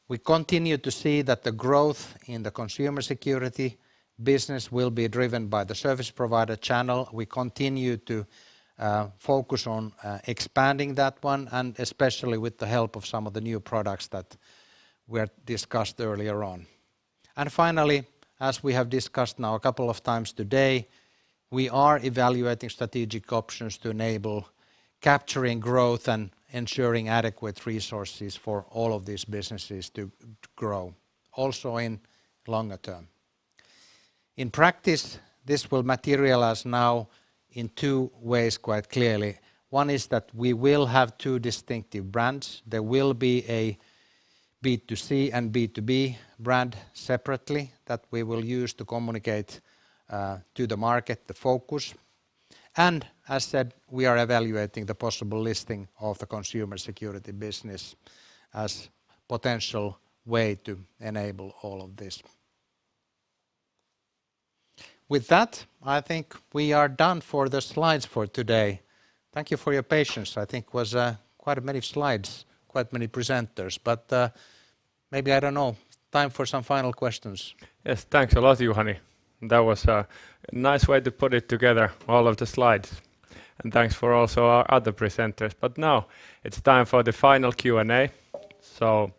We continue to see that the growth in the consumer security business will be driven by the service provider channel. We continue to focus on expanding that one, and especially with the help of some of the new products that were discussed earlier on. Finally, as we have discussed now a couple of times today, we are evaluating strategic options to enable capturing growth and ensuring adequate resources for all of these businesses to grow, also in longer term. In practice, this will materialize now in two ways quite clearly. One is that we will have two distinctive brands. There will be a B2C and B2B brand separately that we will use to communicate to the market the focus. As said, we are evaluating the possible listing of the consumer security business as potential way to enable all of this. With that, I think we are done for the slides for today. Thank you for your patience. I think it was quite many slides, quite many presenters. Maybe, I don't know, time for some final questions. Yes. Thanks a lot, Juhani. That was a nice way to put it together, all of the slides. Thanks for also our other presenters. Now it's time for the final Q&A, so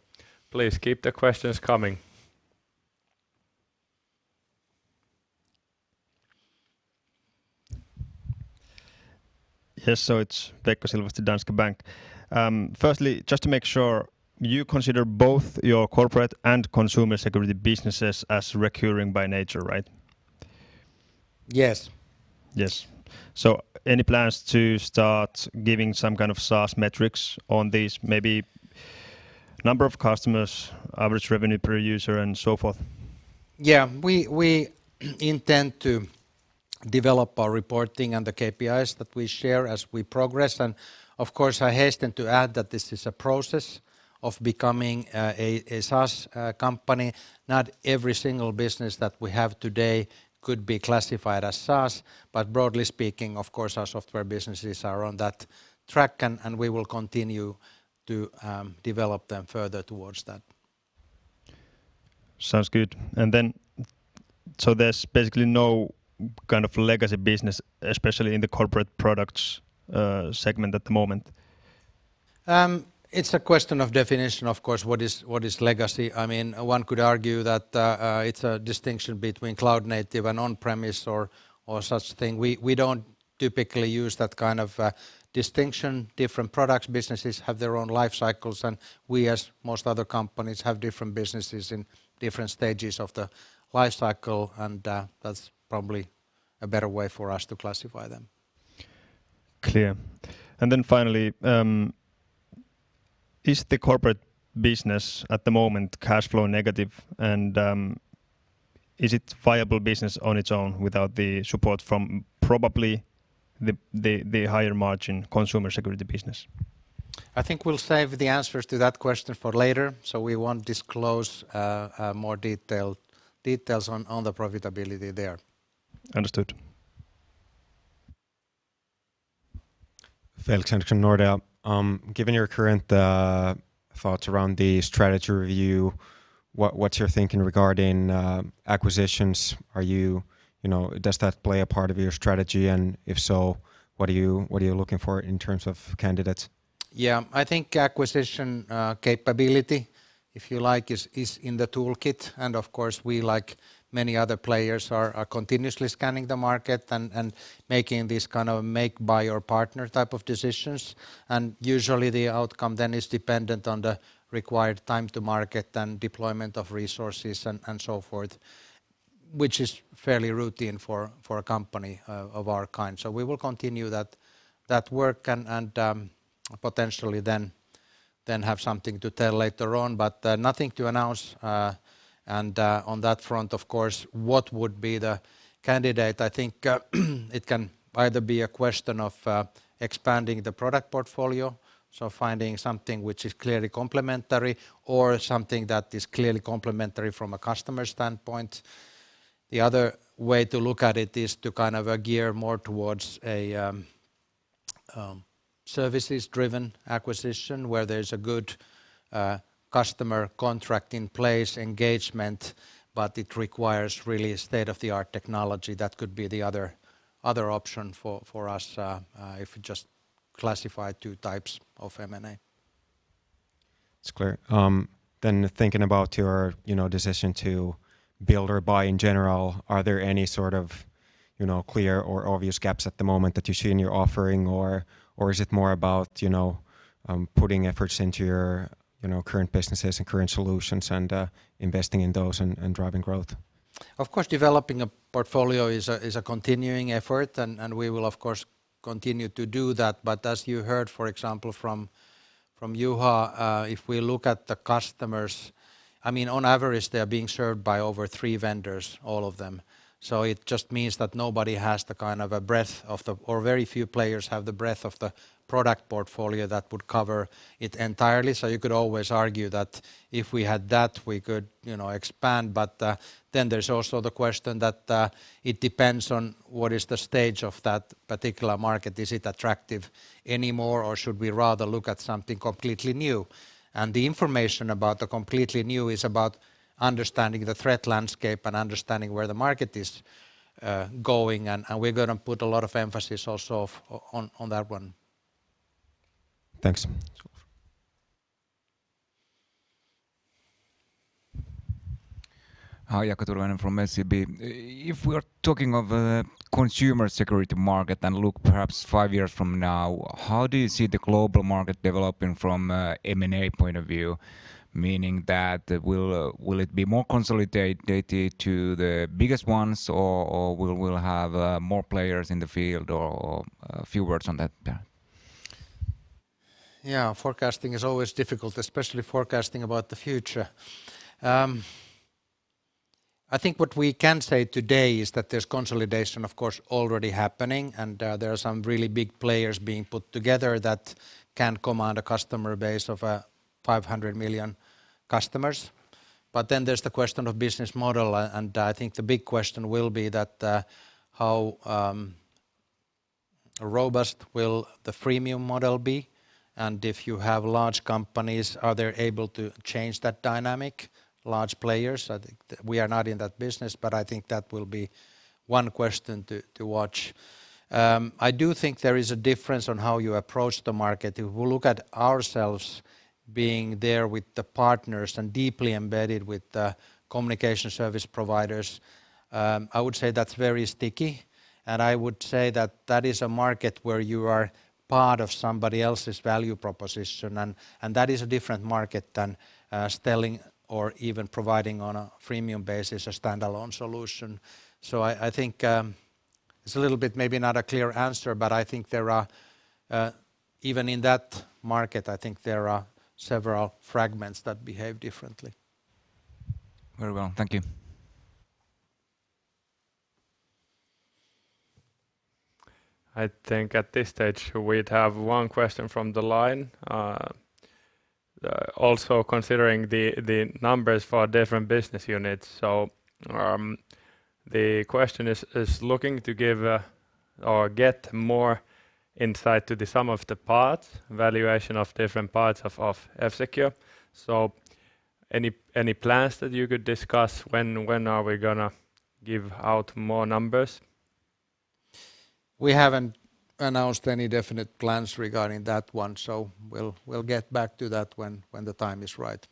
please keep the questions coming. Yes. It's Veikko Silvasti, Danske Bank. Firstly, just to make sure, you consider both your corporate and consumer security businesses as recurring by nature, right? Yes. Yes. Any plans to start giving some kind of SaaS metrics on these, maybe number of customers, average revenue per user and so forth? Yeah. We intend to develop our reporting and the KPIs that we share as we progress, and of course, I hasten to add that this is a process of becoming a SaaS company. Not every single business that we have today could be classified as SaaS, but broadly speaking, of course, our software businesses are on that track, and we will continue to develop them further towards that. Sounds good. There's basically no kind of legacy business, especially in the corporate products segment at the moment? It's a question of definition, of course, what is legacy? One could argue that it's a distinction between cloud native and on-premise or such thing. We don't typically use that kind of distinction. Different products, businesses have their own life cycles, and we, as most other companies, have different businesses in different stages of the life cycle, and that's probably a better way for us to classify them. Clear. Finally, is the corporate business at the moment cash flow negative, and is it viable business on its own without the support from probably the higher margin consumer security business? I think we'll save the answers to that question for later. We won't disclose more details on the profitability there. Understood. Felix Henriksson, Nordea. Given your current thoughts around the strategy review, what's your thinking regarding acquisitions? Does that play a part of your strategy? If so, what are you looking for in terms of candidates? Yeah. I think acquisition capability, if you like, is in the toolkit. Of course, we, like many other players, are continuously scanning the market and making this kind of make, buy or partner type of decisions. Usually the outcome then is dependent on the required time to market and deployment of resources and so forth, which is fairly routine for a company of our kind. We will continue that work and potentially then have something to tell later on, but nothing to announce. On that front, of course, what would be the candidate? I think it can either be a question of expanding the product portfolio, so finding something which is clearly complementary or something that is clearly complementary from a customer standpoint. The other way to look at it is to kind of gear more towards a services-driven acquisition where there's a good customer contract in place, engagement, but it requires really state-of-the-art technology. That could be the other option for us, if we just classify two types of M&A. It's clear. Thinking about your decision to build or buy in general, are there any sort of clear or obvious gaps at the moment that you see in your offering, or is it more about putting efforts into your current businesses and current solutions and investing in those and driving growth? Of course, developing a portfolio is a continuing effort, and we will, of course, continue to do that. As you heard, for example, from Juha, if we look at the customers, on average, they're being served by over three vendors, all of them. It just means that nobody has the kind of a breadth, or very few players have the breadth of the product portfolio that would cover it entirely. You could always argue that if we had that, we could expand, but then there's also the question that it depends on what is the stage of that particular market. Is it attractive anymore, or should we rather look at something completely new? The information about the completely new is about understanding the threat landscape and understanding where the market is going, and we're going to put a lot of emphasis also on that one. Thanks. Hi, Jaakko Turunen from SEB. If we're talking of a consumer security market and look perhaps five years from now, how do you see the global market developing from an M&A point of view, meaning that will it be more consolidated to the biggest ones, or we'll have more players in the field or a few words on that? Yeah. Forecasting is always difficult, especially forecasting about the future. I think what we can say today is that there's consolidation, of course, already happening, and there are some really big players being put together that can command a customer base of 500 million customers. There's the question of business model, and I think the big question will be that how robust will the freemium model be, and if you have large companies, are they able to change that dynamic, large players? I think we are not in that business, but I think that will be one question to watch. I do think there is a difference on how you approach the market. If we look at ourselves being there with the partners and deeply embedded with the communication service providers, I would say that's very sticky, and I would say that that is a market where you are part of somebody else's value proposition, and that is a different market than selling or even providing on a freemium basis, a standalone solution. I think it's a little bit maybe not a clear answer, but I think even in that market, I think there are several fragments that behave differently. Very well. Thank you. I think at this stage, we'd have one question from the line. Also considering the numbers for different business units. The question is looking to give or get more insight to the sum of the parts, valuation of different parts of F-Secure. Any plans that you could discuss when are we going to give out more numbers? We haven't announced any definite plans regarding that one. We'll get back to that when the time is right.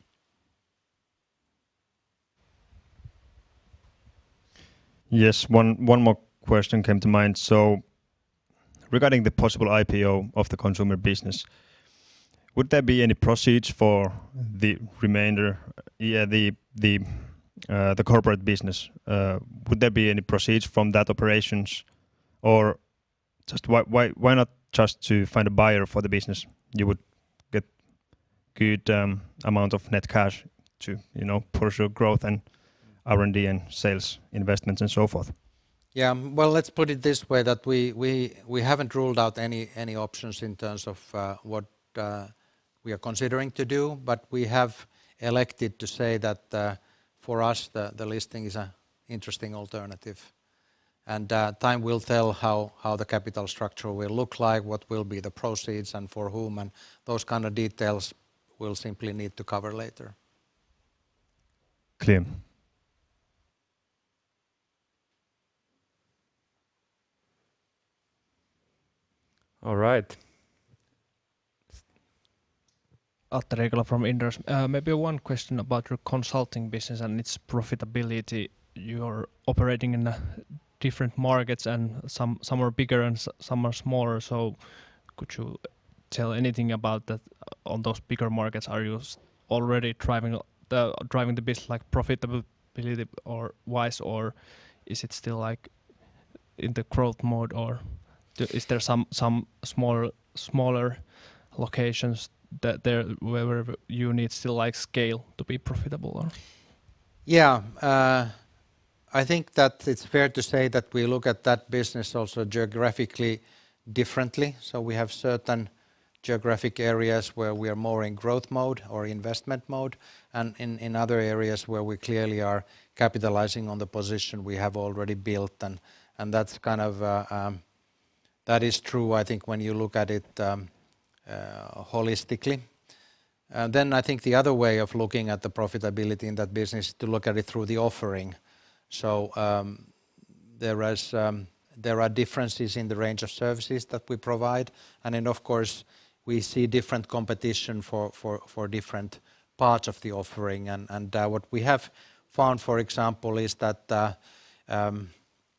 Yes. One more question came to mind. Regarding the possible IPO of the consumer business, would there be any proceeds for the remainder, the corporate business? Would there be any proceeds from that operations, or why not just to find a buyer for the business? You would get good amount of net cash to push your growth and R&D and sales investments and so forth. Yeah. Well, let's put it this way, that we haven't ruled out any options in terms of what we are considering to do, but we have elected to say that for us, the listing is an interesting alternative. Time will tell how the capital structure will look like, what will be the proceeds, and for whom, and those kind of details we'll simply need to cover later. Clear. All right. Atte Riikola from Inderes. Maybe one question about your consulting business and its profitability. You're operating in different markets, and some are bigger and some are smaller. Could you tell anything about that on those bigger markets? Are you already driving the business profitability wise, or is it still in the growth mode, or is there some smaller locations that you need still scale to be profitable? Yeah. I think that it's fair to say that we look at that business also geographically differently. We have certain geographic areas where we are more in growth mode or investment mode, and in other areas where we clearly are capitalizing on the position we have already built. That is true, I think, when you look at it holistically. I think the other way of looking at the profitability in that business is to look at it through the offering. There are differences in the range of services that we provide. Of course, we see different competition for different parts of the offering. What we have found, for example, is that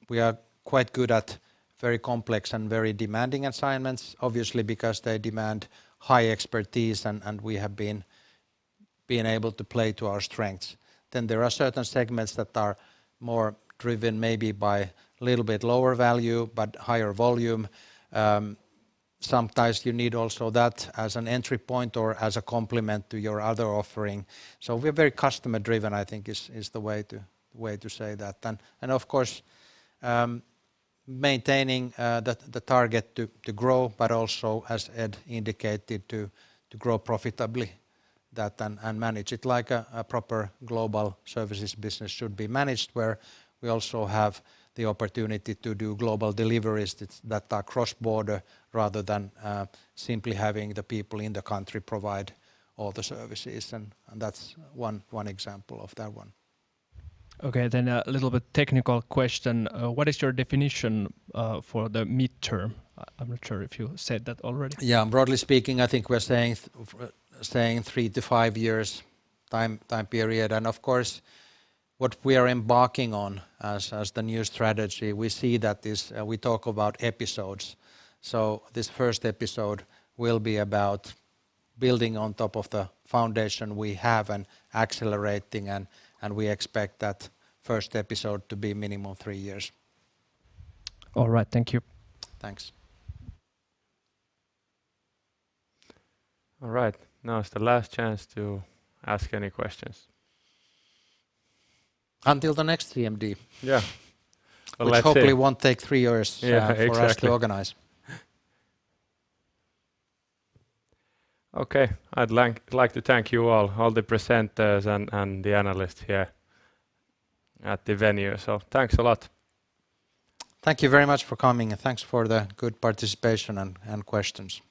we are quite good at very complex and very demanding assignments, obviously because they demand high expertise, and we have been able to play to our strengths. There are certain segments that are more driven maybe by a little bit lower value but higher volume. Sometimes you need also that as an entry point or as a complement to your other offering. We're very customer-driven, I think is the way to say that. Of course, maintaining the target to grow, but also, as Ed indicated, to grow profitably and manage it like a proper global services business should be managed, where we also have the opportunity to do global deliveries that are cross-border rather than simply having the people in the country provide all the services. That's one example of that one. Okay, a little bit technical question. What is your definition for the midterm? I'm not sure if you said that already. Yeah. Broadly speaking, I think we're saying three-five years time period. Of course, what we are embarking on as the new strategy, we talk about episodes. This first episode will be about building on top of the foundation we have and accelerating, and we expect that first episode to be minimal three years. All right. Thank you. Thanks. All right. Now is the last chance to ask any questions. Until the next CMD. Yeah. We'll see. Which hopefully won't take three years - Yeah, exactly. - for us to organize. Okay. I'd like to thank you all the presenters and the analysts here at the venue. Thanks a lot. Thank you very much for coming, and thanks for the good participation and questions.